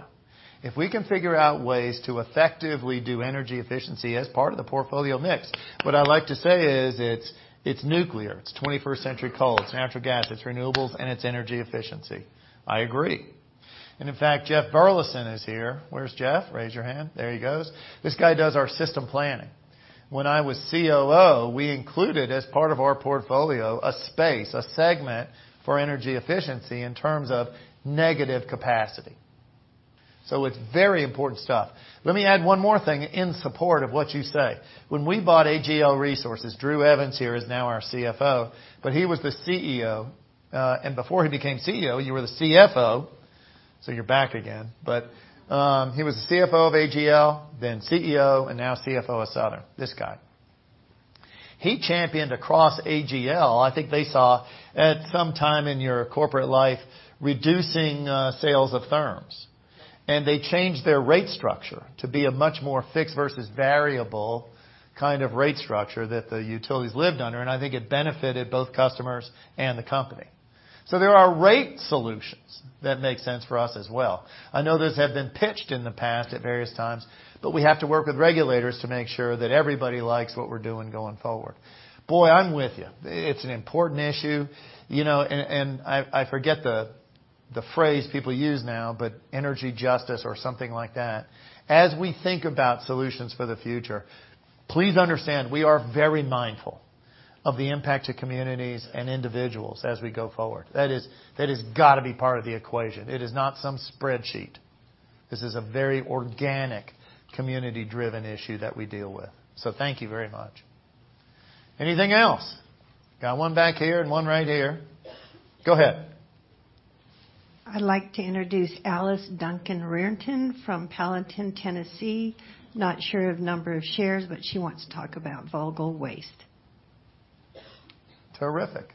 If we can figure out ways to effectively do energy efficiency as part of the portfolio mix, what I like to say is it's nuclear, it's 21st century coal, it's natural gas, it's renewables, and it's energy efficiency. I agree. In fact, Jeff Burleson is here. Where's Jeff? Raise your hand. There he goes. This guy does our system planning. When I was COO, we included, as part of our portfolio, a space, a segment for energy efficiency in terms of negative capacity. It's very important stuff. Let me add one more thing in support of what you say. When we bought AGL Resources, Drew Evans here is now our CFO. He was the CEO. Before he became CEO, you were the CFO. You're back again. He was the CFO of AGL, then CEO, and now CFO of Southern. This guy. He championed across AGL, I think they saw at some time in your corporate life, reducing sales of therms. They changed their rate structure to be a much more fixed versus variable kind of rate structure that the utilities lived under. I think it benefited both customers and the company. There are rate solutions that make sense for us as well. I know those have been pitched in the past at various times. We have to work with regulators to make sure that everybody likes what we're doing going forward. Boy, I'm with you. It's an important issue. I forget the phrase people use now. Energy justice or something like that. As we think about solutions for the future, please understand, we are very mindful of the impact to communities and individuals as we go forward. That has got to be part of the equation. It is not some spreadsheet. This is a very organic, community-driven issue that we deal with. Thank you very much. Anything else? Got one back here and one right here. Go ahead. I'd like to introduce Alice Duncan Rearton from Gallatin, Tennessee. Not sure of number of shares, she wants to talk about Vogtle Waste. Terrific.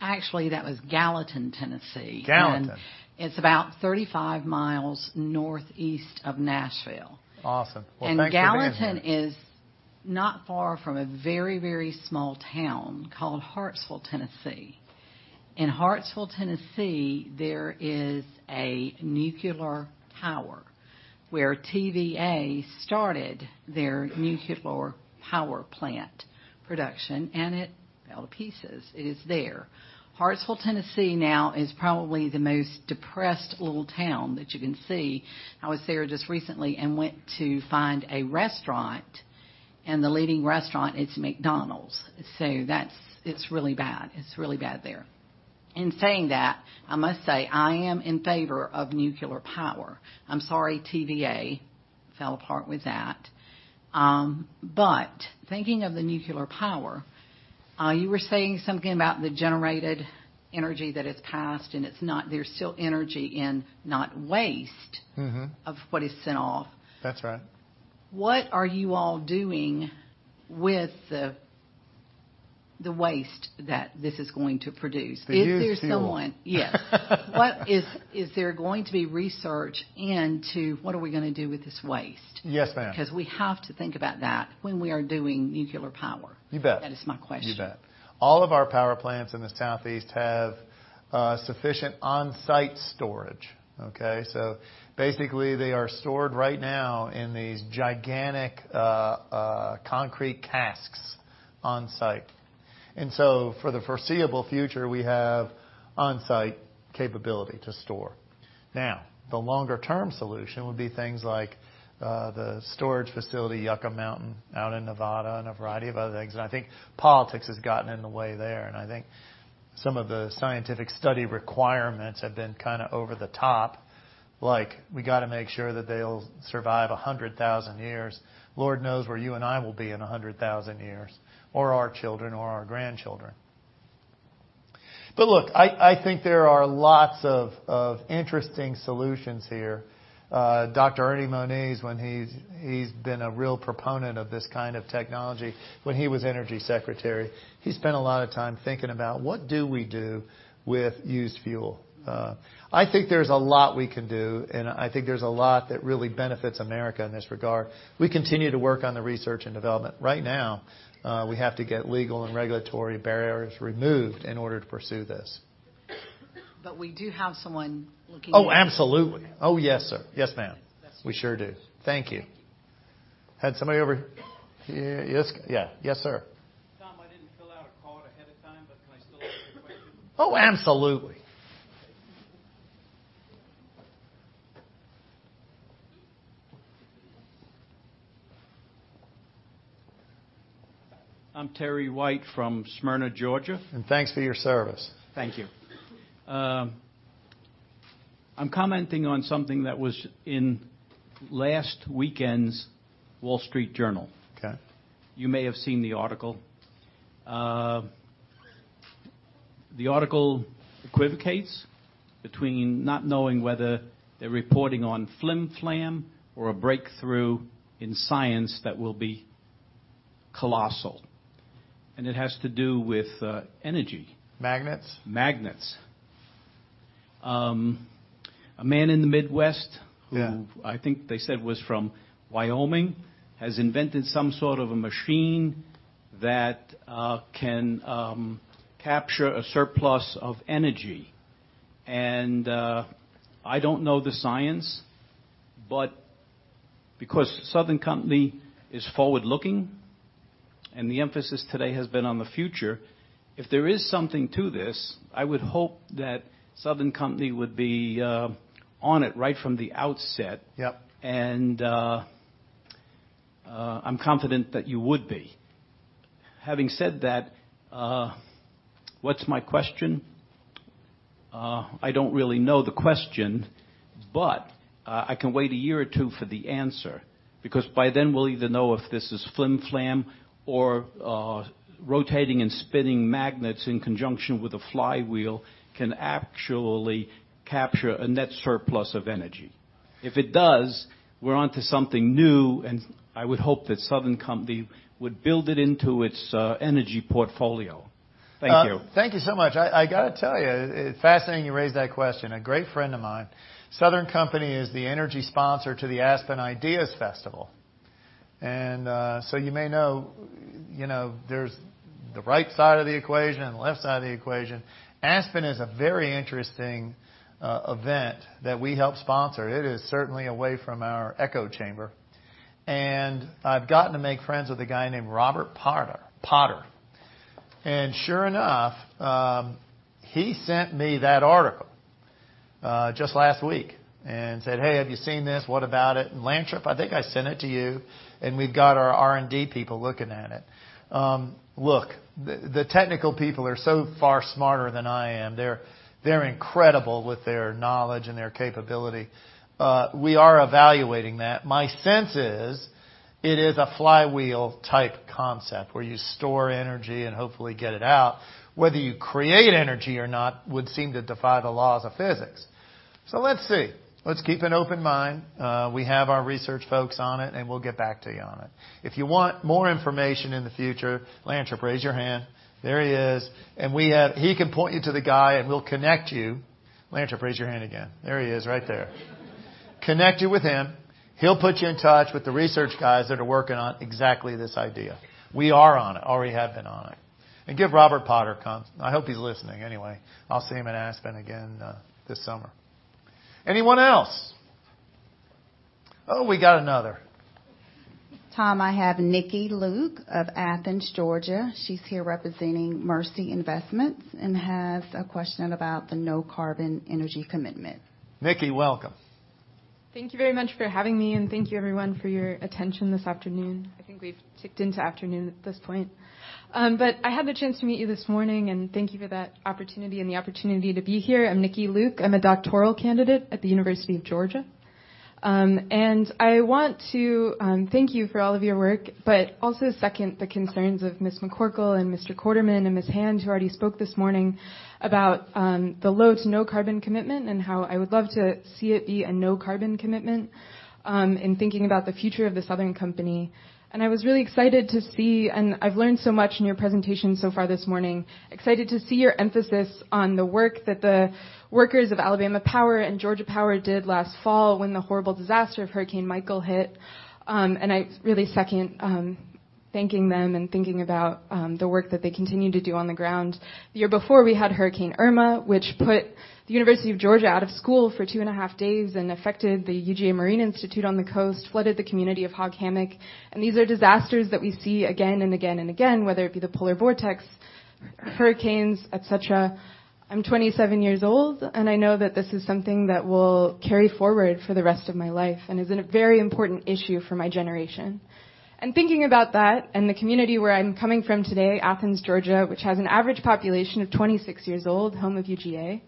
Actually, that was Gallatin, Tennessee. Gallatin. It's about 35 miles northeast of Nashville. Awesome. Well, thanks for being here. Gallatin is not far from a very, very small town called Hartsville, Tennessee. In Hartsville, Tennessee, there is a nuclear tower where TVA started their nuclear power plant production, and it fell to pieces. It is there. Hartsville, Tennessee, now is probably the most depressed little town that you can see. I was there just recently and went to find a restaurant, and the leading restaurant, it's McDonald's. It's really bad there. In saying that, I must say, I am in favor of nuclear power. I'm sorry TVA fell apart with that. Thinking of the nuclear power, you were saying something about the generated energy that is passed and there's still energy, and not waste- of what is sent off. That's right. What are you all doing with the waste that this is going to produce? The used fuel. Yes. Is there going to be research into what are we going to do with this waste? Yes, ma'am. We have to think about that when we are doing nuclear power. You bet. That is my question. You bet. All of our power plants in the Southeast have sufficient on-site storage. Okay? Basically, they are stored right now in these gigantic concrete casks on-site. For the foreseeable future, we have on-site capability to store. The longer term solution would be things like the storage facility, Yucca Mountain out in Nevada and a variety of other things. I think politics has gotten in the way there, I think some of the scientific study requirements have been kind of over the top. Like we got to make sure that they'll survive 100,000 years. Lord knows where you and I will be in 100,000 years, or our children, or our grandchildren. Look, I think there are lots of interesting solutions here. Dr. Ernie Moniz, he's been a real proponent of this kind of technology. When he was energy secretary, he spent a lot of time thinking about what do we do with used fuel? I think there's a lot we can do, and I think there's a lot that really benefits America in this regard. We continue to work on the research and development. Right now, we have to get legal and regulatory barriers removed in order to pursue this. We do have someone looking into it. Oh, absolutely. Oh, yes, sir. Yes, ma'am. Yes, sir. We sure do. Thank you. Thank you. Had somebody over here. Yes. Yeah. Yes, sir. Tom, I didn't fill out a card ahead of time, but can I still ask you a question? Oh, absolutely. I'm Terry White from Smyrna, Georgia. Thanks for your service. Thank you. I'm commenting on something that was in last weekend's Wall Street Journal. Okay. You may have seen the article. The article equivocates between not knowing whether they're reporting on flimflam or a breakthrough in science that will be colossal, and it has to do with energy. Magnets? Magnets. A man in the Midwest. Yeah I think they said was from Wyoming, has invented some sort of a machine that can capture a surplus of energy. I don't know the science, but because Southern Company is forward-looking, the emphasis today has been on the future, if there is something to this, I would hope that Southern Company would be on it right from the outset. Yep. I'm confident that you would be. Having said that, what's my question? I don't really know the question, but I can wait a year or two for the answer, because by then we'll either know if this is flimflam or rotating and spinning magnets in conjunction with a flywheel can actually capture a net surplus of energy. If it does, we're onto something new, I would hope that Southern Company would build it into its energy portfolio. Thank you. Thank you so much. I got to tell you, it's fascinating you raised that question. A great friend of mine. Southern Company is the energy sponsor to the Aspen Ideas Festival. You may know, there's the right side of the equation and the left side of the equation. Aspen is a very interesting event that we help sponsor. It is certainly away from our echo chamber, I've gotten to make friends with a guy named Robert Potter. Sure enough, he sent me that article just last week and said, "Hey, have you seen this? What about it?" Lantrip, I think I sent it to you, we've got our R&D people looking at it. Look, the technical people are so far smarter than I am. They're incredible with their knowledge and their capability. We are evaluating that. My sense is it is a flywheel-type concept where you store energy and hopefully get it out. Whether you create energy or not would seem to defy the laws of physics. Let's see. Let's keep an open mind. We have our research folks on it, and we'll get back to you on it. If you want more information in the future, Lantrip, raise your hand. There he is. He can point you to the guy, and we'll connect you. Lantrip, raise your hand again. There he is right there. Connect you with him. He'll put you in touch with the research guys that are working on exactly this idea. We are on it, already have been on it. Give Robert Potter congrats. I hope he's listening anyway. I'll see him in Aspen again this summer. We got another. Tom, I have Nikki Luke of Athens, Georgia. She's here representing Mercy Investments and has a question about the no carbon energy commitment. Nikki, welcome. Thank you very much for having me, and thank you everyone for your attention this afternoon. I think we've ticked into afternoon at this point. I had the chance to meet you this morning, and thank you for that opportunity and the opportunity to be here. I'm Nikki Luke. I'm a doctoral candidate at the University of Georgia. I want to thank you for all of your work, but also second the concerns of Ms. McCorkle and Mr. Quarterman and Ms. Hand, who already spoke this morning about the low to no carbon commitment and how I would love to see it be a no carbon commitment in thinking about the future of The Southern Company. I was really excited to see, and I've learned so much in your presentation so far this morning, excited to see your emphasis on the work that the workers of Alabama Power and Georgia Power did last fall when the horrible disaster of Hurricane Michael hit. I really second thanking them and thinking about the work that they continue to do on the ground. The year before we had Hurricane Irma, which put the University of Georgia out of school for two and a half days and affected the UGA Marine Institute on the coast, flooded the community of Hog Hammock, these are disasters that we see again and again and again, whether it be the polar vortex, hurricanes, et cetera. I'm 27 years old, I know that this is something that will carry forward for the rest of my life and is a very important issue for my generation. Thinking about that and the community where I'm coming from today, Athens, Georgia, which has an average population of 26 years old, home of UGA.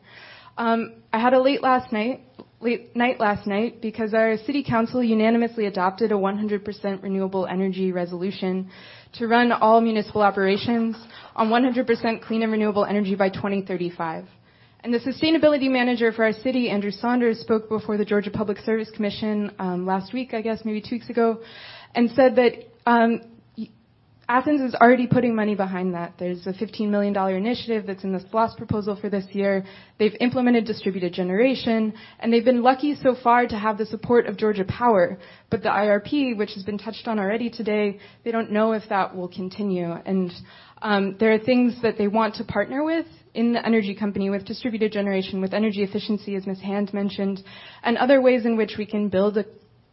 I had a late night last night because our city council unanimously adopted a 100% renewable energy resolution to run all municipal operations on 100% clean and renewable energy by 2035. The sustainability manager for our city, Andrew Saunders, spoke before the Georgia Public Service Commission last week, I guess, maybe two weeks ago, said that Athens is already putting money behind that. There's a $15 million initiative that's in the SPLOST proposal for this year. They've implemented distributed generation, they've been lucky so far to have the support of Georgia Power. The IRP, which has been touched on already today, they don't know if that will continue. There are things that they want to partner with in the energy company, with distributed generation, with energy efficiency, as Ms. Hand mentioned, other ways in which we can build a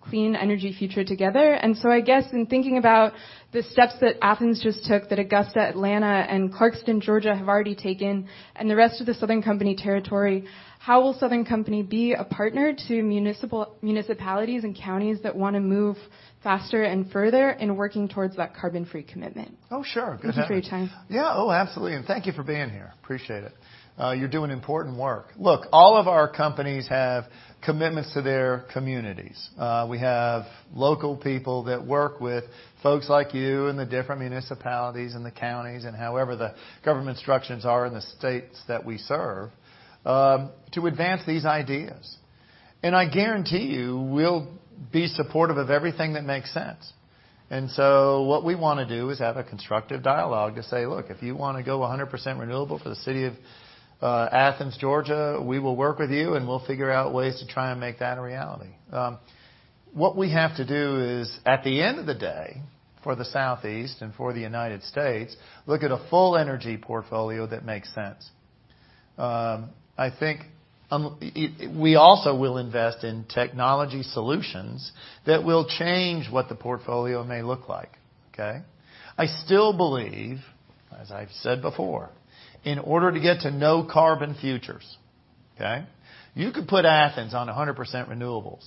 clean energy future together. I guess in thinking about the steps that Athens just took, that Augusta, Atlanta, and Clarkston, Georgia have already taken, and the rest of the Southern Company territory, how will Southern Company be a partner to municipalities and counties that want to move faster and further in working towards that carbon-free commitment? Oh, sure. Good afternoon. Thank you for your time. Yeah. Oh, absolutely. Thank you for being here. Appreciate it. You're doing important work. Look, all of our companies have commitments to their communities. We have local people that work with folks like you in the different municipalities, in the counties, and however the government structures are in the states that we serve, to advance these ideas. I guarantee you, we'll be supportive of everything that makes sense. What we want to do is have a constructive dialogue to say, "Look, if you want to go 100% renewable for the city of Athens, Georgia, we will work with you, and we'll figure out ways to try and make that a reality." What we have to do is, at the end of the day, for the Southeast and for the United States, look at a full energy portfolio that makes sense. I think we also will invest in technology solutions that will change what the portfolio may look like. Okay? I still believe, as I've said before, in order to get to no carbon futures, okay? You could put Athens on 100% renewables.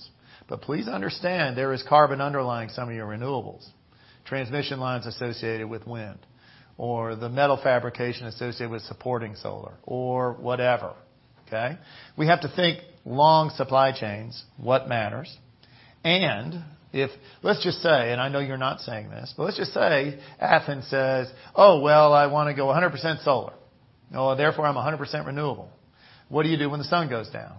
Please understand there is carbon underlying some of your renewables, transmission lines associated with wind, or the metal fabrication associated with supporting solar, or whatever. Okay? We have to think long supply chains, what matters. If, let's just say, and I know you're not saying this, but let's just say Athens says, "Oh, well, I want to go 100% solar, therefore I'm 100% renewable." What do you do when the sun goes down?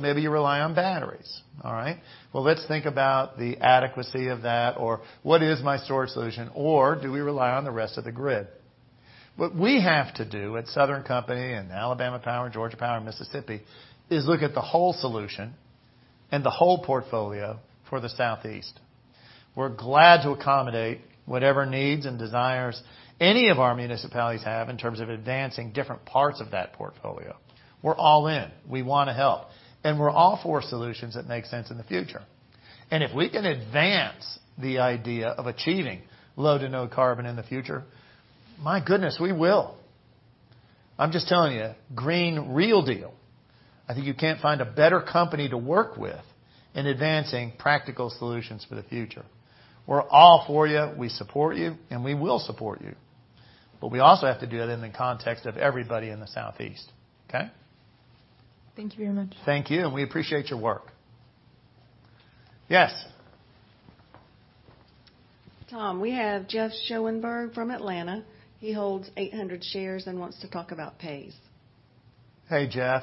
Maybe you rely on batteries. All right. Let's think about the adequacy of that or what is my storage solution, or do we rely on the rest of the grid? What we have to do at Southern Company and Alabama Power, Georgia Power, Mississippi, is look at the whole solution and the whole portfolio for the Southeast. We're glad to accommodate whatever needs and desires any of our municipalities have in terms of advancing different parts of that portfolio. We're all in. We want to help, and we're all for solutions that make sense in the future. If we can advance the idea of achieving low to no carbon in the future, my goodness, we will. I'm just telling you, Green Real Deal. I think you can't find a better company to work with in advancing practical solutions for the future. We're all for you, we support you, and we will support you. We also have to do that in the context of everybody in the Southeast. Okay? Thank you very much. Thank you, we appreciate your work. Yes. Tom, we have Jeff Schoenberg from Atlanta. He holds 800 shares and wants to talk about PAYS. Hey, Jeff.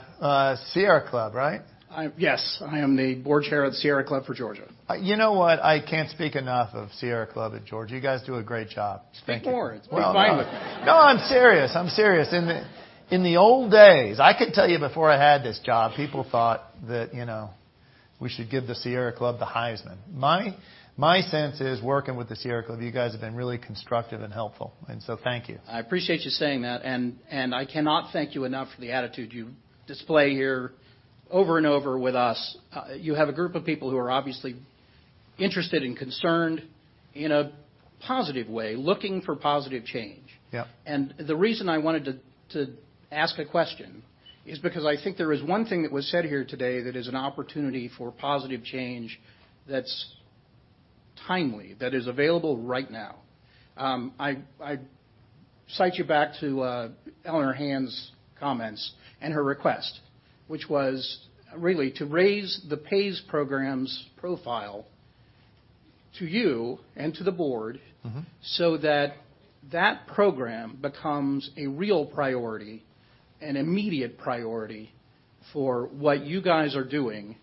Sierra Club, right? Yes. I am the board chair of Sierra Club for Georgia. You know what? I can't speak enough of Sierra Club at Georgia. You guys do a great job. Thank you. It's board. It's fine with me. No, I'm serious. I'm serious. In the old days, I could tell you before I had this job, people thought that we should give the Sierra Club the Heisman. My sense is, working with the Sierra Club, you guys have been really constructive and helpful, thank you. I appreciate you saying that, I cannot thank you enough for the attitude you display here over and over with us. You have a group of people who are obviously interested and concerned in a positive way, looking for positive change. Yep. The reason I wanted to ask a question is because I think there is one thing that was said here today that is an opportunity for positive change that's timely, that is available right now. I cite you back to Eleanor Hand's comments and her request, which was really to raise the PAYS program's profile to you and to the board. That that program becomes a real priority, an immediate priority for what you guys are doing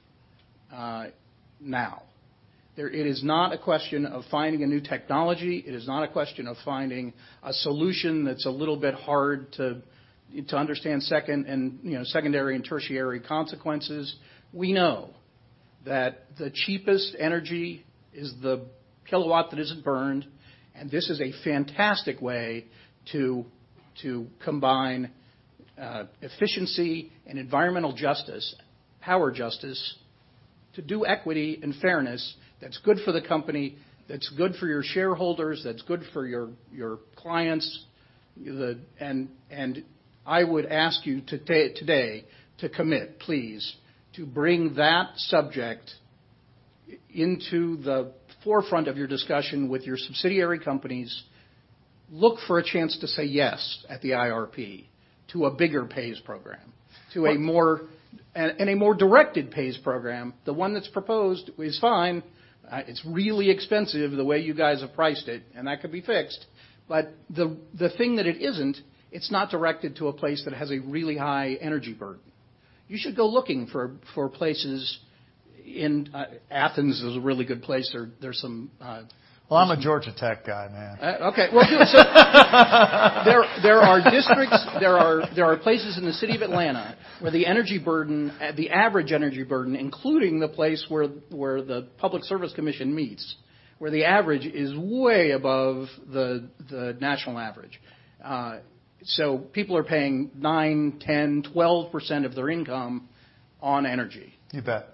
now. It is not a question of finding a new technology. It is not a question of finding a solution that's a little bit hard to understand secondary and tertiary consequences. We know that the cheapest energy is the kilowatt that isn't burned, and this is a fantastic way to combine efficiency and environmental justice, power justice, to do equity and fairness that's good for the company, that's good for your shareholders, that's good for your clients. I would ask you today to commit, please, to bring that subject into the forefront of your discussion with your subsidiary companies. Look for a chance to say yes at the IRP to a bigger PAYS program, to a more, and a more directed PAYS program. The one that's proposed is fine. It's really expensive the way you guys have priced it, and that could be fixed. The thing that it isn't, it's not directed to a place that has a really high energy burden. You should go looking for places. In Athens is a really good place. There's some Well, I'm a Georgia Tech guy, man. Okay. Well, there are districts, there are places in the city of Atlanta where the energy burden, the average energy burden, including the place where the Public Service Commission meets, where the average is way above the national average. People are paying nine, 10, 12% of their income on energy. You bet.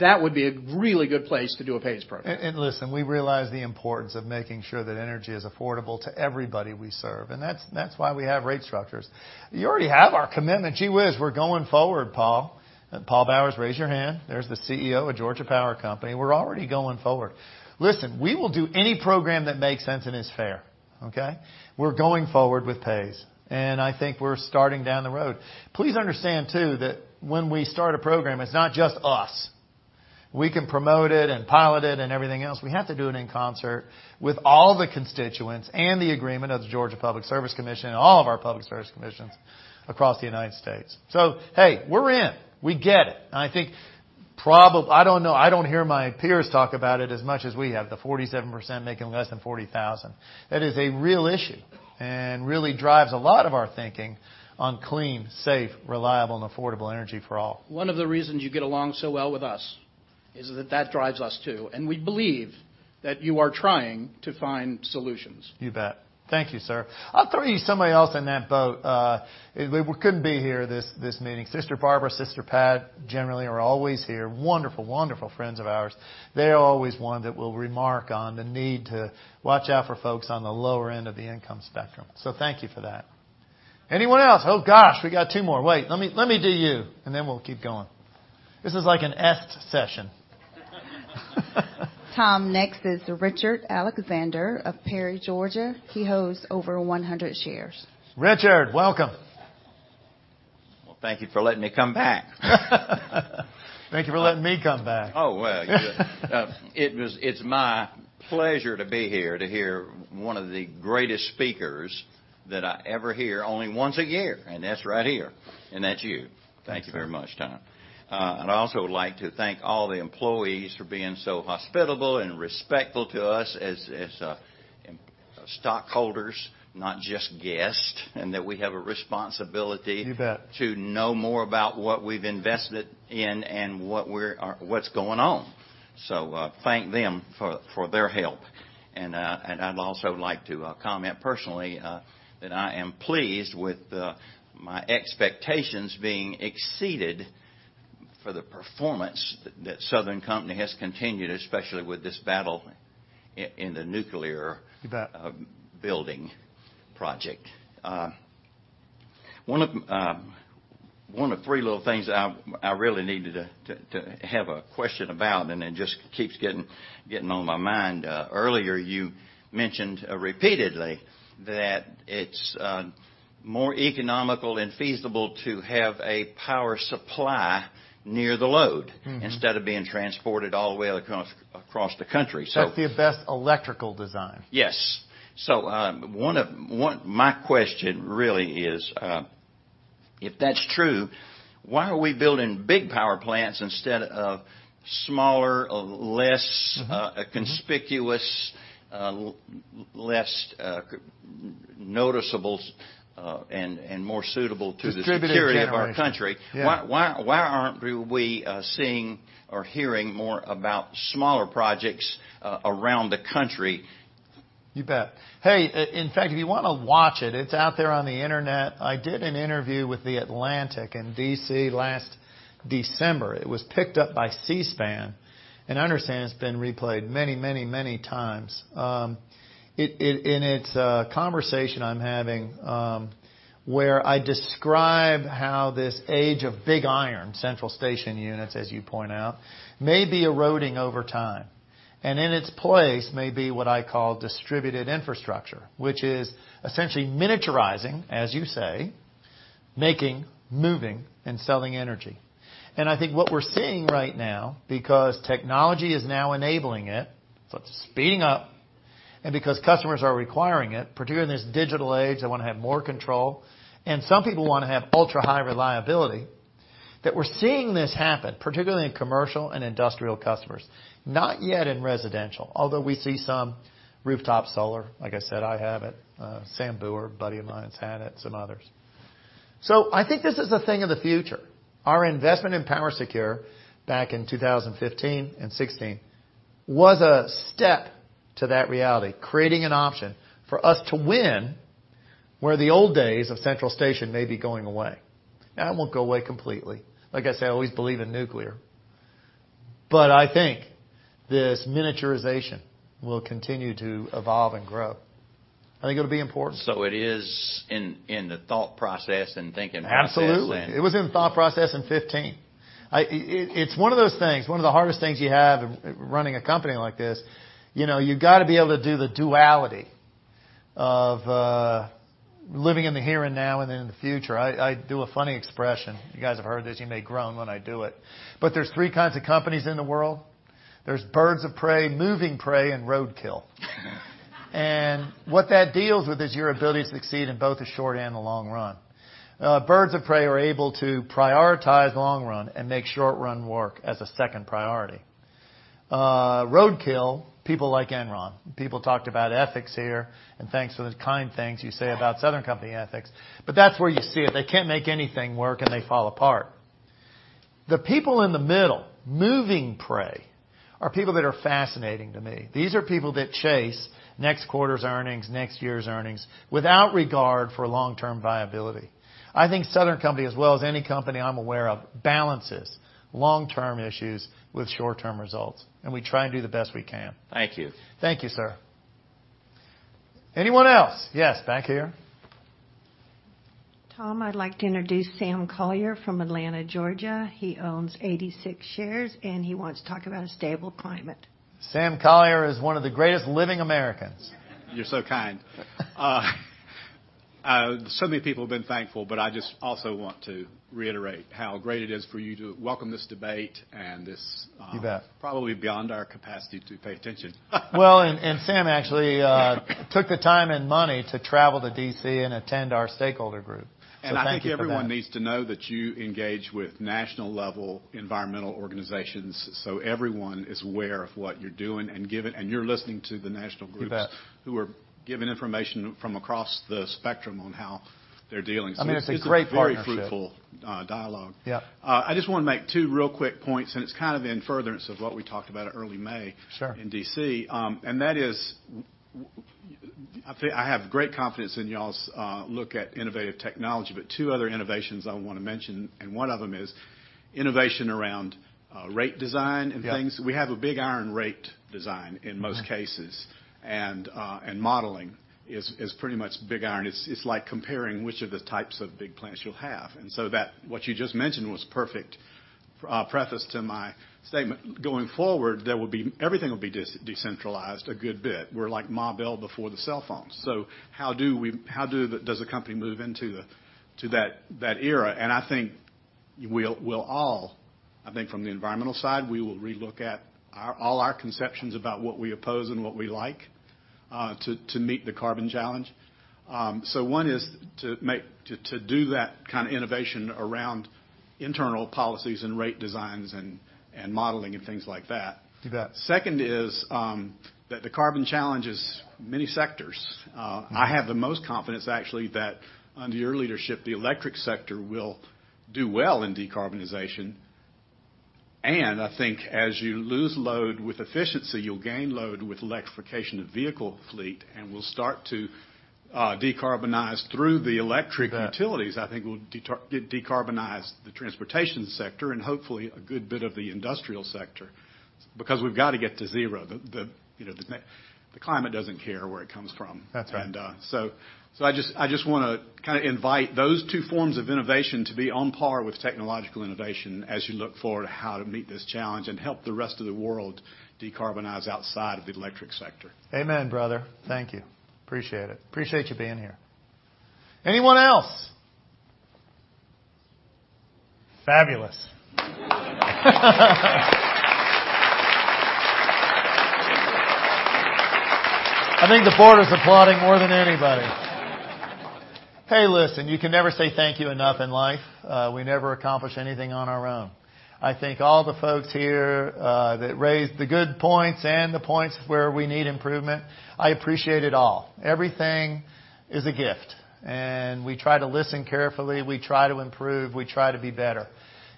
That would be a really good place to do a PAYS program. Listen, we realize the importance of making sure that energy is affordable to everybody we serve. That's why we have rate structures. You already have our commitment. Gee whiz, we're going forward, Paul. Paul Bowers, raise your hand. There's the CEO of Georgia Power Company. We're already going forward. Listen, we will do any program that makes sense and is fair, okay? We're going forward with PAYS, I think we're starting down the road. Please understand, too, that when we start a program, it's not just us. We can promote it and pilot it and everything else. We have to do it in concert with all the constituents and the agreement of the Georgia Public Service Commission and all of our public service commissions across the United States. Hey, we're in. We get it. I think probably, I don't know, I don't hear my peers talk about it as much as we have, the 47% making less than 40,000. That is a real issue, really drives a lot of our thinking on clean, safe, reliable, and affordable energy for all. One of the reasons you get along so well with us is that that drives us, too. We believe that you are trying to find solutions. You bet. Thank you, sir. I'll throw you somebody else in that boat. They couldn't be here this meeting. Sister Barbara, Pat Daly, generally are always here. Wonderful, wonderful friends of ours. They are always one that will remark on the need to watch out for folks on the lower end of the income spectrum. Thank you for that. Anyone else? Oh, gosh, we got two more. Wait, let me do you, and then we'll keep going. This is like an S session. Tom, next is Richard Alexander of Perry, Georgia. He holds over 100 shares. Richard, welcome. Well, thank you for letting me come back. Thank you for letting me come back. Oh, well. It's my pleasure to be here to hear one of the greatest speakers that I ever hear, only once a year, and that's right here, and that's you. Thank you very much, Tom. I'd also like to thank all the employees for being so hospitable and respectful to us as stockholders, not just guests, and that we have a responsibility. You bet to know more about what we've invested in and what's going on. Thank them for their help. I'd also like to comment personally that I am pleased with my expectations being exceeded for the performance that Southern Company has continued, especially with this battle in the nuclear. You bet building project. One of three little things I really needed to have a question about, and it just keeps getting on my mind. Earlier you mentioned repeatedly that it's more economical and feasible to have a power supply near the load. Instead of being transported all the way across the country. That's the best electrical design. Yes. My question really is, if that's true, why are we building big power plants instead of smaller, less conspicuous, less noticeable, and more suitable to the security of our country? Distributed generation. Yeah. Why aren't we seeing or hearing more about smaller projects around the country? You bet. Hey, in fact, if you want to watch it's out there on the internet. I did an interview with The Atlantic in D.C. last December. I understand it's been replayed many times. In its conversation I'm having, where I describe how this age of big iron, central station units, as you point out, may be eroding over time. In its place may be what I call distributed infrastructure, which is essentially miniaturizing, as you say, making, moving, and selling energy. I think what we're seeing right now, because technology is now enabling it, so it's speeding up, and because customers are requiring it, particularly in this digital age, they want to have more control, and some people want to have ultra-high reliability, that we're seeing this happen, particularly in commercial and industrial customers. Not yet in residential, although we see some rooftop solar. Like I said, I have it. Sam Booher, a buddy of mine's had it, some others. I think this is the thing of the future. Our investment in PowerSecure back in 2015 and 2016 was a step to that reality, creating an option for us to win where the old days of central station may be going away. It won't go away completely. Like I say, I always believe in nuclear. I think this miniaturization will continue to evolve and grow. I think it'll be important. It is in the thought process and thinking process. Absolutely. It was in the thought process in 2015. It's one of those things, one of the hardest things you have running a company like this, you've got to be able to do the duality of living in the here and now and in the future. I do a funny expression. You guys have heard this. You may groan when I do it. There's three kinds of companies in the world. There's birds of prey, moving prey, and roadkill. And what that deals with is your ability to succeed in both the short and the long run. Birds of prey are able to prioritize long run and make short run work as a second priority. Roadkill, people like Enron. People talked about ethics here, and thanks for the kind things you say about Southern Company ethics. That's where you see it. They can't make anything work, and they fall apart. The people in the middle, moving prey, are people that are fascinating to me. These are people that chase next quarter's earnings, next year's earnings, without regard for long-term viability. I think Southern Company as well as any company I'm aware of, balances long-term issues with short-term results. We try and do the best we can. Thank you. Thank you, sir. Anyone else? Yes, back here. Tom, I'd like to introduce Sam Collier from Atlanta, Georgia. He owns 86 shares, and he wants to talk about a stable climate. Sam Collier is one of the greatest living Americans. You're so kind. Many people have been thankful, I just also want to reiterate how great it is for you to welcome this debate. You bet probably beyond our capacity to pay attention. Well, Sam actually took the time and money to travel to D.C. and attend our stakeholder group. Thank you for that. I think everyone needs to know that you engage with national-level environmental organizations. Everyone is aware of what you're doing and you're listening to the national groups. You bet who are giving information from across the spectrum on how they're dealing. I mean, it's a great partnership. It's a very fruitful dialogue. Yeah. I just want to make two real quick points, it's kind of in furtherance of what we talked about at early May- Sure in D.C. That is, I have great confidence in y'all's look at innovative technology. Two other innovations I want to mention, one of them is innovation around rate design and things. Yeah. We have a big iron rate design in most cases. Modeling is pretty much big iron. It's like comparing which of the types of big plants you'll have. What you just mentioned was perfect preface to my statement. Going forward, everything will be decentralized a good bit. We're like Ma Bell before the cell phones. How does a company move into that era? I think we'll all, I think from the environmental side, we will relook at all our conceptions about what we oppose and what we like to meet the carbon challenge. One is to do that kind of innovation around internal policies and rate designs and modeling and things like that. You bet. Second is, that the carbon challenge is many sectors. I have the most confidence, actually, that under your leadership, the electric sector will do well in decarbonization, and I think as you lose load with efficiency, you'll gain load with electrification of vehicle fleet, and will start to decarbonize through the electric utilities. You bet. I think we'll decarbonize the transportation sector and hopefully a good bit of the industrial sector, because we've got to get to zero. The climate doesn't care where it comes from. That's right. I just want to kind of invite those two forms of innovation to be on par with technological innovation as you look forward to how to meet this challenge and help the rest of the world decarbonize outside of the electric sector. Amen, brother. Thank you. Appreciate it. Appreciate you being here. Anyone else? Fabulous. I think the board is applauding more than anybody. Hey, listen, you can never say thank you enough in life. We never accomplish anything on our own. I thank all the folks here that raised the good points and the points where we need improvement. I appreciate it all. Everything is a gift, and we try to listen carefully, we try to improve, we try to be better.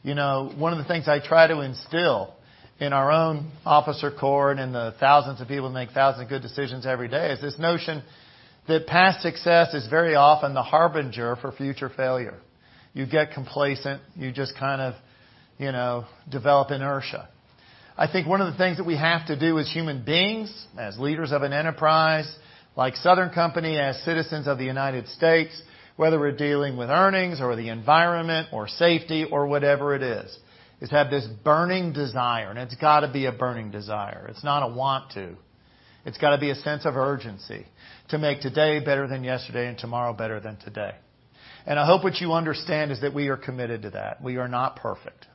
One of the things I try to instill in our own officer corps and the thousands of people who make thousands of good decisions every day is this notion that past success is very often the harbinger for future failure. You get complacent. You just kind of develop inertia. I think one of the things that we have to do as human beings, as leaders of an enterprise like Southern Company, as citizens of the United States, whether we're dealing with earnings or the environment or safety or whatever it is have this burning desire, and it's got to be a burning desire. It's not a want to. It's got to be a sense of urgency to make today better than yesterday and tomorrow better than today. I hope what you understand is that we are committed to that. We are not perfect.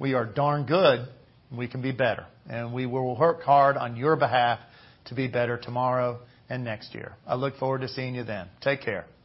We are darn good, and we can be better, and we will work hard on your behalf to be better tomorrow and next year. I look forward to seeing you then. Take care.